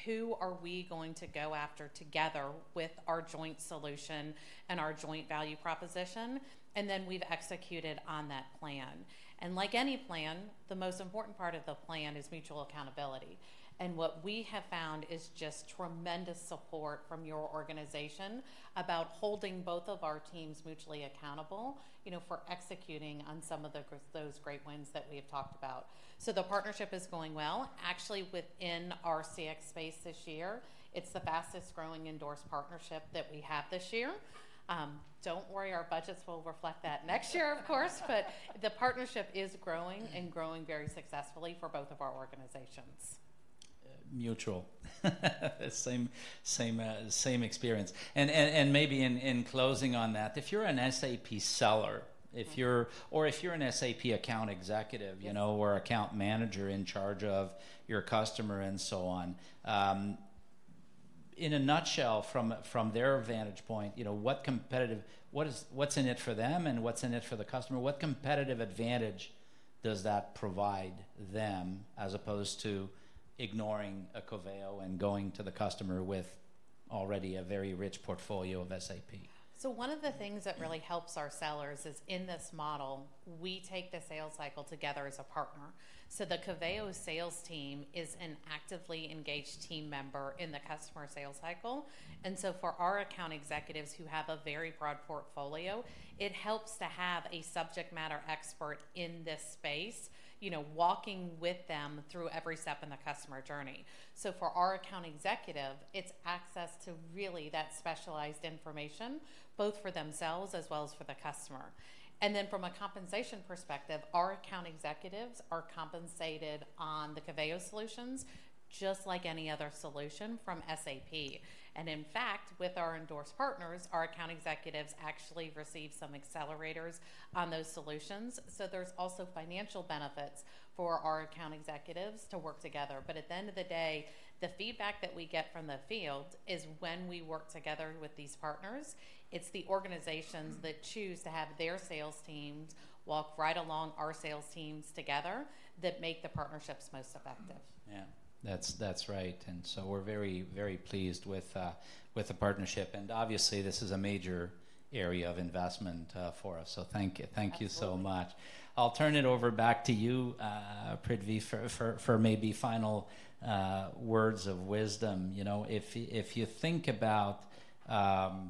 who are we going to go after together with our joint solution and our joint value proposition then we've executed on that plan. Like any plan, the most important part of the plan is mutual accountability. What we have found is just tremendous support from your organization about holding both of our teams mutually accountable, for executing on some of those great wins that we have talked about. So the partnership is going well. Actually, within our CX space this year, it's the fastest growing endorsed partnership that we have this year. Don't worry, our budgets will reflect that next year, of course, but the partnership is growing and growing very successfully for both of our organizations. Mutual. Same, same, same experience. Maybe in closing on that, if you're an SAP seller, or if you're an SAP account executive, or account manager in charge of your customer and so on, in a nutshell, from their vantage point, what's in it for them what's in it for the customer? What competitive advantage does that provide them as opposed to ignoring a Coveo and going to the customer with already a very rich portfolio of SAP? So one of the things that really helps our sellers is, in this model, we take the sales cycle together as a partner. So the Coveo sales team is an actively engaged team member in the customer sales cycle. And so for our account executives who have a very broad portfolio, it helps to have a subject matter expert in this space, walking with them through every step in the customer journey. So for our account executive, it's access to really that specialized information, both for themselves as well as for the customer. And then from a compensation perspective, our account executives are compensated on the Coveo solutions just like any other solution from SAP. And in fact, with our endorsed partners, our account executives actually receive some accelerators on those solutions, so there's also financial benefits for our account executives to work together. At the end of the day, the feedback that we get from the field is when we work together with these partners, it's the organizations that choose to have their sales teams walk right along our sales teams together, that make the partnerships most effective. Yeah. That's, that's right so we're very, very pleased with, with the partnership. And obviously, this is a major area of investment, for us, so thank you. Absolutely. Thank you so much. I'll turn it over back to you, Prithvi, for maybe final words of wisdom. You know, if you think about AI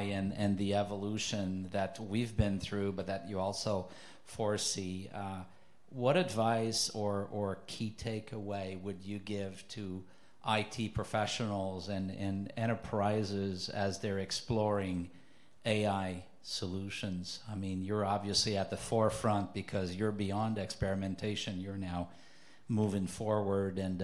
and the evolution that we've been through, but that you also foresee, what advice or key takeaway would you give to IT professionals and enterprises as they're exploring AI solutions? I mean, you're obviously at the forefront because you're beyond experimentation. You're now moving forward and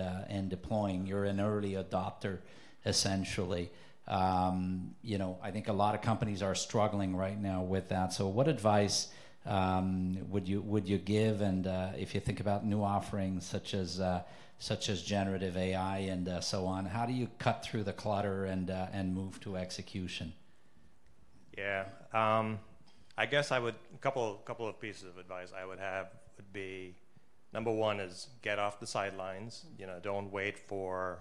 deploying. You're an early adopter, essentially. You know, I think a lot of companies are struggling right now with that. So what advice would you give? And if you think about new offerings such as GenAI and so on, how do you cut through the clutter and move to execution? Yeah. I guess I would. A couple of pieces of advice I would have would be, number one is get off the sidelines. You know, don't wait for,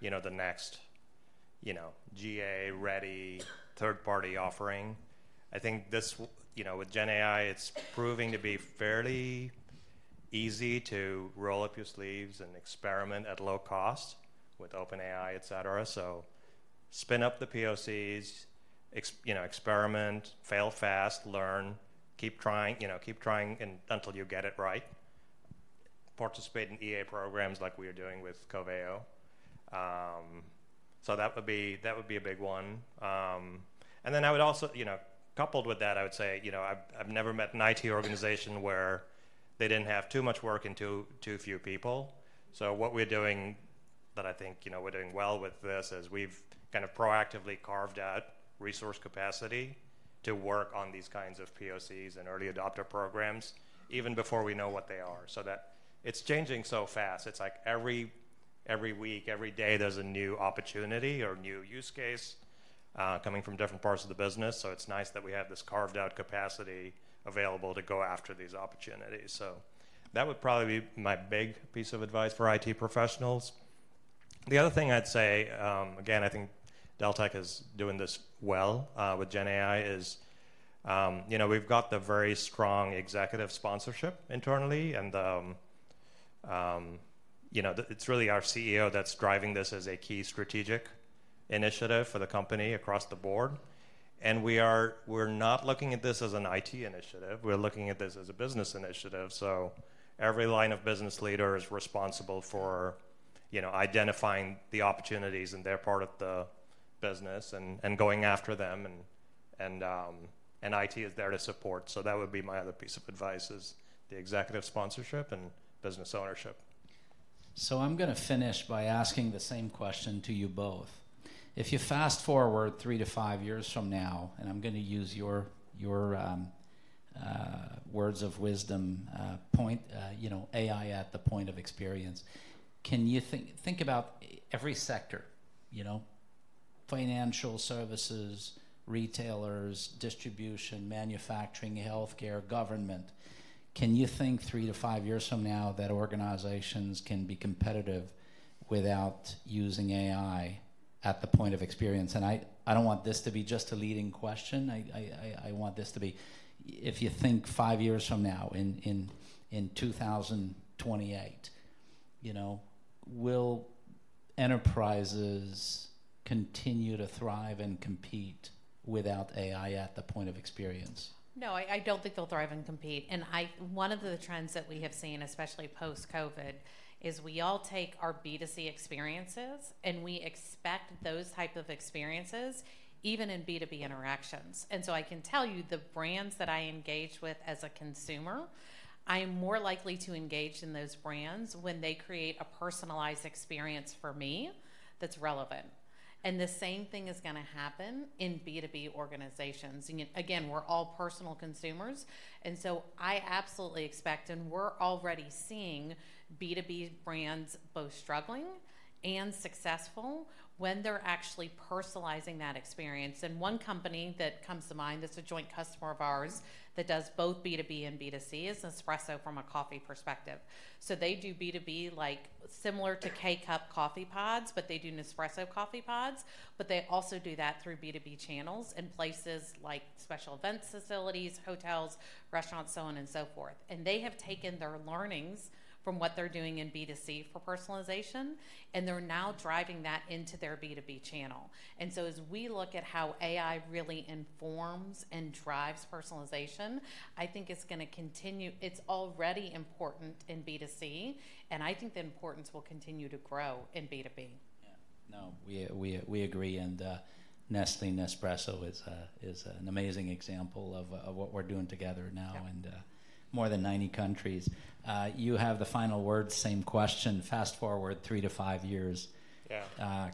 the next, GA-ready, third-party offering. I think this with GenAI, it's proving to be fairly easy to roll up your sleeves and experiment at low cost with OpenAI, et cetera. So spin up the POCs, experiment, fail fast, learn, keep trying, keep trying until you get it right. Participate in EA programs like we are doing with Coveo. So that would be, that would be a big one. And then I would also. You know, coupled with that, I would say, I've, I've never met an IT organization where they didn't have too much work and too few people. So what we're doing that I think, we're doing well with this, is we've kind of proactively carved out resource capacity to work on these kinds of POCs and early adopter programs, even before we know what they are. So that it's changing so fast, it's like every week, every day, there's a new opportunity or new use case coming from different parts of the business. So it's nice that we have this carved-out capacity available to go after these opportunities. So that would probably be my big piece of advice for IT professionals. The other thing I'd say, again, I think Deltek is doing this well, with GenAI, is, we've got the very strong executive sponsorship internally, the—it's really our CEO that's driving this as a key strategic initiative for the company across the board. And we are—we're not looking at this as an IT initiative, we're looking at this as a business initiative, so every line of business leader is responsible for, identifying the opportunities in their part of the business and IT is there to support. So that would be my other piece of advice is the executive sponsorship and business ownership. So I'm going to finish by asking the same question to you both. If you fast-forward 3-5 years from now I'm going to use your words of wisdom, AI at the point of experience, can you think about every sector, financial services, retailers, distribution, manufacturing, healthcare, government. Can you think 3-5 years from now that organizations can be competitive without using AI at the point of experience? And I want this to be, if you think 5 years from now in 2028, will enterprises continue to thrive and compete without AI at the point of experience? No, I don't think they'll thrive and compete. One of the trends that we have seen, especially post-COVID, is we all take our B2C experiences we expect those type of experiences even in B2B interactions. So I can tell you, the brands that I engage with as a consumer, I am more likely to engage in those brands when they create a personalized experience for me that's relevant the same thing is going to happen in B2B organizations. Again, we're all personal consumers, so I absolutely expect we're already seeing B2B brands both struggling and successful when they're actually personalizing that experience. One company that comes to mind, that's a joint customer of ours, that does both B2B and B2C, is Nespresso from a coffee perspective. So they do B2B, like, similar to K-Cup coffee pods, but they do Nespresso coffee pods, but they also do that through B2B channels in places like special events facilities, hotels, restaurants, so on and so forth. And they have taken their learnings from what they're doing in B2C for personalization they're now driving that into their B2B channel. And so as we look at how AI really informs and drives personalization, I think it's going to continue, it's already important in B2C I think the importance will continue to grow in B2B. Yeah. No, we agree Nestlé Nespresso is an amazing example of what we're doing together now in more than 90 countries. You have the final word, same question. Fast-forward 3-5 years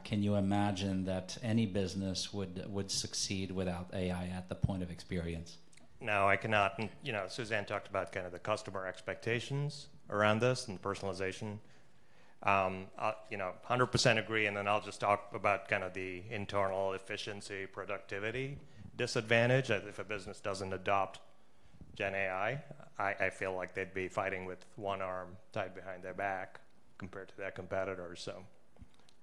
can you imagine that any business would succeed without AI at the point of experience? No, I cannot. You know, Susanne talked about kind of the customer expectations around this and personalization. I, 100% agree then I'll just talk about kind of the internal efficiency, productivity disadvantage. If a business doesn't adopt GenAI, I feel like they'd be fighting with one arm tied behind their back compared to their competitors, so.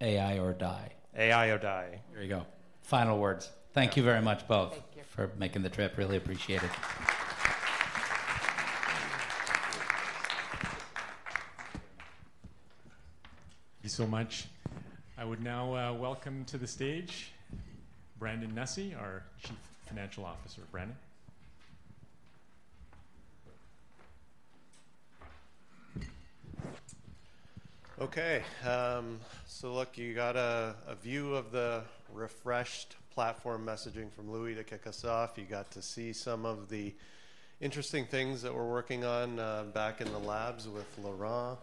AI or die. AI or die. There you go. Final words. Thank you very much both- Thank you. For making the trip. Really appreciate it. Thank you so much. I would now welcome to the stage Brandon Nussey, our Chief Financial Officer. Brandon? Okay, so look, you got a view of the refreshed platform messaging from Louis to kick us off. You got to see some of the interesting things that we're working on back in the labs with Laurent.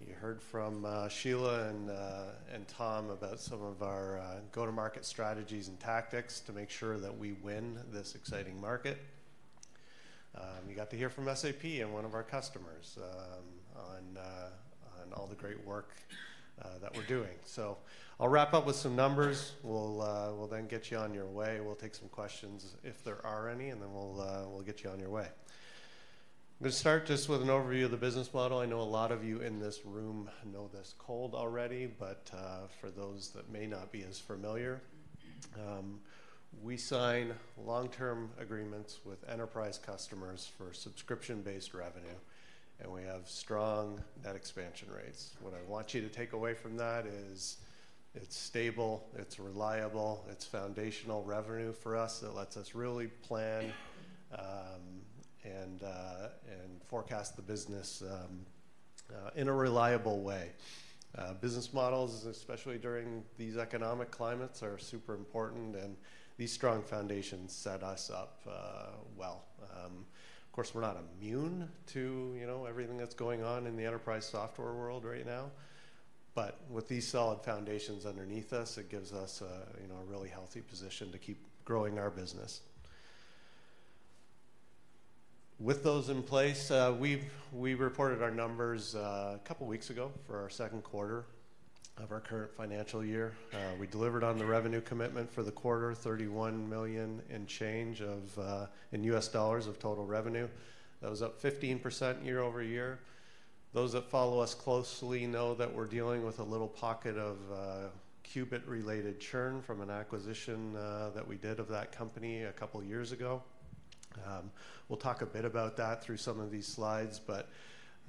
You heard from Sheila and Tom about some of our go-to-market strategies and tactics to make sure that we win this exciting market. You got to hear from SAP and one of our customers on all the great work that we're doing. So I'll wrap up with some numbers. We'll then get you on your way. We'll take some questions, if there are any then we'll get you on your way. I'm going to start just with an overview of the business model. I know a lot of you in this room know this cold already, but, for those that may not be as familiar, we sign long-term agreements with enterprise customers for subscription-based revenue we have strong net expansion rates. What I want you to take away from that is it's stable, it's reliable, it's foundational revenue for us that lets us really plan forecast the business, in a reliable way. Business models, especially during these economic climates, are super important these strong foundations set us up, well. Of course, we're not immune to, everything that's going on in the enterprise software world right now. But with these solid foundations underneath us, it gives us a, a really healthy position to keep growing our business. With those in place, we've, we reported our numbers a couple weeks ago for our second quarter of our current financial year. We delivered on the revenue commitment for the quarter, $31 million and change in US dollars of total revenue. That was up 15% year-over-year. Those that follow us closely know that we're dealing with a little pocket of Qubit-related churn from an acquisition that we did of that company a couple years ago. We'll talk a bit about that through some of these slides,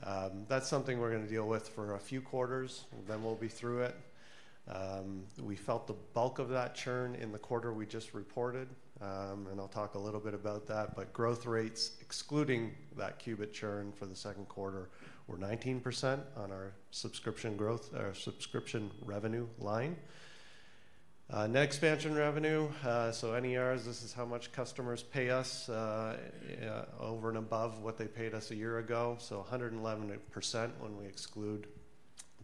but that's something we're gonna deal with for a few quarters then we'll be through it. We felt the bulk of that churn in the quarter we just reported I'll talk a little bit about that, but growth rates, excluding that Qubit churn for the second quarter, were 19% on our subscription growth, our subscription revenue line. Net expansion revenue, so NERs, this is how much customers pay us, over and above what they paid us a year ago. So 111% when we exclude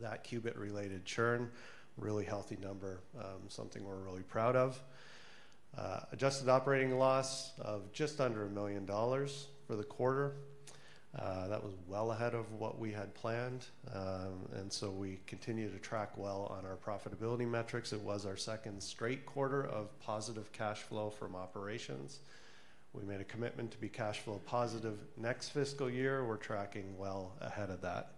that Qubit-related churn, really healthy number, something we're really proud of. Adjusted operating loss of just under $1 million for the quarter. That was well ahead of what we had planned so we continue to track well on our profitability metrics. It was our second straight quarter of positive cash flow from operations. We made a commitment to be cash flow positive next fiscal year. We're tracking well ahead of that.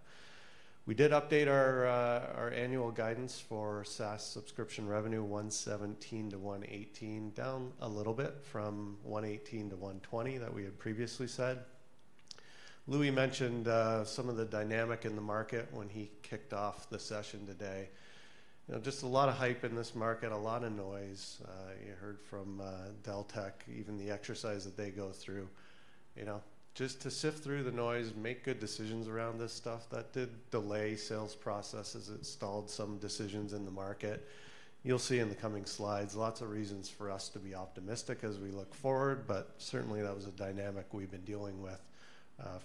We did update our, our annual guidance for SaaS subscription revenue, $117-$118, down a little bit from $118-$120 that we had previously said. Louis mentioned, some of the dynamic in the market when he kicked off the session today. You know, just a lot of hype in this market, a lot of noise. You heard from, Deltek, even the exercise that they go through, just to sift through the noise and make good decisions around this stuff, that did delay sales processes. It stalled some decisions in the market. You'll see in the coming slides, lots of reasons for us to be optimistic as we look forward, but certainly, that was a dynamic we've been dealing with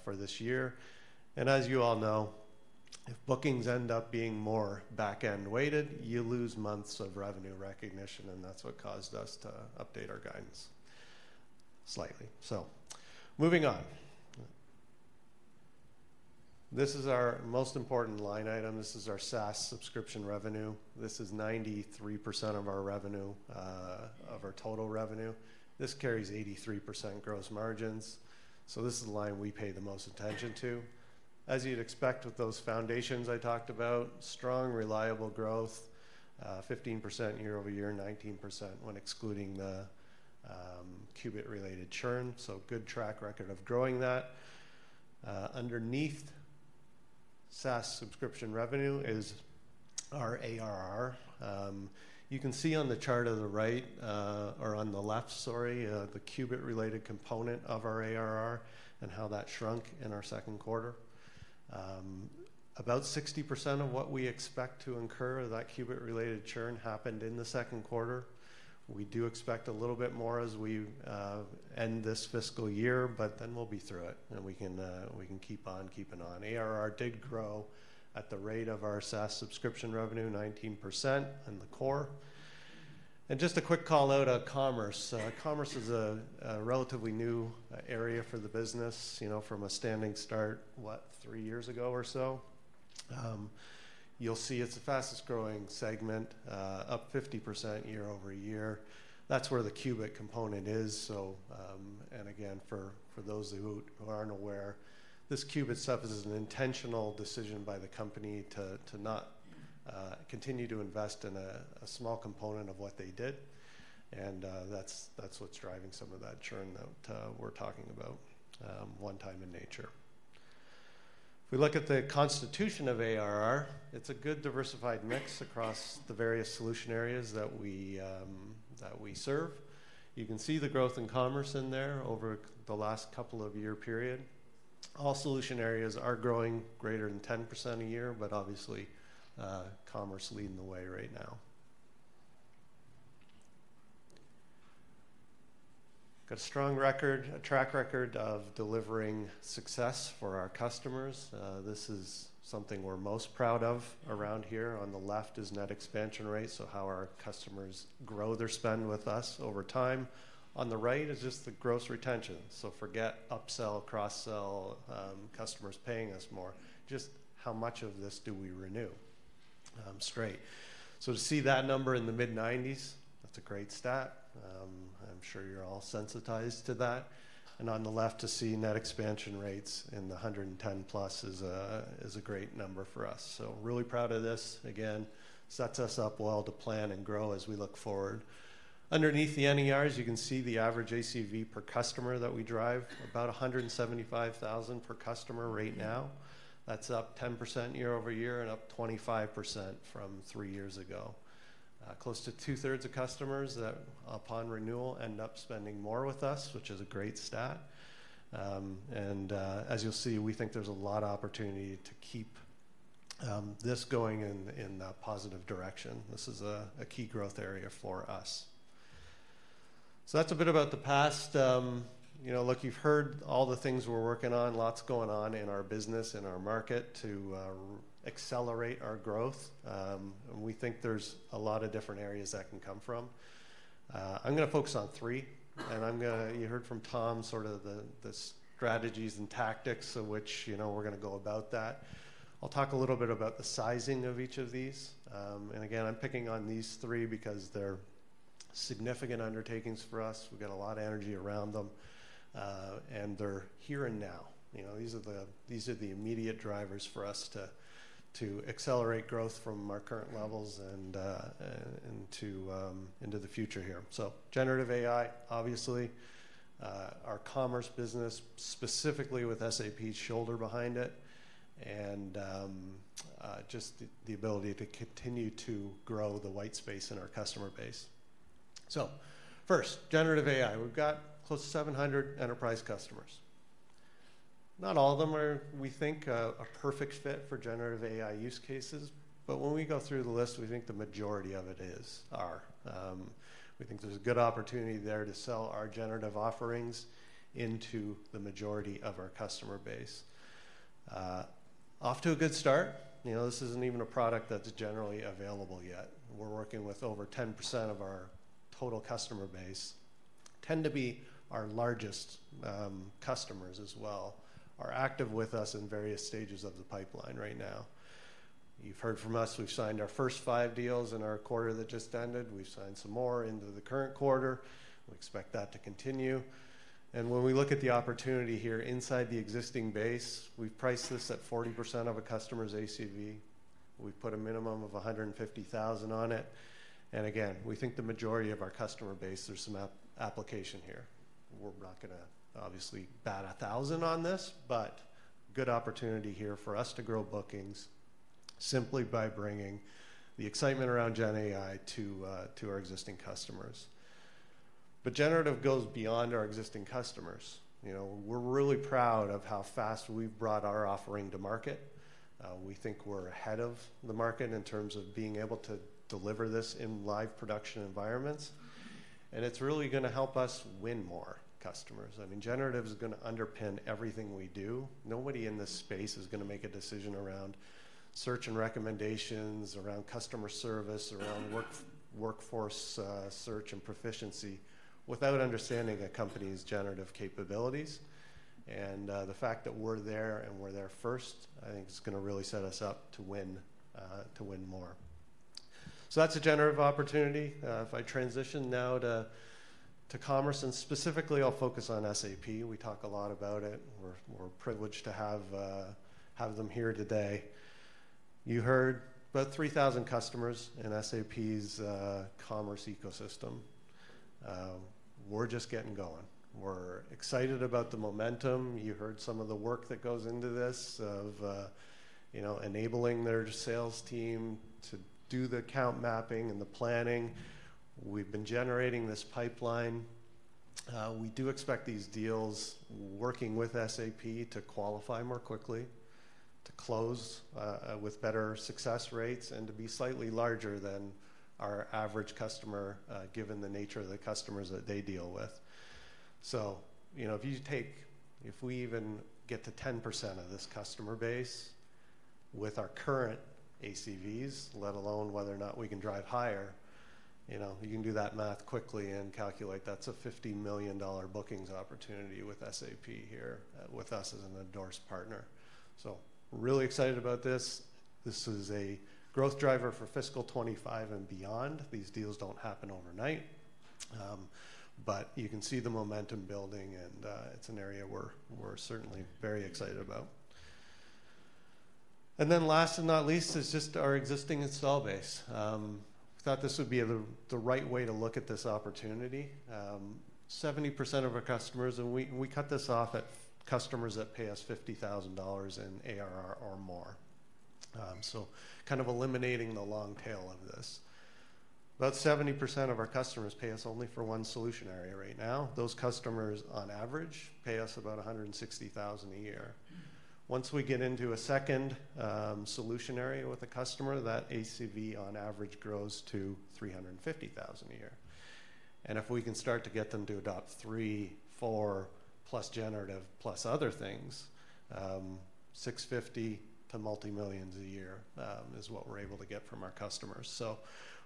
for this year. And as you all know, if bookings end up being more back-end weighted, you lose months of revenue recognition that's what caused us to update our guidance slightly. So moving on. This is our most important line item. This is our SaaS subscription revenue. This is 93% of our revenue, of our total revenue. This carries 83% gross margins, so this is the line we pay the most attention to. As you'd expect with those foundations I talked about, strong, reliable growth, 15% year-over-year, 19% when excluding the Qubit-related churn, so good track record of growing that. Underneath SaaS subscription revenue is our ARR. You can see on the chart on the right, or on the left, sorry, the Qubit-related component of our ARR and how that shrunk in our second quarter. About 60% of what we expect to incur of that Qubit-related churn happened in the second quarter. We do expect a little bit more as we end this fiscal year, but then we'll be through it we can keep on keeping on. ARR did grow at the rate of our SaaS subscription revenue, 19% in the core. Just a quick call-out on commerce. Commerce is a relatively new area for the business, from a standing start, what, 3 years ago or so? You'll see it's the fastest growing segment, up 50% year-over-year. That's where the Qubit component is. And again, for those who aren't aware, this Qubit stuff is an intentional decision by the company to not continue to invest in a small component of what they did that's what's driving some of that churn that we're talking about, one time in nature. If we look at the constitution of ARR, it's a good diversified mix across the various solution areas that we serve. You can see the growth in commerce in there over the last couple of year period. All solution areas are growing greater than 10% a year, but obviously, commerce leading the way right now. Got a strong record, a track record of delivering success for our customers. This is something we're most proud of around here. On the left is net expansion rate, so how our customers grow their spend with us over time. On the right is just the gross retention. So forget upsell, cross-sell, customers paying us more, just how much of this do we renew, straight. So to see that number in the mid-90s, that's a great stat. I'm sure you're all sensitized to that. And on the left, to see net expansion rates in the 110+ is a, is a great number for us. So really proud of this. Again, sets us up well to plan and grow as we look forward. Underneath the NERs, you can see the average ACV per customer that we drive, about $175,000 per customer right now. That's up 10% year-over-year and up 25% from three years ago. Close to two-thirds of customers that upon renewal end up spending more with us, which is a great stat. As you'll see, we think there's a lot of opportunity to keep this going in a positive direction. This is a key growth area for us. So that's a bit about the past. You know, look, you've heard all the things we're working on, lots going on in our business and our market to accelerate our growth. And we think there's a lot of different areas that can come from. I'm gonna focus on 3 I'm gonna—You heard from Tom sort of the strategies and tactics of which, we're gonna go about that. I'll talk a little bit about the sizing of each of these. And again, I'm picking on these three because they're significant undertakings for us. We've got a lot of energy around them they're here and now. You know, these are the immediate drivers for us to accelerate growth from our current levels and into the future here. So GenAI, obviously, our commerce business, specifically with SAP's shoulder behind it just the ability to continue to grow the white space in our customer base. So first, GenAI. We've got close to 700 enterprise customers. Not all of them are, we think, a perfect fit for GenAI use cases, but when we go through the list, we think the majority of it is, are. We think there's a good opportunity there to sell our generative offerings into the majority of our customer base. Off to a good start, this isn't even a product that's generally available yet. We're working with over 10% of our total customer base, tend to be our largest customers as well, are active with us in various stages of the pipeline right now. You've heard from us, we've signed our first five deals in our quarter that just ended. We've signed some more into the current quarter. We expect that to continue. And when we look at the opportunity here inside the existing base, we've priced this at 40% of a customer's ACV. We've put a minimum of $150,000 on it again, we think the majority of our customer base, there's some application here. We're not gonna obviously bat a thousand on this, but good opportunity here for us to grow bookings simply by bringing the excitement around GenAI to, to our existing customers. But generative goes beyond our existing customers. You know, we're really proud of how fast we've brought our offering to market. We think we're ahead of the market in terms of being able to deliver this in live production environments it's really gonna help us win more customers. I mean, generative is gonna underpin everything we do. Nobody in this space is gonna make a decision around search and recommendations, around customer service, around work- workforce, search and proficiency, without understanding a company's generative capabilities. And, the fact that we're there and we're there first, I think is gonna really set us up to win, to win more. So that's a generative opportunity. If I transition now to commerce specifically I'll focus on SAP. We talk a lot about it. We're privileged to have them here today. You heard about 3,000 customers in SAP's commerce ecosystem. We're just getting going. We're excited about the momentum. You heard some of the work that goes into this, enabling their sales team to do the account mapping and the planning. We've been generating this pipeline. We do expect these deals, working with SAP, to qualify more quickly, to close with better success rates to be slightly larger than our average customer, given the nature of the customers that they deal with. So, if you take. If we even get to 10% of this customer base with our current ACVs, let alone whether or not we can drive higher, you can do that math quickly and calculate that's a $50 million bookings opportunity with SAP here, with us as an endorsed partner. So we're really excited about this. This is a growth driver for fiscal 25 and beyond. These deals don't happen overnight, but you can see the momentum building, it's an area we're certainly very excited about. And then last but not least, is just our existing install base. Thought this would be the right way to look at this opportunity. 70% of our customers we cut this off at customers that pay us $50,000 in ARR or more. So kind of eliminating the long tail of this. About 70% of our customers pay us only for one solution area right now. Those customers, on average, pay us about $160,000 a year. Once we get into a second solution area with a customer, that ACV on average grows to $350,000 a year. And if we can start to get them to about 3, 4+ generative, plus other things, 650 to multimillions a year is what we're able to get from our customers. So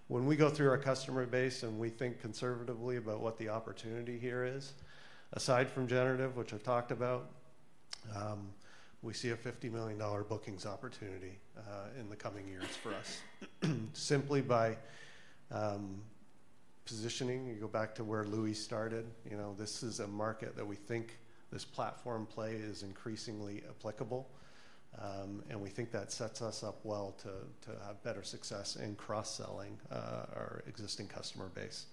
when we go through our customer base and we think conservatively about what the opportunity here is, aside from generative, which I've talked about, we see a $50 million bookings opportunity in the coming years for us. Simply by positioning, you go back to where Louis started, this is a market that we think this platform play is increasingly applicable we think that sets us up well to have better success in cross-selling our existing customer base.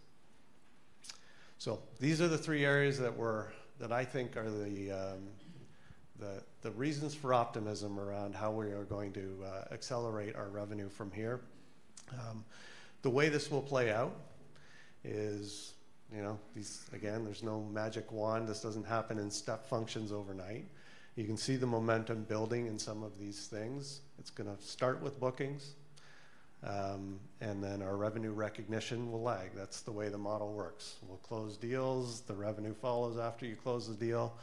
So these are the three areas that I think are the reasons for optimism around how we are going to accelerate our revenue from here. The way this will play out is, these. Again, there's no magic wand. This doesn't happen in step functions overnight. You can see the momentum building in some of these things. It's gonna start with bookings. and then our revenue recognition will lag. That's the way the model works. We'll close deals, the revenue follows after you close the deal.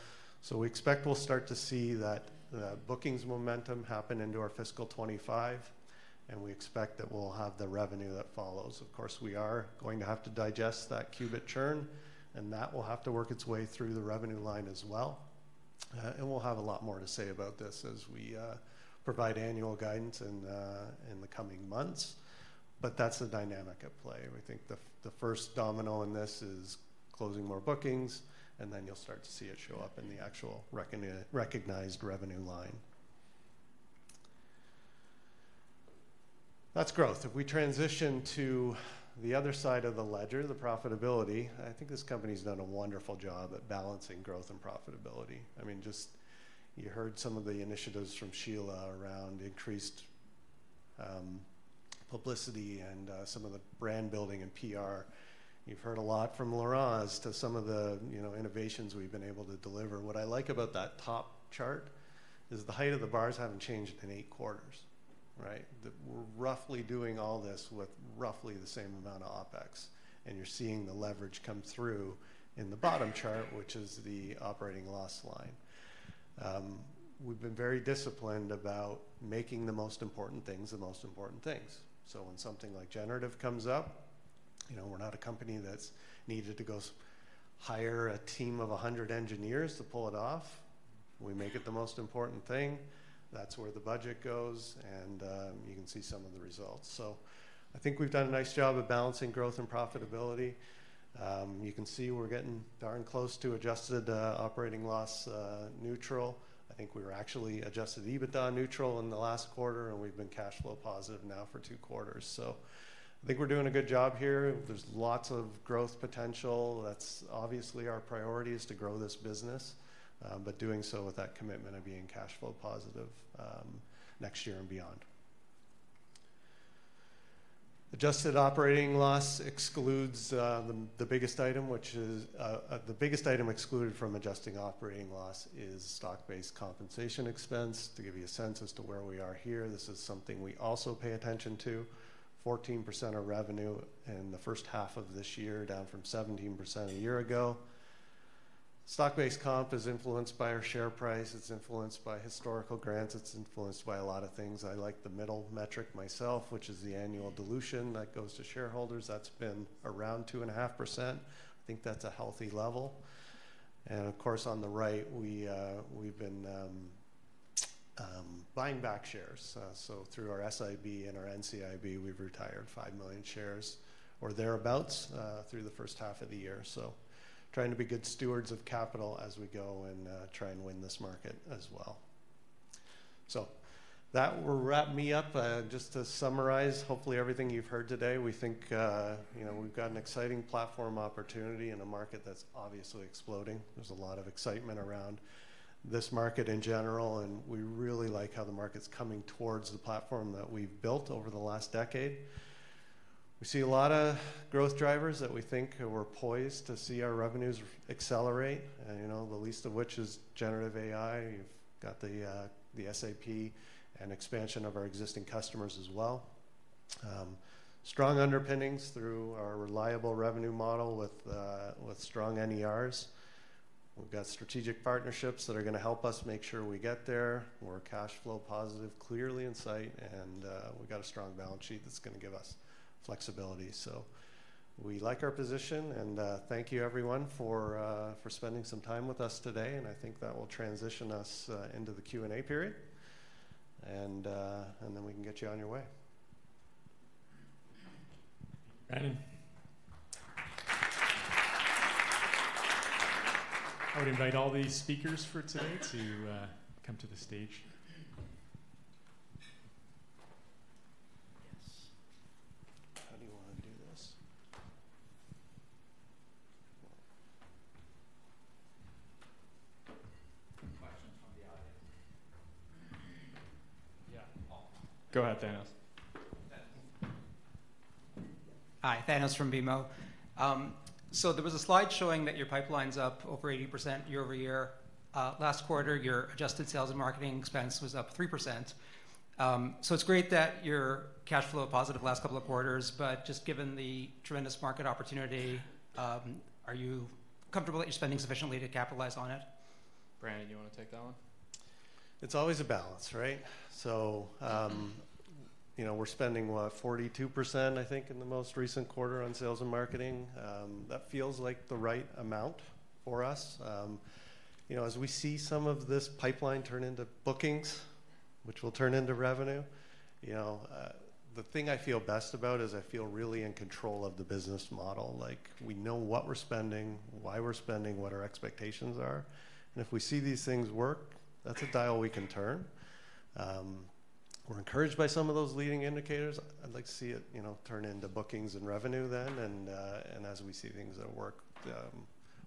So we expect we'll start to see that, the bookings momentum happen into our fiscal 2025 we expect that we'll have the revenue that follows. Of course, we are going to have to digest that Qubit churn that will have to work its way through the revenue line as well. And we'll have a lot more to say about this as we provide annual guidance in the coming months, but that's the dynamic at play. We think the first domino in this is closing more bookings then you'll start to see it show up in the actual recognized revenue line. That's growth. If we transition to the other side of the ledger, the profitability, I think this company's done a wonderful job at balancing growth and profitability. I mean, just. You heard some of the initiatives from Sheila around increased publicity and some of the brand building and PR. You've heard a lot from Laurent to some of the, innovations we've been able to deliver. What I like about that top chart is the height of the bars haven't changed in eight quarters, right? We're roughly doing all this with roughly the same amount of OpEx you're seeing the leverage come through in the bottom chart, which is the operating loss line. We've been very disciplined about making the most important things, the most important things. So when something like generative comes up, we're not a company that's needed to go hire a team of 100 engineers to pull it off. We make it the most important thing. That's where the budget goes you can see some of the results. So I think we've done a nice job of balancing growth and profitability. You can see we're getting darn close to adjusted operating loss neutral. I think we were actually adjusted EBITDA neutral in the last quarter we've been cash flow positive now for two quarters. So I think we're doing a good job here. There's lots of growth potential. That's obviously our priority is to grow this business, but doing so with that commitment of being cash flow positive next year and beyond. Adjusted operating loss excludes the biggest item, which is. The biggest item excluded from adjusting operating loss is stock-based compensation expense. To give you a sense as to where we are here, this is something we also pay attention to. 14% of revenue in the first half of this year, down from 17% a year ago. Stock-based comp is influenced by our share price, it's influenced by historical grants, it's influenced by a lot of things. I like the middle metric myself, which is the annual dilution that goes to shareholders. That's been around 2.5%. I think that's a healthy level of course, on the right, we've been buying back shares. So through our SIB and our NCIB, we've retired 5 million shares or thereabouts, through the first half of the year. So trying to be good stewards of capital as we go and try and win this market as well. So that will wrap me up. Just to summarize, hopefully, everything you've heard today, we think, we've got an exciting platform opportunity in a market that's obviously exploding. There's a lot of excitement around this market in general we really like how the market's coming towards the platform that we've built over the last decade. We see a lot of growth drivers that we think we're poised to see our revenues accelerate, the least of which is GenAI. You've got the, the SAP and expansion of our existing customers as well. Strong underpinnings through our reliable revenue model with, with strong NERs. We've got strategic partnerships that are gonna help us make sure we get there. We're cash flow positive, clearly in sight, we've got a strong balance sheet that's gonna give us flexibility. So we like our position thank you everyone for spending some time with us today I think that will transition us into the Q&A period. And then we can get you on your way. Brandon. I would invite all the speakers for today to come to the stage. Yes. How do you want to do this? Questions from the audience. Yeah. Go ahead, Thanos. Hi, Thanos from BMO. So there was a slide showing that your pipeline's up over 80% year-over-year. Last quarter, your adjusted sales and marketing expense was up 3%. So it's great that you're cash flow positive last couple of quarters, but just given the tremendous market opportunity, are you comfortable that you're spending sufficiently to capitalize on it? Brandon, you want to take that one? It's always a balance, right? So, we're spending, what? 42%, I think, in the most recent quarter on sales and marketing. That feels like the right amount for us. You know, as we see some of this pipeline turn into bookings, which will turn into revenue, the thing I feel best about is I feel really in control of the business model. Like, we know what we're spending, why we're spending, what our expectations are if we see these things work, that's a dial we can turn. We're encouraged by some of those leading indicators. I'd like to see it, turn into bookings and revenue and as we see things that work,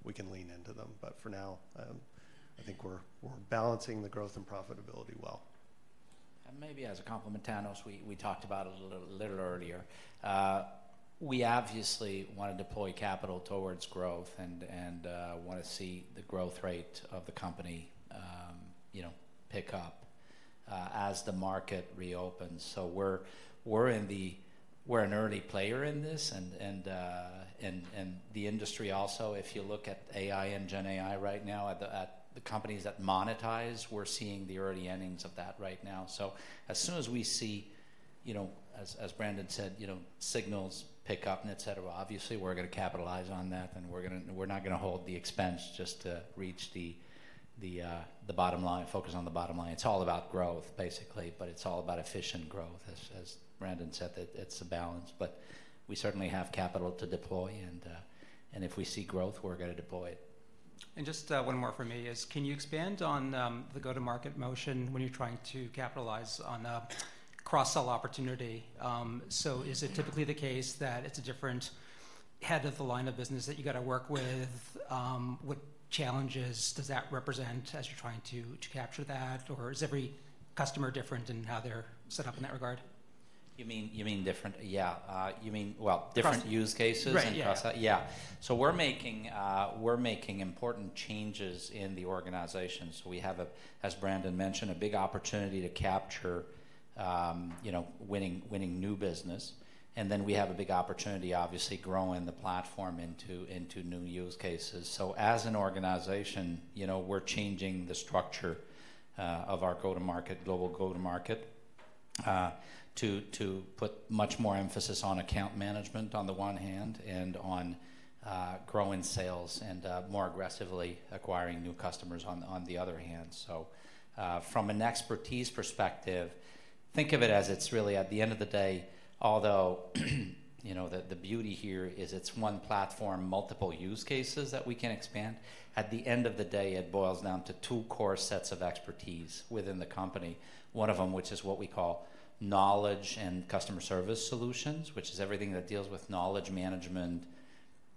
we can lean into them. But for now, I think we're, we're balancing the growth and profitability well. And maybe as a compliment, Thanos, we talked about a little earlier. We obviously want to deploy capital towards growth and want to see the growth rate of the company, pick up as the market reopens. So we're in the-- we're an early player in this the industry also, if you look at AI and GenAI right now, at the companies that monetize, we're seeing the early innings of that right now. So as soon as we see, as Brandon said, signals pick up and et cetera, obviously, we're gonna capitalize on that we're gonna-- we're not gonna hold the expense just to reach the bottom line, focus on the bottom line. It's all about growth, basically, but it's all about efficient growth. As Brandon said, it's a balance, but we certainly have capital to deploy if we see growth, we're gonna deploy it. Just one more for me is can you expand on the go-to-market motion when you're trying to capitalize on a cross-sell opportunity? Is it typically the case that it's a different head of the line of business that you got to work with? What challenges does that represent as you're trying to capture that? Or is every customer different in how they're set up in that regard? You mean, you mean different. Yeah. You mean, well. Cross. Different use cases. Right, yeah. And cross-sell? Yeah. So we're making, we're making important changes in the organization. So we have a, as Brandon mentioned, a big opportunity to capture, winning, winning new business then we have a big opportunity, obviously, growing the platform into, into new use cases. So as an organization, we're changing the structure, of our go-to-market, global go-to-market, to, to put much more emphasis on account management on the one hand on, growing sales and, more aggressively acquiring new customers on the, on the other hand. So, from an expertise perspective, think of it as it's really, at the end of the day, although, the, the beauty here is it's one platform, multiple use cases that we can expand. At the end of the day, it boils down to two core sets of expertise within the company. One of them, which is what we call knowledge and customer service solutions, which is everything that deals with knowledge management,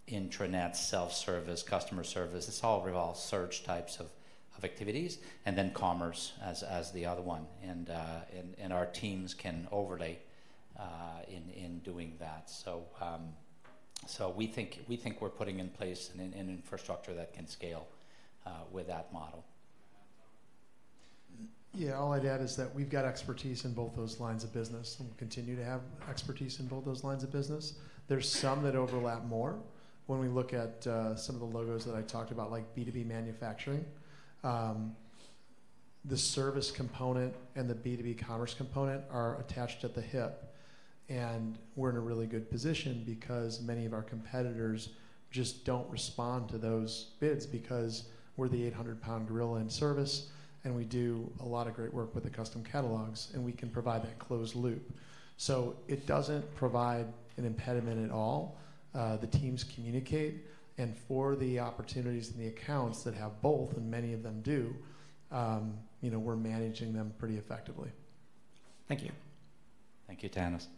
intranet, self-service, customer service. This all revolves search types of activities then commerce as the other one our teams can overlay in doing that. So we think we're putting in place an infrastructure that can scale with that model. Yeah. All I'd add is that we've got expertise in both those lines of business and continue to have expertise in both those lines of business. There's some that overlap more. When we look at some of the logos that I talked about, like B2B manufacturing, the service component and the B2B commerce component are attached at the hip. And we're in a really good position because many of our competitors just don't respond to those bids because we're the 800-pound gorilla in service we do a lot of great work with the custom catalogs we can provide that closed loop. So it doesn't provide an impediment at all. The teams communicate for the opportunities and the accounts that have both many of them do, we're managing them pretty effectively. Thank you. Thank you, Thanos.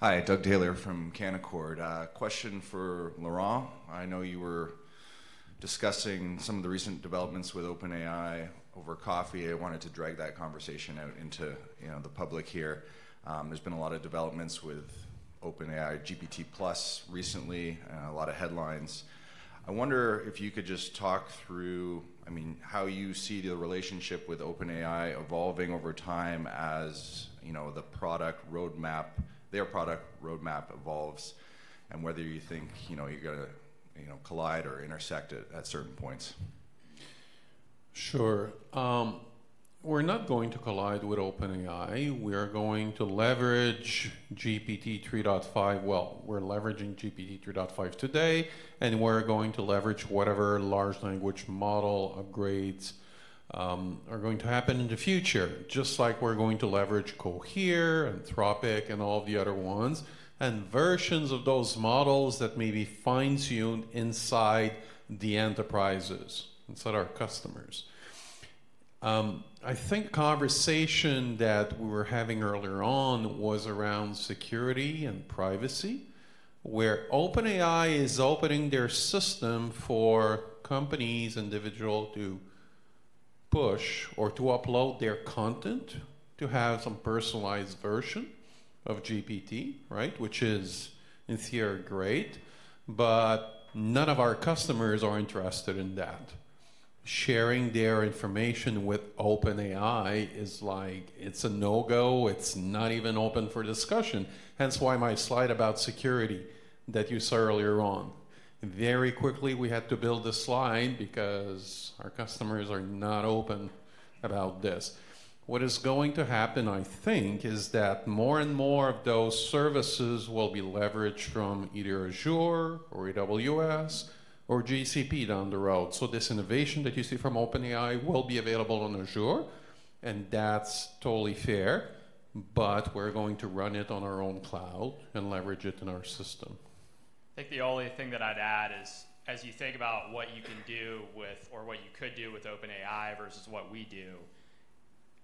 Hi, Doug Taylor from Canaccord. Question for Laurent. I know you were discussing some of the recent developments with OpenAI over coffee. I wanted to drag that conversation out into, the public here. There's been a lot of developments with OpenAI, GPT Plus recently a lot of headlines. I wonder if you could just talk through, I mean, how you see the relationship with OpenAI evolving over time as, the product roadmap, their product roadmap evolves whether you think, you're gonna, collide or intersect at, at certain points. Sure. We're not going to collide with OpenAI. We are going to leverage GPT-3.5. Well, we're leveraging GPT-3.5 today we're going to leverage whatever large language model upgrades are going to happen in the future, just like we're going to leverage Cohere, Anthropic all the other ones versions of those models that may be fine-tuned inside the enterprises and so our customers. I think conversation that we were having earlier on was around security and privacy, where OpenAI is opening their system for companies, individual to push or to upload their content to have some personalized version of GPT, right? Which is in theory, great, but none of our customers are interested in that. Sharing their information with OpenAI is like, it's a no-go. It's not even open for discussion. Hence, why my slide about security that you saw earlier on. Very quickly, we had to build a slide because our customers are not open about this. What is going to happen, I think, is that more and more of those services will be leveraged from either Azure or AWS or GCP down the road. So this innovation that you see from OpenAI will be available on Azure that's totally fair, but we're going to run it on our own cloud and leverage it in our system. I think the only thing that I'd add is, as you think about what you can do with or what you could do with OpenAI versus what we do.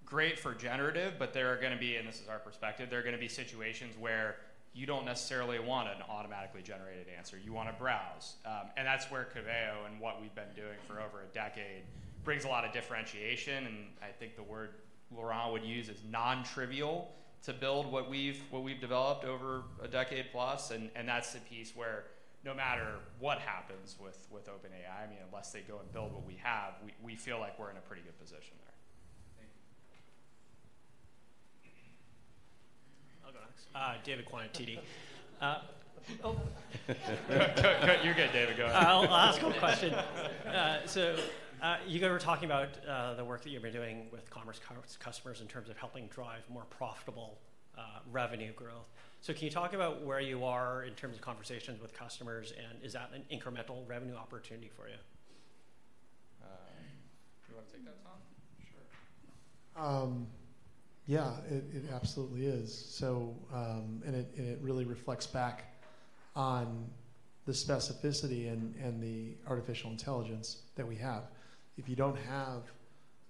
Great for generative, but there are gonna be this is our perspective, there are gonna be situations where you don't necessarily want an automatically generated answer. You wanna browse. And that's where Coveo and what we've been doing for over a decade brings a lot of differentiation I think the word Laurent would use is non-trivial to build what we've, what we've developed over a decade plus that's the piece where no matter what happens with, with OpenAI, I mean, unless they go and build what we have, we, we feel like we're in a pretty good position there. Thank you. I'll go next. David Kwan, TD. Go, go, go. You're good, David. Go ahead. I'll ask a question. So, you guys were talking about the work that you've been doing with commerce customers in terms of helping drive more profitable revenue growth. So can you talk about where you are in terms of conversations with customers is that an incremental revenue opportunity for you? Do you wanna take that, Tom? Sure. Yeah, it absolutely is. So it really reflects back on the specificity and the artificial intelligence that we have. If you don't have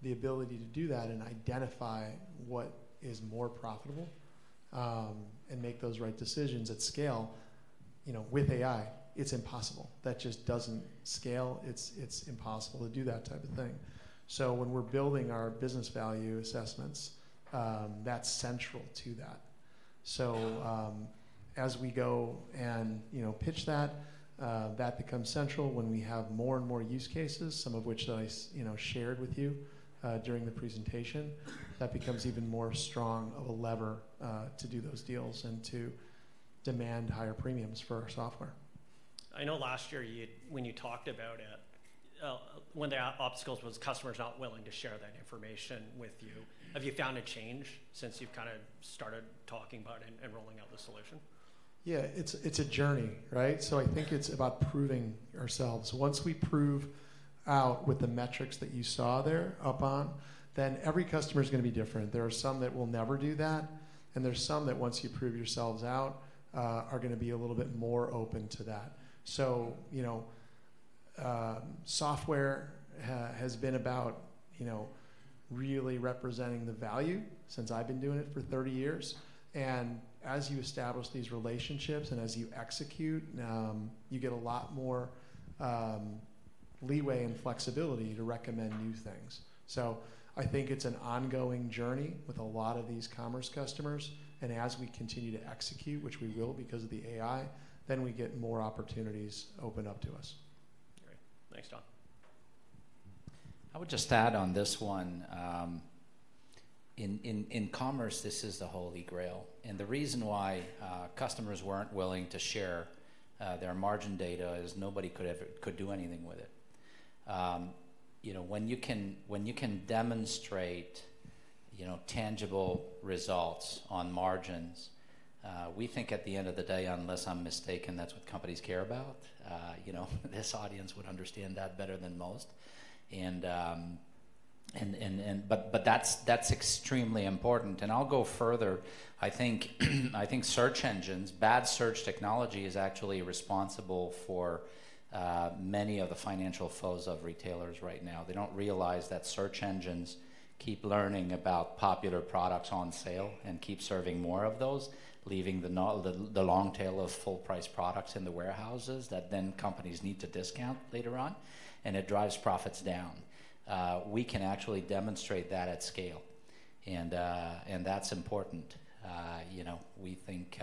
the ability to do that and identify what is more profitable make those right decisions at scale, with AI, it's impossible. That just doesn't scale. It's impossible to do that type of thing. So when we're building our business value assessments, that's central to that. So, as we go and, pitch that, that becomes central when we have more and more use cases, some of which, I shared with you, during the presentation, that becomes even more strong of a lever, to do those deals and to demand higher premiums for our software. I know last year when you talked about it, one of the obstacles was customers not willing to share that information with you. Have you found a change since you've kind of started talking about it and rolling out the solution? Yeah, it's a journey, right? So I think it's about proving ourselves. Once we prove out with the metrics that you saw there up on, then every customer is gonna be different. There are some that will never do that there's some that, once you prove yourselves out, are gonna be a little bit more open to that. So, software has been about, really representing the value since I've been doing it for 30 years as you establish these relationships and as you execute, you get a lot more leeway and flexibility to recommend new things. So I think it's an ongoing journey with a lot of these commerce customers as we continue to execute, which we will because of the AI, then we get more opportunities open up to us. Great. Thanks, Tom. I would just add on this one, in commerce, this is the Holy Grail the reason why, customers weren't willing to share, their margin data is nobody could ever do anything with it. You know, when you can demonstrate, tangible results on margins, we think at the end of the day, unless I'm mistaken, that's what companies care about. You know, this audience would understand that better than most. But that's extremely important. And I'll go further. I think search engines, bad search technology is actually responsible for many of the financial foes of retailers right now. They don't realize that search engines keep learning about popular products on sale and keep serving more of those, leaving the long tail of full-price products in the warehouses that then companies need to discount later on it drives profits down. We can actually demonstrate that at scale that's important. You know, we think,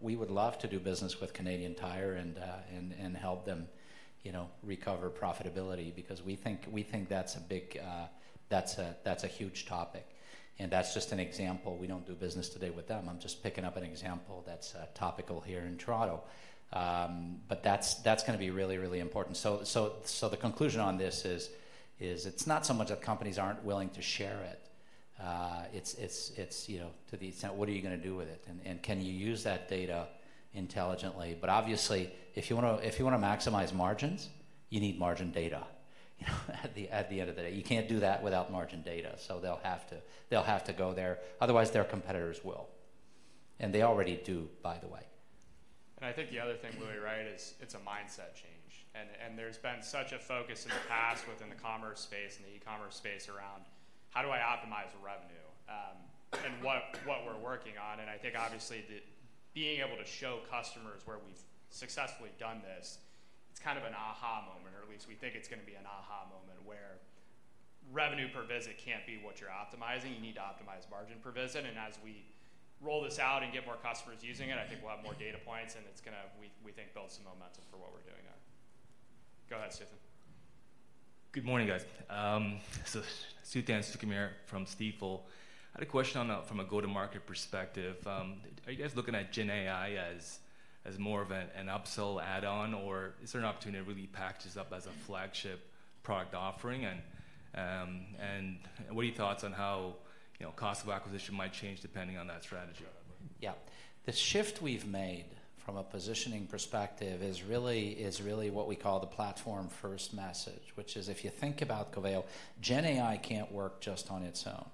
we would love to do business with Canadian Tire and help them, recover profitability because we think that's a huge topic. That's just an example. We don't do business today with them. I'm just picking up an example that's topical here in Toronto. But that's gonna be really, really important. So, the conclusion on this is, it's not so much that companies aren't willing to share it. You know, to the extent, what are you gonna do with it? And can you use that data intelligently? But obviously, if you wanna maximize margins, you need margin data. You know, at the end of the day, you can't do that without margin data, so they'll have to go there, otherwise, their competitors will. And they already do, by the way. And I think the other thing, Louis, right, is it's a mindset change. And there's been such a focus in the past within the commerce space and the e-commerce space around: How do I optimize revenue? And what, what we're working on I think obviously the- being able to show customers where we've successfully done this, it's kind of an aha moment, or at least we think it's gonna be an aha moment, where revenue per visit can't be what you're optimizing. You need to optimize margin per visit as we roll this out and get more customers using it, I think we'll have more data points it's gonna, we, we think, build some momentum for what we're doing there. Go ahead, Stephen. Good morning, guys. So Suthan Sukumar from Stifel. I had a question on, from a go-to-market perspective. Are you guys looking at GenAI as, as more of an, an upsell add-on, or is there an opportunity to really package this up as a flagship product offering? And what are your thoughts on how, cost of acquisition might change depending on that strategy? Yeah. The shift we've made from a positioning perspective is really, is really what we call the platform-first message, which is, if you think about Coveo, GenAI can't work just on its own.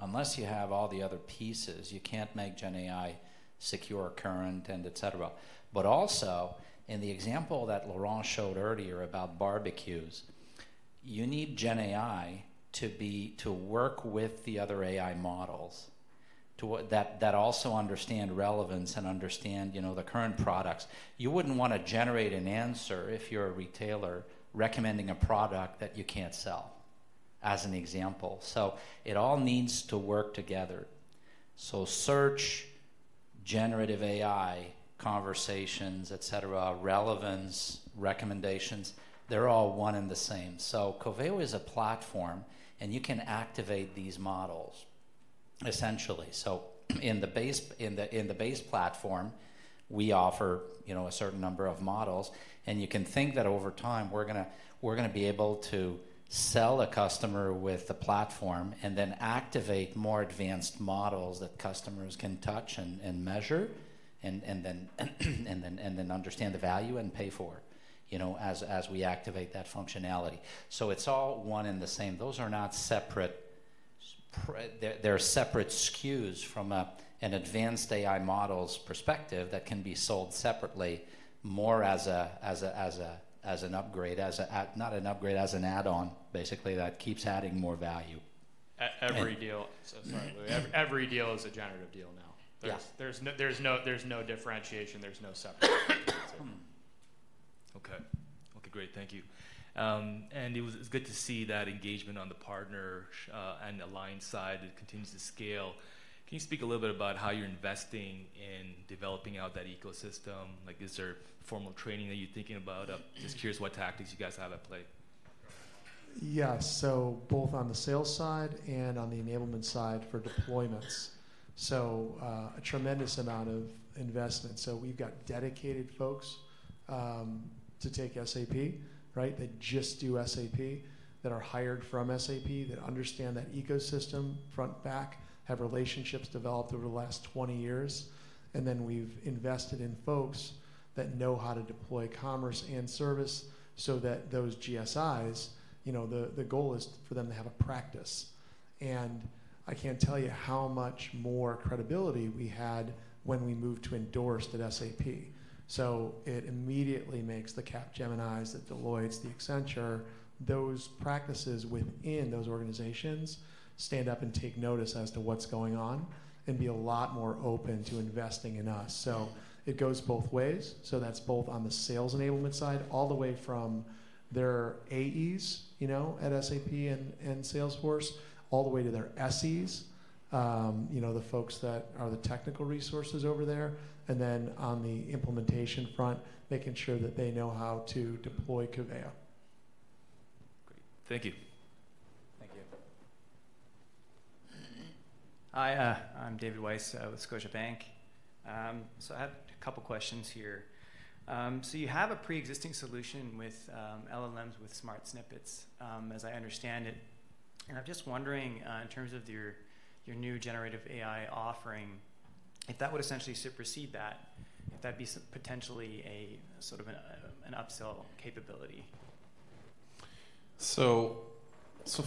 Unless you have all the other pieces, you can't make GenAI secure, current etcetera. But also, in the example that Laurent showed earlier about barbecues. you need GenAI to be, to work with the other AI models, that also understand relevance and understand, the current products. You wouldn't want to generate an answer if you're a retailer recommending a product that you can't sell, as an example. So it all needs to work together. So search, GenAI, conversations, et cetera, relevance, recommendations, they're all one and the same. So Coveo is a platform you can activate these models, essentially. So in the base platform, we offer, a certain number of models you can think that over time, we're gonna be able to sell a customer with the platform and then activate more advanced models that customers can touch and measure then understand the value and pay for, as we activate that functionality. So it's all one and the same. Those are not separate sp-- They're separate SKUs from an advanced AI model's perspective that can be sold separately, more as an upgrade – not an upgrade, as an add-on, basically, that keeps adding more value. E-every deal. So. Sorry, every deal is a generative deal now? There's no differentiation, there's no separate. Okay. Okay, great. Thank you. And it was, it's good to see that engagement on the partner side and align side, it continues to scale. Can you speak a little bit about how you're investing in developing out that ecosystem? Like, is there formal training that you're thinking about? Just curious what tactics you guys have at play. Yeah. So both on the sales side and on the enablement side for deployments, so, a tremendous amount of investment. So we've got dedicated folks to take SAP, right? That just do SAP, that are hired from SAP, that understand that ecosystem front to back, have relationships developed over the last 20 years. And then we've invested in folks that know how to deploy commerce and service so that those GSIs, the goal is for them to have a practice. And I can't tell you how much more credibility we had when we moved to endorsed at SAP. So it immediately makes the Capgemini, the Deloitte, the Accenture, those practices within those organizations stand up and take notice as to what's going on and be a lot more open to investing in us. So it goes both ways. So that's both on the sales enablement side, all the way from their AEs, at SAP and Salesforce, all the way to their SEs, the folks that are the technical resources over there. And then on the implementation front, making sure that they know how to deploy Coveo. Great. Thank you. Thank you. Hi, I'm David Weiss with Scotiabank. I have a couple questions here. You have a pre-existing solution with LLMs with Smart Snippets, as I understand it I'm just wondering, in terms of your, your new GenAI offering, if that would essentially supersede that, if that'd be some potentially a sort of an, an upsell capability? So,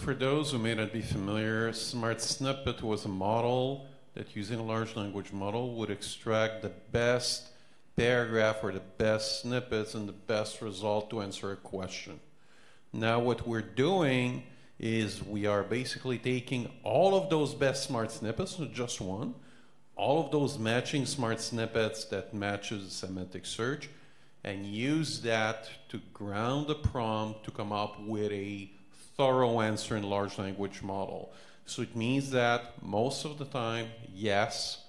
for those who may not be familiar, Smart Snippets was a model that, using a large language model, would extract the best paragraph or the best snippets and the best result to answer a question. Now, what we're doing is we are basically taking all of those best Smart Snippets, so just one, all of those matching Smart Snippets that matches the semantic search use that to ground the prompt to come up with a thorough answer in large language model. So it means that most of the time, yes,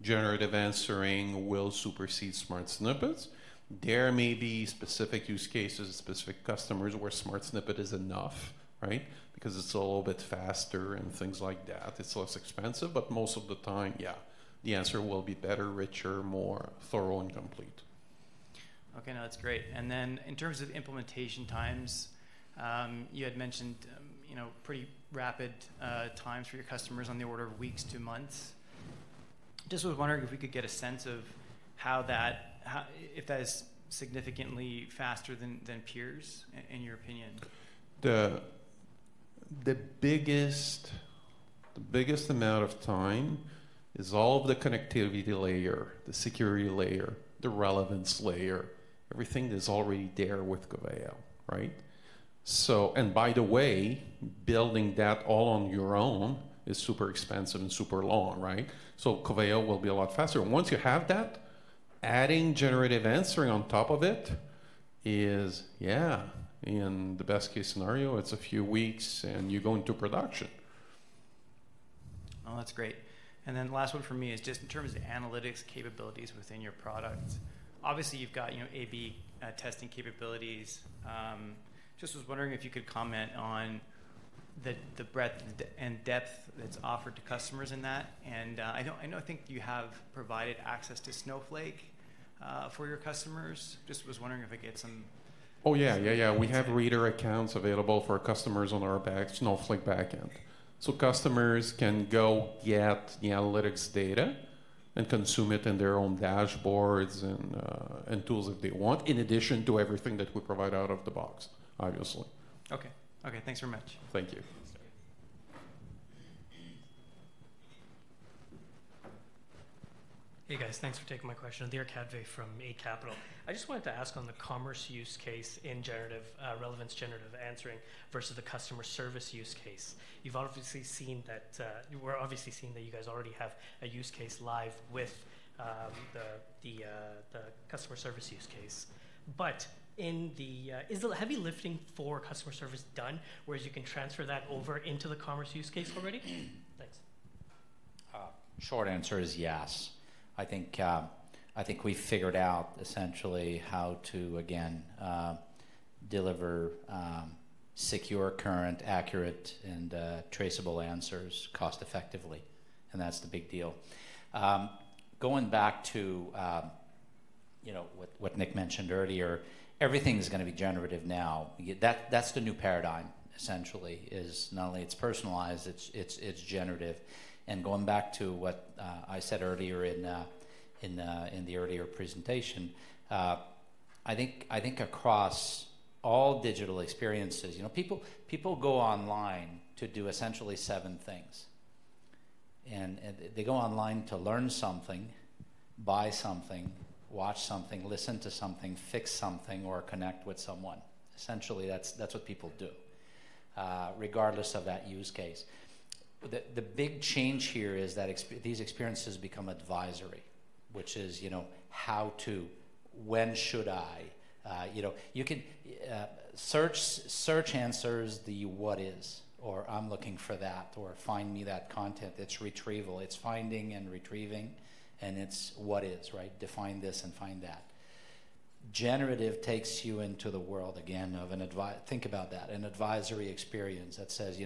Generative Answering will supersede Smart Snippets. There may be specific use cases, specific customers, where Smart Snippet is enough, right? Because it's a little bit faster and things like that, it's less expensive, but most of the time, yeah, the answer will be better, richer, more thorough and complete. Okay, now, that's great. Then in terms of implementation times, you had mentioned, pretty rapid times for your customers on the order of weeks to months. Just was wondering if we could get a sense of how that is significantly faster than peers, in your opinion. The biggest amount of time is all the connectivity layer, the security layer, the relevance layer, everything is already there with Coveo, right? So by the way, building that all on your own is super expensive and super long, right? So Coveo will be a lot faster. Once you have that, adding generative answering on top of it is, yeah, in the best-case scenario, it's a few weeks you go into production. Well, that's great. And then the last one for me is just in terms of analytics capabilities within your product, obviously, you've got, A/B testing capabilities. Just was wondering if you could comment on the breadth and depth that's offered to customers in that. And I know, I know, I think you have provided access to Snowflake for your customers. Just was wondering if I could get some- Oh, yeah, yeah, yeah. We have reader accounts available for our customers on our backend, Snowflake backend. So customers can go get the analytics data and consume it in their own dashboards and tools if they want, in addition to everything that we provide out of the box, obviously. Okay. Okay, thanks very much. Thank you. Hey, guys. Thanks for taking my question. Adhir Kadve from Eight Capital. I just wanted to ask on the commerce use case in generative, Relevance Generative Answering versus the customer service use case. You've obviously seen that, we're obviously seeing that you guys already have a use case live with, the, the, the customer service use case. But in the, is the heavy lifting for customer service done, whereas you can transfer that over into the commerce use case already? Thanks. Short answer is yes. I think, I think we've figured out essentially how to, again, deliver, secure, current, accurate, traceable answers cost-effectively that's the big deal. Going back to, what, what Nick mentioned earlier, everything's gonna be generative now. That, that's the new paradigm, essentially, is not only it's personalized, it's, it's, it's generative. And going back to what, I said earlier in, in, in the earlier presentation, I think, I think across all digital experiences. You know, people, people go online to do essentially seven things. And they go online to learn something, buy something, watch something, listen to something, fix something, or connect with someone. Essentially, that's, that's what people do, regardless of that use case. The big change here is that these experiences become advisory, which is, how to, when should I? You know, you can search answers, the what is, or I'm looking for that, or find me that content. It's retrieval. It's finding and retrieving it's what is, right? Define this and find that. Generative takes you into the world again of an advisory experience that says,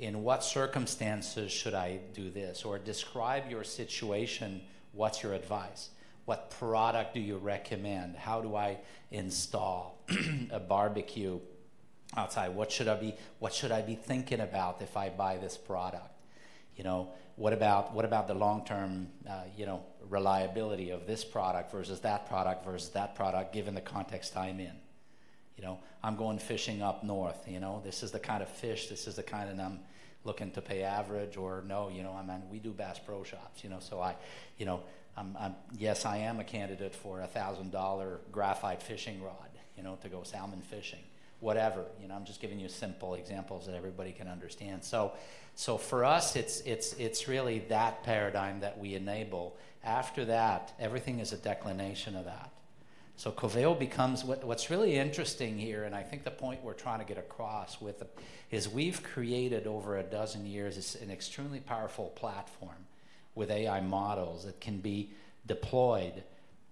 "In what circumstances should I do this?" Or, "Describe your situation, what's your advice? What product do you recommend? How do I install a barbecue outside? What should I be, what should I be thinking about if I buy this product?" You know, "What about, what about the long-term, reliability of this product versus that product versus that product, given the context I'm in?" You know, I'm going fishing up north, you know? This is the kind of fish, this is the kind I'm looking to pay average or no, I'm on. We do Bass Pro Shops, so I, I'm, I'm, yes, I am a candidate for a $1,000-dollar graphite fishing rod, to go salmon fishing. Whatever. You know, I'm just giving you simple examples that everybody can understand. So, so for us, it's, it's, it's really that paradigm that we enable. After that, everything is a declination of that. So Coveo becomes-- What, what's really interesting here I think the point we're trying to get across with the, is we've created, over a dozen years, is an extremely powerful platform with AI models that can be deployed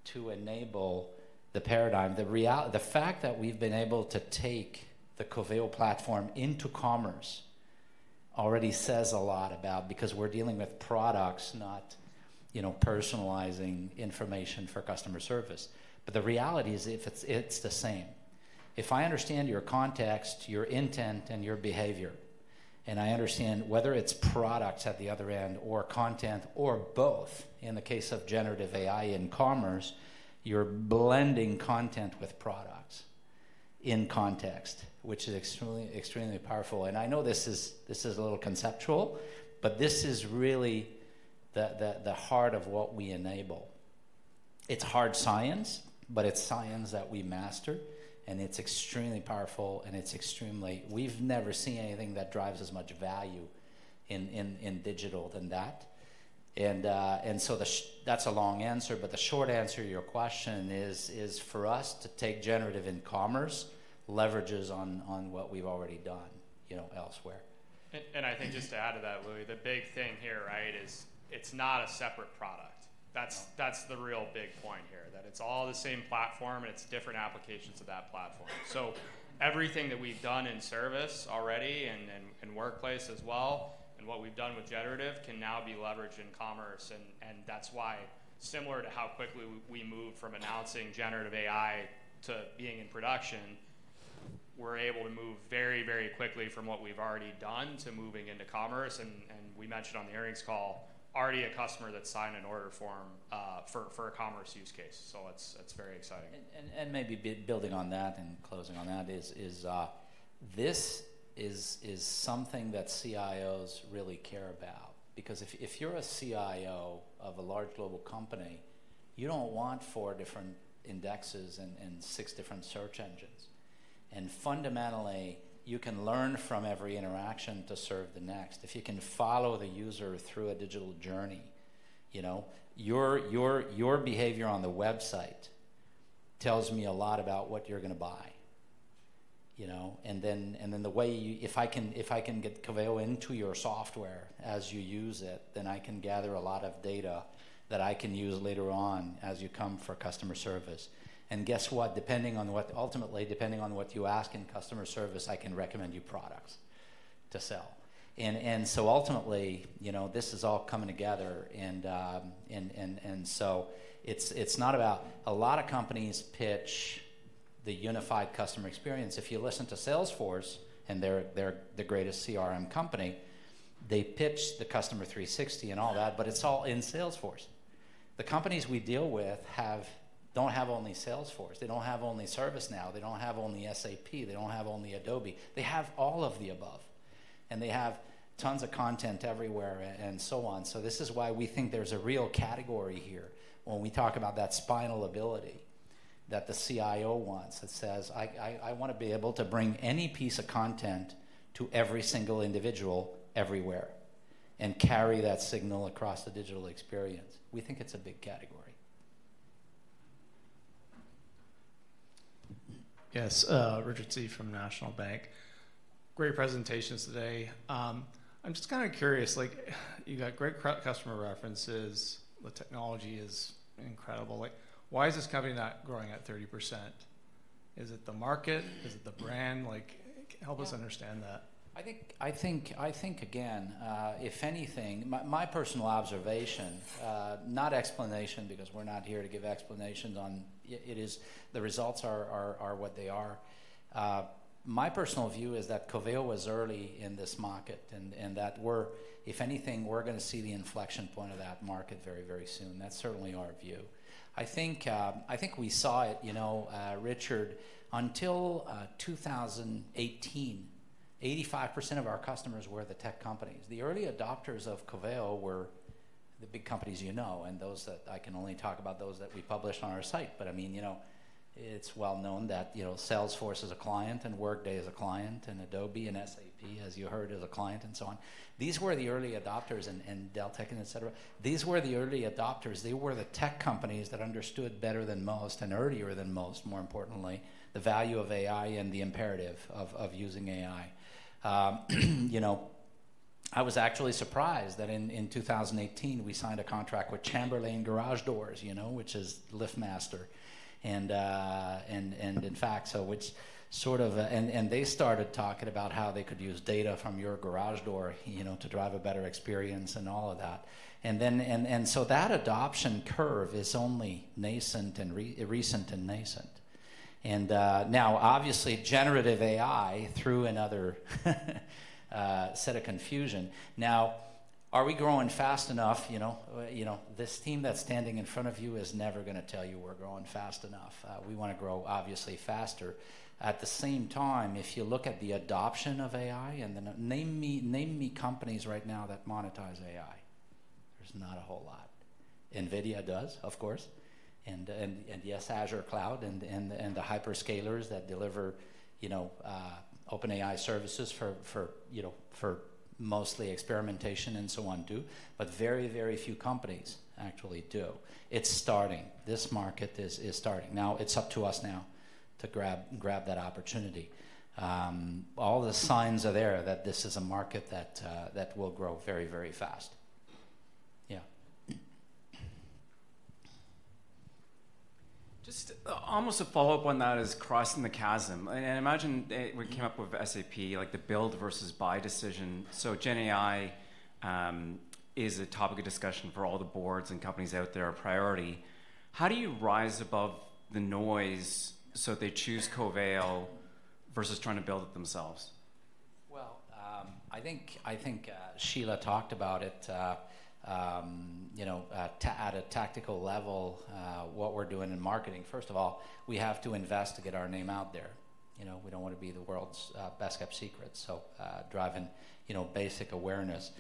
to enable the paradigm. The real- the fact that we've been able to take the Coveo platform into commerce already says a lot about. Because we're dealing with products, not, personalizing information for customer service. But the reality is if it's, it's the same. If I understand your context, your intent your behavior I understand whether it's products at the other end or content or both, in the case of GenAI in commerce, you're blending content with products in context, which is extremely, extremely powerful. I know this is a little conceptual, but this is really the heart of what we enable. It's hard science, but it's science that we master it's extremely powerful it's extremely. We've never seen anything that drives as much value in digital than that. And so that's a long answer, but the short answer to your question is for us to take generative in commerce, leverages on what we've already done, elsewhere. I think just to add to that, Louis, the big thing here, right, is it's not a separate product. No. That's the real big point here, that it's all the same platform it's different applications of that platform. So everything that we've done in service already and in workplace as well what we've done with generative can now be leveraged in commerce. And that's why, similar to how quickly we moved from announcing GenAI to being in production, we're able to move very, very quickly from what we've already done to moving into commerce. And we mentioned on the earnings call, already a customer that signed an order form for a commerce use case. So it's very exciting. And maybe building on that and closing on that is this something that CIOs really care about. Because if you're a CIO of a large global company, you don't want four different indexes and six different search engines. And fundamentally, you can learn from every interaction to serve the next. If you can follow the user through a digital journey, your behavior on the website tells me a lot about what you're gonna buy, you know? And then the way you. If I can get Coveo into your software as you use it, then I can gather a lot of data that I can use later on as you come for customer service. And guess what? Depending on what, ultimately, depending on what you ask in customer service, I can recommend you products to sell. And so ultimately, this is all coming together and so it's not about. A lot of companies pitch the unified customer experience. If you listen to Salesforce they're the greatest CRM company, they pitch the Customer 360 and all that, but it's all in Salesforce. The companies we deal with have—don't have only Salesforce. They don't have only ServiceNow. They don't have only SAP. They don't have only Adobe. They have all of the above. and they have tons of content everywhere and so on. This is why we think there's a real category here when we talk about that spinal ability that the CIO wants, that says, "I wanna be able to bring any piece of content to every single individual everywhere carry that signal across the digital experience." We think it's a big category. Yes, Richard Tse from National Bank. Great presentations today. I'm just kinda curious, like, you got great customer references, the technology is incredible. Like, why is this company not growing at 30%? Is it the market? Is it the brand? Like, help us understand that. I think, again, if anything, my personal observation, not explanation, because we're not here to give explanations on why it is the results are what they are. My personal view is that Coveo was early in this market that if anything, we're gonna see the inflection point of that market very, very soon. That's certainly our view. I think we saw it, Richard. Until 2018, 85% of our customers were the tech companies. The early adopters of Coveo were the big companies and those that. I can only talk about those that we published on our site. But, I mean, it's well known that, Salesforce is a client Workday is a client Adobe and SAP, as you heard, is a client so on. These were the early adopters Deltek et cetera. These were the early adopters. They were the tech companies that understood better than most earlier than most, more importantly, the value of AI and the imperative of using AI. You know, I was actually surprised that in 2018, we signed a contract with Chamberlain Garage Doors, which is LiftMaster. And they started talking about how they could use data from your garage door, to drive a better experience and all of that. That adoption curve is only nascent and recent and nascent. Now, obviously, GenAI threw another set of confusion. Now, are we growing fast enough, you know? You know, this team that's standing in front of you is never gonna tell you we're growing fast enough. We wanna grow, obviously, faster. At the same time, if you look at the adoption of AI then name me, name me companies right now that monetize AI. There's not a whole lot. NVIDIA does, of course, yes, Azure Cloud the hyperscalers that deliver, OpenAI services for, for mostly experimentation and so on do, but very, very few companies actually do. It's starting. This market is starting. Now, it's up to us to grab that opportunity. All the signs are there that this is a market that, that will grow very, very fast. Yeah. Just, almost a follow-up on that is crossing the chasm. I imagine that when you came up with SAP, like the build versus buy decision, so GenAI is a topic of discussion for all the boards and companies out there, a priority. How do you rise above the noise so they choose Coveo versus trying to build it themselves? Well, I think, I think, Sheila talked about it, at a tactical level, what we're doing in marketing. First of all, we have to invest to get our name out there. You know, we don't want to be the world's best-kept secret, so, driving, basic awareness.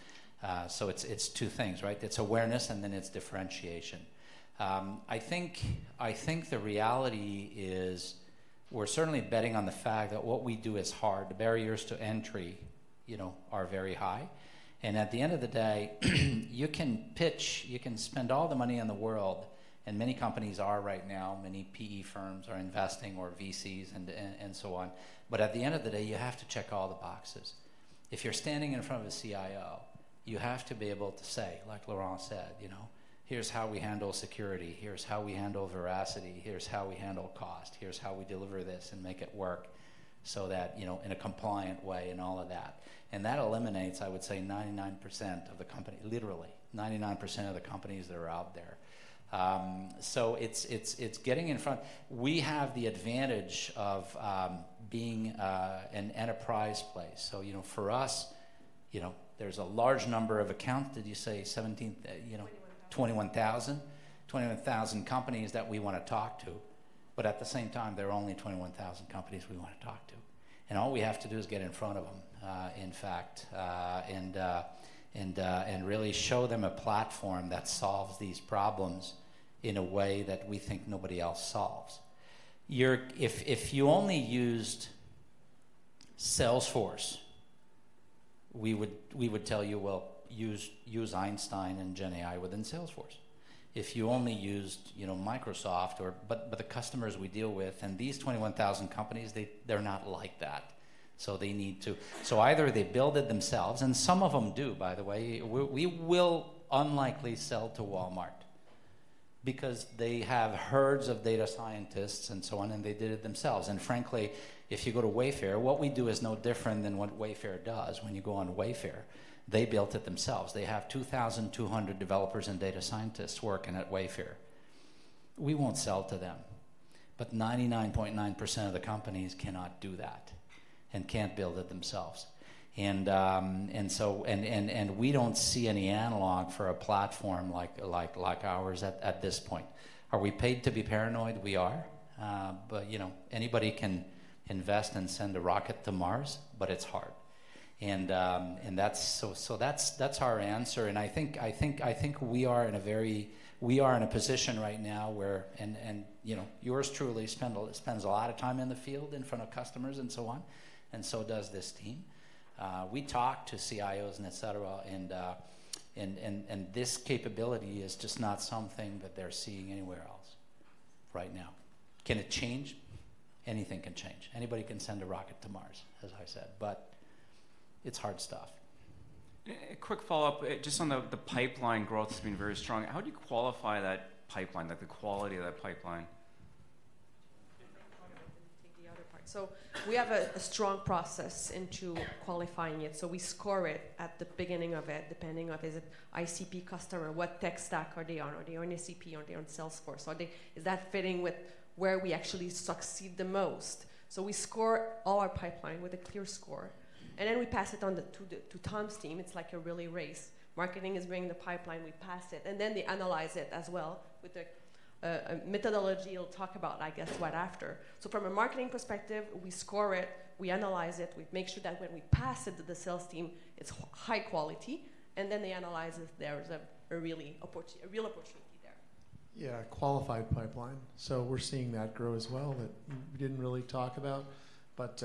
So it's, it's two things, right? It's awareness then it's differentiation. I think, I think the reality is, we're certainly betting on the fact that what we do is hard. The barriers to entry, are very high at the end of the day, you can pitch, you can spend all the money in the world many companies are right now, many PE firms are investing, or and so on, but at the end of the day, you have to check all the boxes. If you're standing in front of a CIO, you have to be able to say, like Laurent said, "You know, here's how we handle security, here's how we handle veracity, here's how we handle cost, here's how we deliver this and make it work, so that, in a compliant way," and all of that. And that eliminates, I would say, 99% of the company, literally 99% of the companies that are out there. So it's getting in front. We have the advantage of being an enterprise place. So, for us, there's a large number of accounts. Did you say 17, you know- Twenty-one thousand. 21,000. 21,000 companies that we wanna talk to, but at the same time, there are only 21,000 companies we wanna talk to all we have to do is get in front of them, in fact really show them a platform that solves these problems in a way that we think nobody else solves. If you only used Salesforce, we would tell you, "Well, use Einstein and GenAI within Salesforce." If you only used, Microsoft or. But the customers we deal with these 21,000 companies, they're not like that. So they need to either build it themselves some of them do, by the way. We, we will unlikely sell to Walmart because they have herds of data scientists and so on they did it themselves. And frankly, if you go to Wayfair, what we do is no different than what Wayfair does. When you go on Wayfair, they built it themselves. They have 2,200 developers and data scientists working at Wayfair. We won't sell to them, but 99.9% of the companies cannot do that and can't build it themselves. And we don't see any analog for a platform like ours at this point. Are we paid to be paranoid? We are. But anybody can invest and send a rocket to Mars, but it's hard. That's our answer I think we are in a position right now where. yours truly spends a lot of time in the field in front of customers and so on so does this team. We talk to CIOs and et cetera this capability is just not something that they're seeing anywhere else right now. Can it change? Anything can change. Anybody can send a rocket to Mars, as I said, but it's hard stuff. A quick follow-up, just on the pipeline growth has been very strong. How do you qualify that pipeline, like the quality of that pipeline? I'm going to take the other part. So we have a strong process into qualifying it, so we score it at the beginning of it, depending on, is it ICP customer? What tech stack are they on? Are they on SAP? Are they on Salesforce? Is that fitting with where we actually succeed the most? So we score all our pipeline with a clear score then we pass it on to Tom's team. It's like a relay race. Marketing is bringing the pipeline, we pass it then they analyze it as well with the methodology he'll talk about, I guess, right after. From a marketing perspective, we score it, we analyze it, we make sure that when we pass it to the sales team, it's high quality then they analyze if there is a real opportunity there. Yeah, qualified pipeline. So we're seeing that grow as well, that we didn't really talk about. But,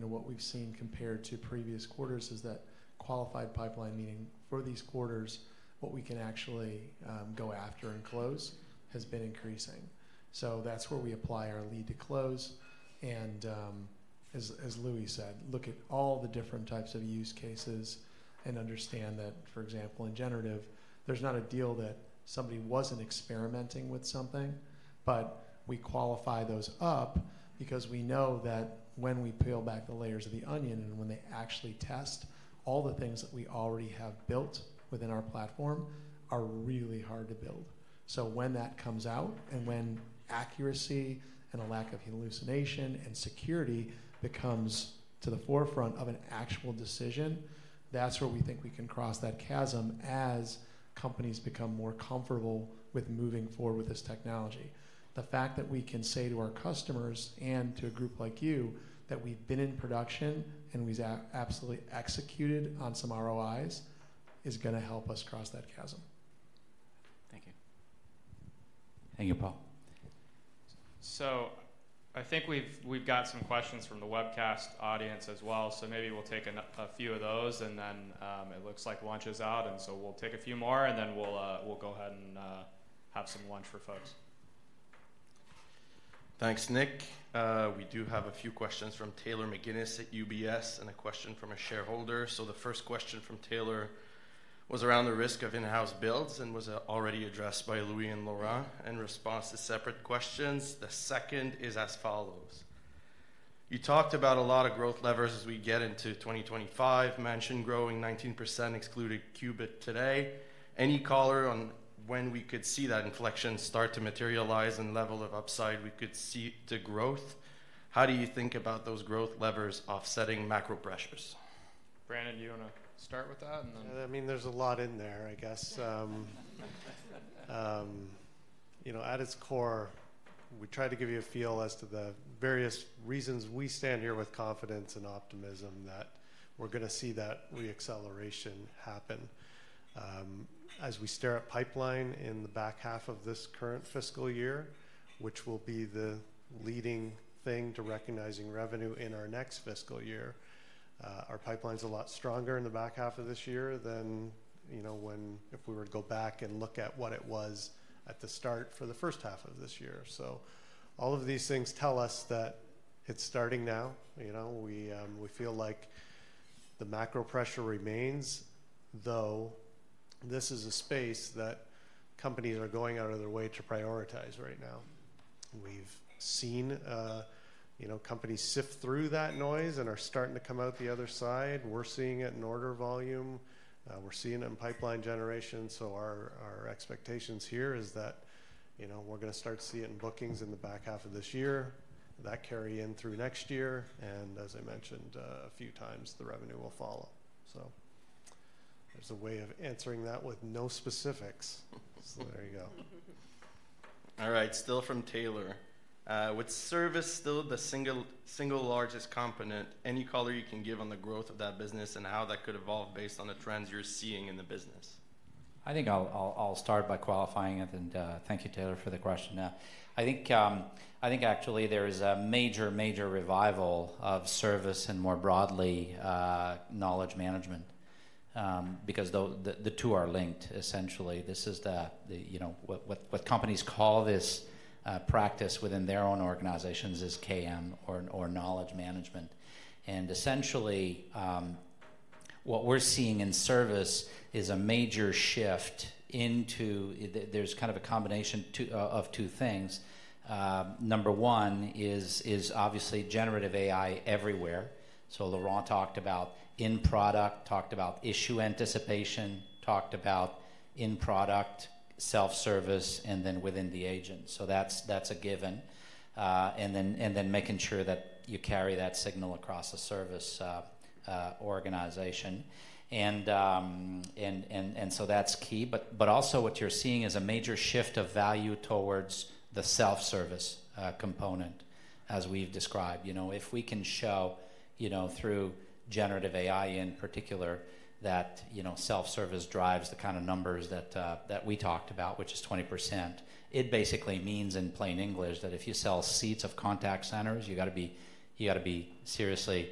what we've seen compared to previous quarters is that qualified pipeline, meaning for these quarters, what we can actually go after and close, has been increasing. So that's where we apply our lead to close, as Louis said, look at all the different types of use cases and understand that, for example, in generative, there's not a deal that somebody wasn't experimenting with something, but we qualify those up because we know that when we peel back the layers of the onion and when they actually test, all the things that we already have built within our platform are really hard to build. So when that comes out and when accuracy and a lack of hallucination and security becomes to the forefront of an actual decision, that's where we think we can cross that chasm as companies become more comfortable with moving forward with this technology. The fact that we can say to our customers and to a group like you, that we've been in production and we've absolutely executed on some ROIs, is gonna help us cross that chasm. Thank you. Thank you, Paul. So I think we've got some questions from the webcast audience as well, so maybe we'll take a few of those then it looks like lunch is out so we'll take a few more then we'll go ahead and have some lunch for folks. Thanks, Nick. We do have a few questions from Taylor McGinnis at UBS and a question from a shareholder. So the first question from Taylor was around the risk of in-house builds and was already addressed by Louis and Laurent in response to separate questions. The second is as follows: You talked about a lot of growth levers as we get into 2025, mentioned growing 19%, excluding Qubit today. Any color on when we could see that inflection start to materialize and level of upside we could see to growth? How do you think about those growth levers offsetting macro pressures? Brandon, do you want to start with that then. I mean, there's a lot in there, I guess. You know, at its core, we try to give you a feel as to the various reasons we stand here with confidence and optimism that we're gonna see that re-acceleration happen. As we stare at pipeline in the back half of this current fiscal year, which will be the leading thing to recognizing revenue in our next fiscal year, our pipeline's a lot stronger in the back half of this year than, when—if we were to go back and look at what it was at the start for the first half of this year. So all of these things tell us that it's starting now. You know, we feel like the macro pressure remains, though this is a space that companies are going out of their way to prioritize right now. We've seen, companies sift through that noise and are starting to come out the other side. We're seeing it in order volume, we're seeing it in pipeline generation. So our expectations here is that, we're gonna start seeing bookings in the back half of this year, that carry in through next year as I mentioned a few times, the revenue will follow. So there's a way of answering that with no specifics, so there you go. All right. Still from Taylor: with service still the single, single largest component, any color you can give on the growth of that business and how that could evolve based on the trends you're seeing in the business? I think I'll start by qualifying it thank you, Taylor, for the question. I think actually there is a major revival of service and more broadly knowledge management, because though the two are linked, essentially. This is the, what companies call this practice within their own organizations is KM or knowledge management. And essentially, what we're seeing in service is a major shift into. There's kind of a combination of two things. Number one is obviously GenAI everywhere. So Laurent talked about in-product, talked about issue anticipation, talked about in-product self-service then within the agent, so that's a given. And then making sure that you carry that signal across the service organization. So that's key, but also what you're seeing is a major shift of value towards the self-service component, as we've described. You know, if we can show, through GenAI in particular, that, self-service drives the kind of numbers that we talked about, which is 20%, it basically means in plain English, that if you sell seats of contact centers, you gotta be seriously.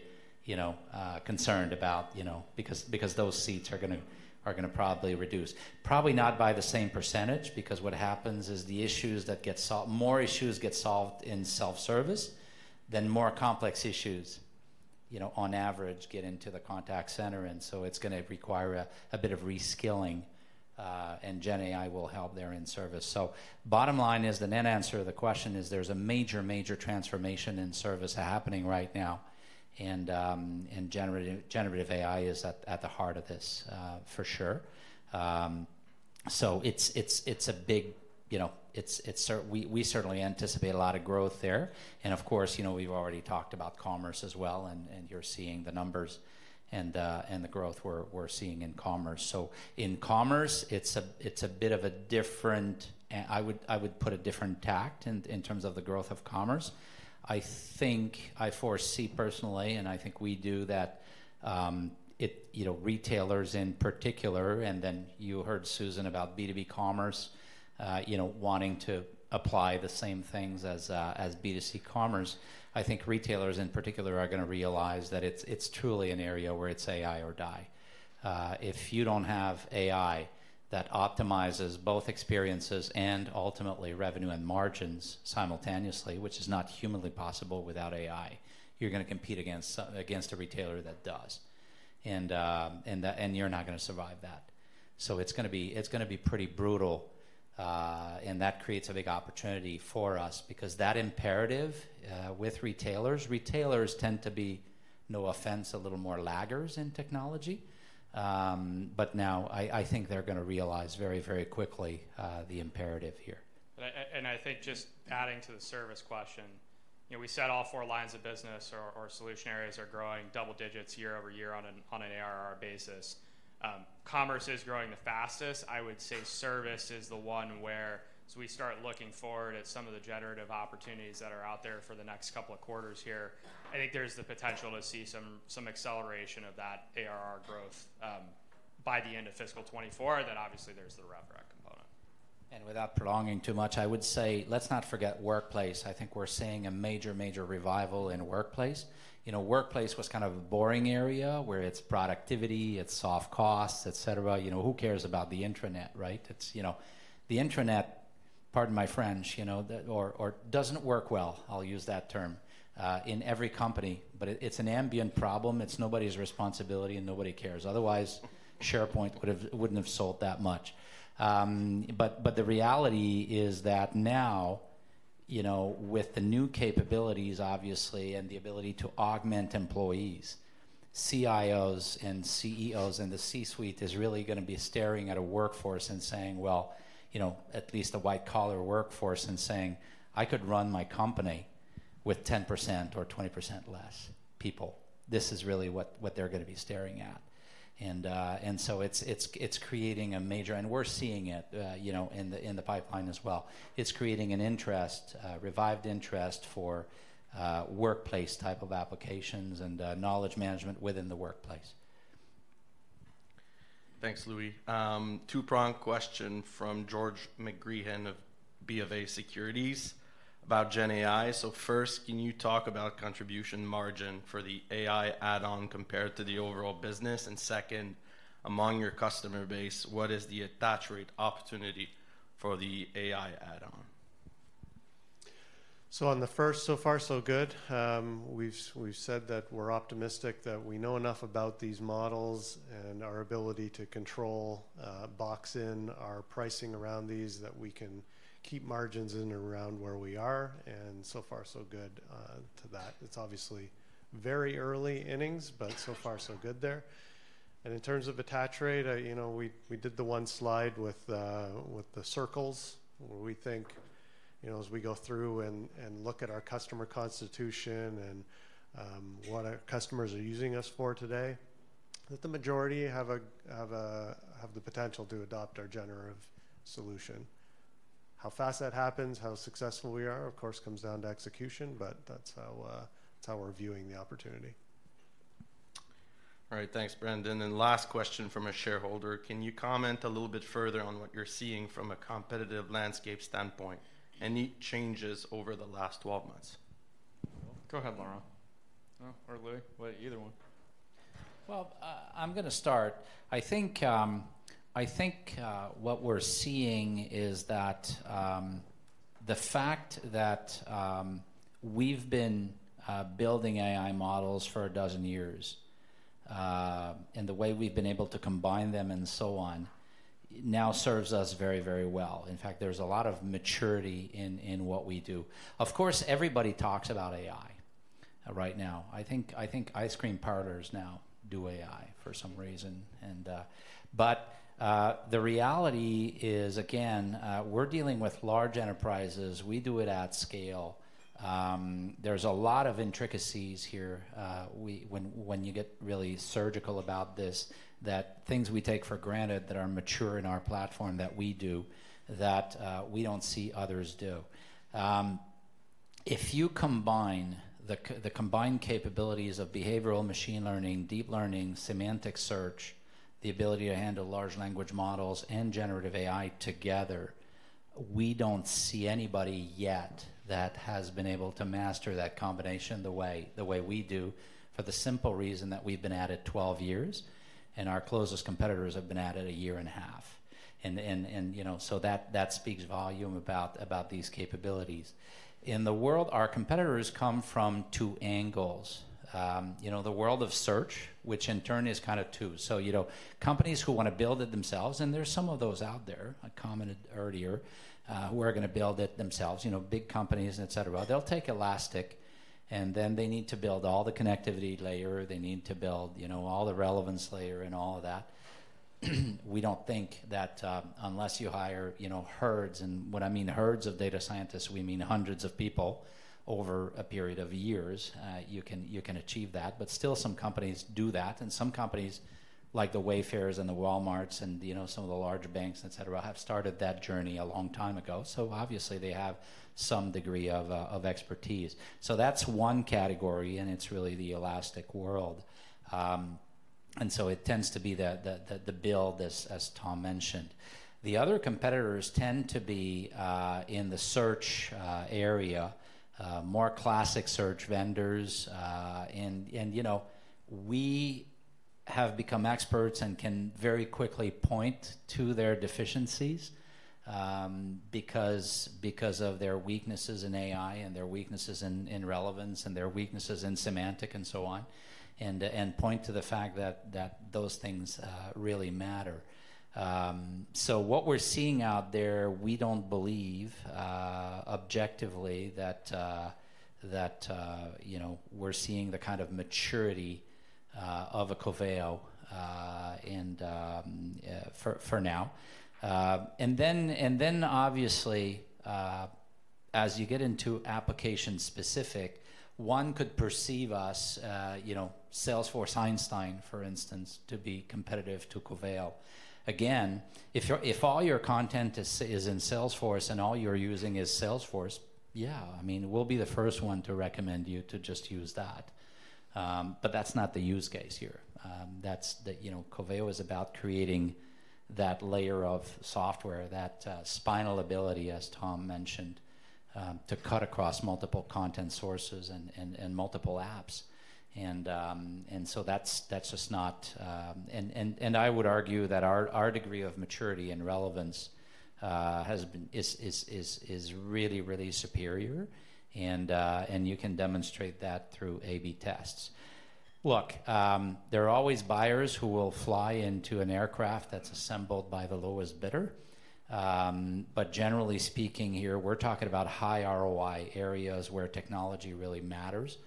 concerned about, because those seats are gonna probably reduce. Probably not by the same percentage, because what happens is more issues get solved in self-service, than more complex issues, on average, get into the contact center so it's gonna require a bit of reskilling GenAI will help there in service. So bottom line is, the net answer to the question is, there's a major, major transformation in service happening right now generative, GenAI is at the heart of this, for sure. So it's a big, we certainly anticipate a lot of growth there. And of course, we've already talked about commerce as well you're seeing the numbers and the growth we're seeing in commerce. So in commerce, it's a bit of a different. I would put a different tact in terms of the growth of commerce. I think I foresee personally I think we do, that, retailers in particular then you heard Susanne about B2B commerce, wanting to apply the same things as, as B2C commerce. I think retailers in particular are gonna realize that it's truly an area where it's AI or die. If you don't have AI that optimizes both experiences and ultimately revenue and margins simultaneously, which is not humanly possible without AI, you're gonna compete against a retailer that does. And you're not gonna survive that. So it's gonna be, it's gonna be pretty brutal that creates a big opportunity for us because that imperative with retailers, retailers tend to be, no offense, a little more laggards in technology. But now I, I think they're gonna realize very, very quickly the imperative here. And I think just adding to the service question, we said all four lines of business or solution areas are growing double digits year-over-year on an ARR basis. Commerce is growing the fastest. I would say service is the one whereas we start looking forward at some of the generative opportunities that are out there for the next couple of quarters here, I think there's the potential to see some acceleration of that ARR growth by the end of fiscal 2024, then obviously, there's the RevOps component. Without prolonging too much, I would say, let's not forget workplace. I think we're seeing a major, major revival in workplace. You know, workplace was kind of a boring area, where it's productivity, it's soft costs, et cetera. You know, who cares about the intranet, right? It's, you know. The intranet, pardon my French, or doesn't work well, I'll use that term, in every company, but it, it's an ambient problem. It's nobody's responsibility nobody cares. Otherwise, SharePoint wouldn't have sold that much. But the reality is that now, with the new capabilities, obviously the ability to augment employees, CIOs and CEOs in the C-suite is really gonna be staring at a workforce and saying, "Well," at least the white-collar workforce saying, "I could run my company with 10% or 20% less people." This is really what they're gonna be staring at. And so it's creating a major. And we're seeing it, in the pipeline as well. It's creating an interest, a revived interest for workplace type of applications and knowledge management within the workplace. Thanks, Louis. Two-prong question from George McGreehan of BofA Securities about GenAI. So first, can you talk about contribution margin for the AI add-on compared to the overall business? And second, among your customer base, what is the attach rate opportunity for the AI add-on? So on the first, so far, so good. We've said that we're optimistic, that we know enough about these models and our ability to control, box in our pricing around these, that we can keep margins in and around where we are so far, so good to that. It's obviously very early innings, but so far, so good there. In terms of attach rate, we did the one slide with the circles, where we think, as we go through and look at our customer constitution and what our customers are using us for today, that the majority have the potential to adopt our generative solution. How fast that happens, how successful we are, of course, comes down to execution, but that's how we're viewing the opportunity. All right. Thanks, Brandon. Last question from a shareholder: Can you comment a little bit further on what you're seeing from a competitive landscape standpoint? Any changes over the last 12 months? Go ahead, Laurent. Or Louis. Well, either one. Well, I'm gonna start. I think what we're seeing is that the fact that we've been building AI models for a dozen years and the way we've been able to combine them and so on, now serves us very, very well. In fact, there's a lot of maturity in what we do. Of course, everybody talks about AI right now. I think ice cream parlors now do AI for some reason. But the reality is, again, we're dealing with large enterprises. We do it at scale. There's a lot of intricacies here, when you get really surgical about this, that things we take for granted that are mature in our platform that we do, that we don't see others do. If you combine the combined capabilities of Behavioral Machine Learning, Deep Learning, Semantic Search, the ability to handle large language models Generative AI together, we don't see anybody yet that has been able to master that combination the way, the way we do, for the simple reason that we've been at it 12 years our closest competitors have been at it a year and a half. You know, so that speaks volume about these capabilities. In the world, our competitors come from two angles. You know, the world of search, which in turn is kind of two. So, companies who wanna build it themselves there's some of those out there, I commented earlier, who are gonna build it themselves, big companies, et cetera. They'll take Elastic then they need to build all the connectivity layer. They need to build, all the relevance layer and all of that. We don't think that, unless you hire, herds when I mean herds of data scientists, we mean hundreds of people over a period of years, you can achieve that. But still, some companies do that some companies, like the Wayfairs and the Walmarts and, some of the larger banks, et cetera, have started that journey a long time ago, so obviously they have some degree of, of expertise. So that's one category it's really the Elastic world. And so it tends to be the build, as Tom mentioned. The other competitors tend to be in the search area, more classic search vendors. And, we have become experts and can very quickly point to their deficiencies, because of their weaknesses in AI their weaknesses in relevance their weaknesses in semantic so on point to the fact that those things really matter. So what we're seeing out there, we don't believe, objectively, that we're seeing the kind of maturity of a Coveo for now. And then obviously, as you get into application-specific, one could perceive us, Salesforce Einstein, for instance, to be competitive to Coveo. Again, if all your content is in Salesforce all you're using is Salesforce, yeah, I mean, we'll be the first one to recommend you to just use that. But that's not the use case here. That's the, Coveo is about creating that layer of software, that scalability, as Tom mentioned, to cut across multiple content sources and multiple apps. And so that's just not. And I would argue that our degree of maturity and relevance has been, is really superior you can demonstrate that through A/B tests. Look, there are always buyers who will fly into an aircraft that's assembled by the lowest bidder, but generally speaking here, we're talking about high ROI areas where technology really matters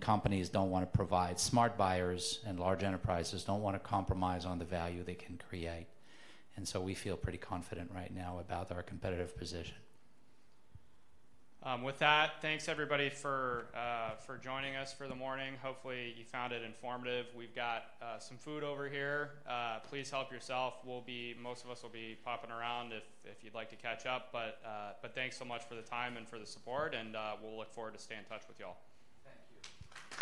companies don't wanna deprive smart buyers large enterprises don't wanna compromise on the value they can create so we feel pretty confident right now about our competitive position. With that, thanks, everybody, for joining us for the morning. Hopefully, you found it informative. We've got some food over here. Please help yourself. We'll be. Most of us will be popping around if you'd like to catch up, but thanks so much for the time and for the support we'll look forward to stay in touch with y'all. Thank you.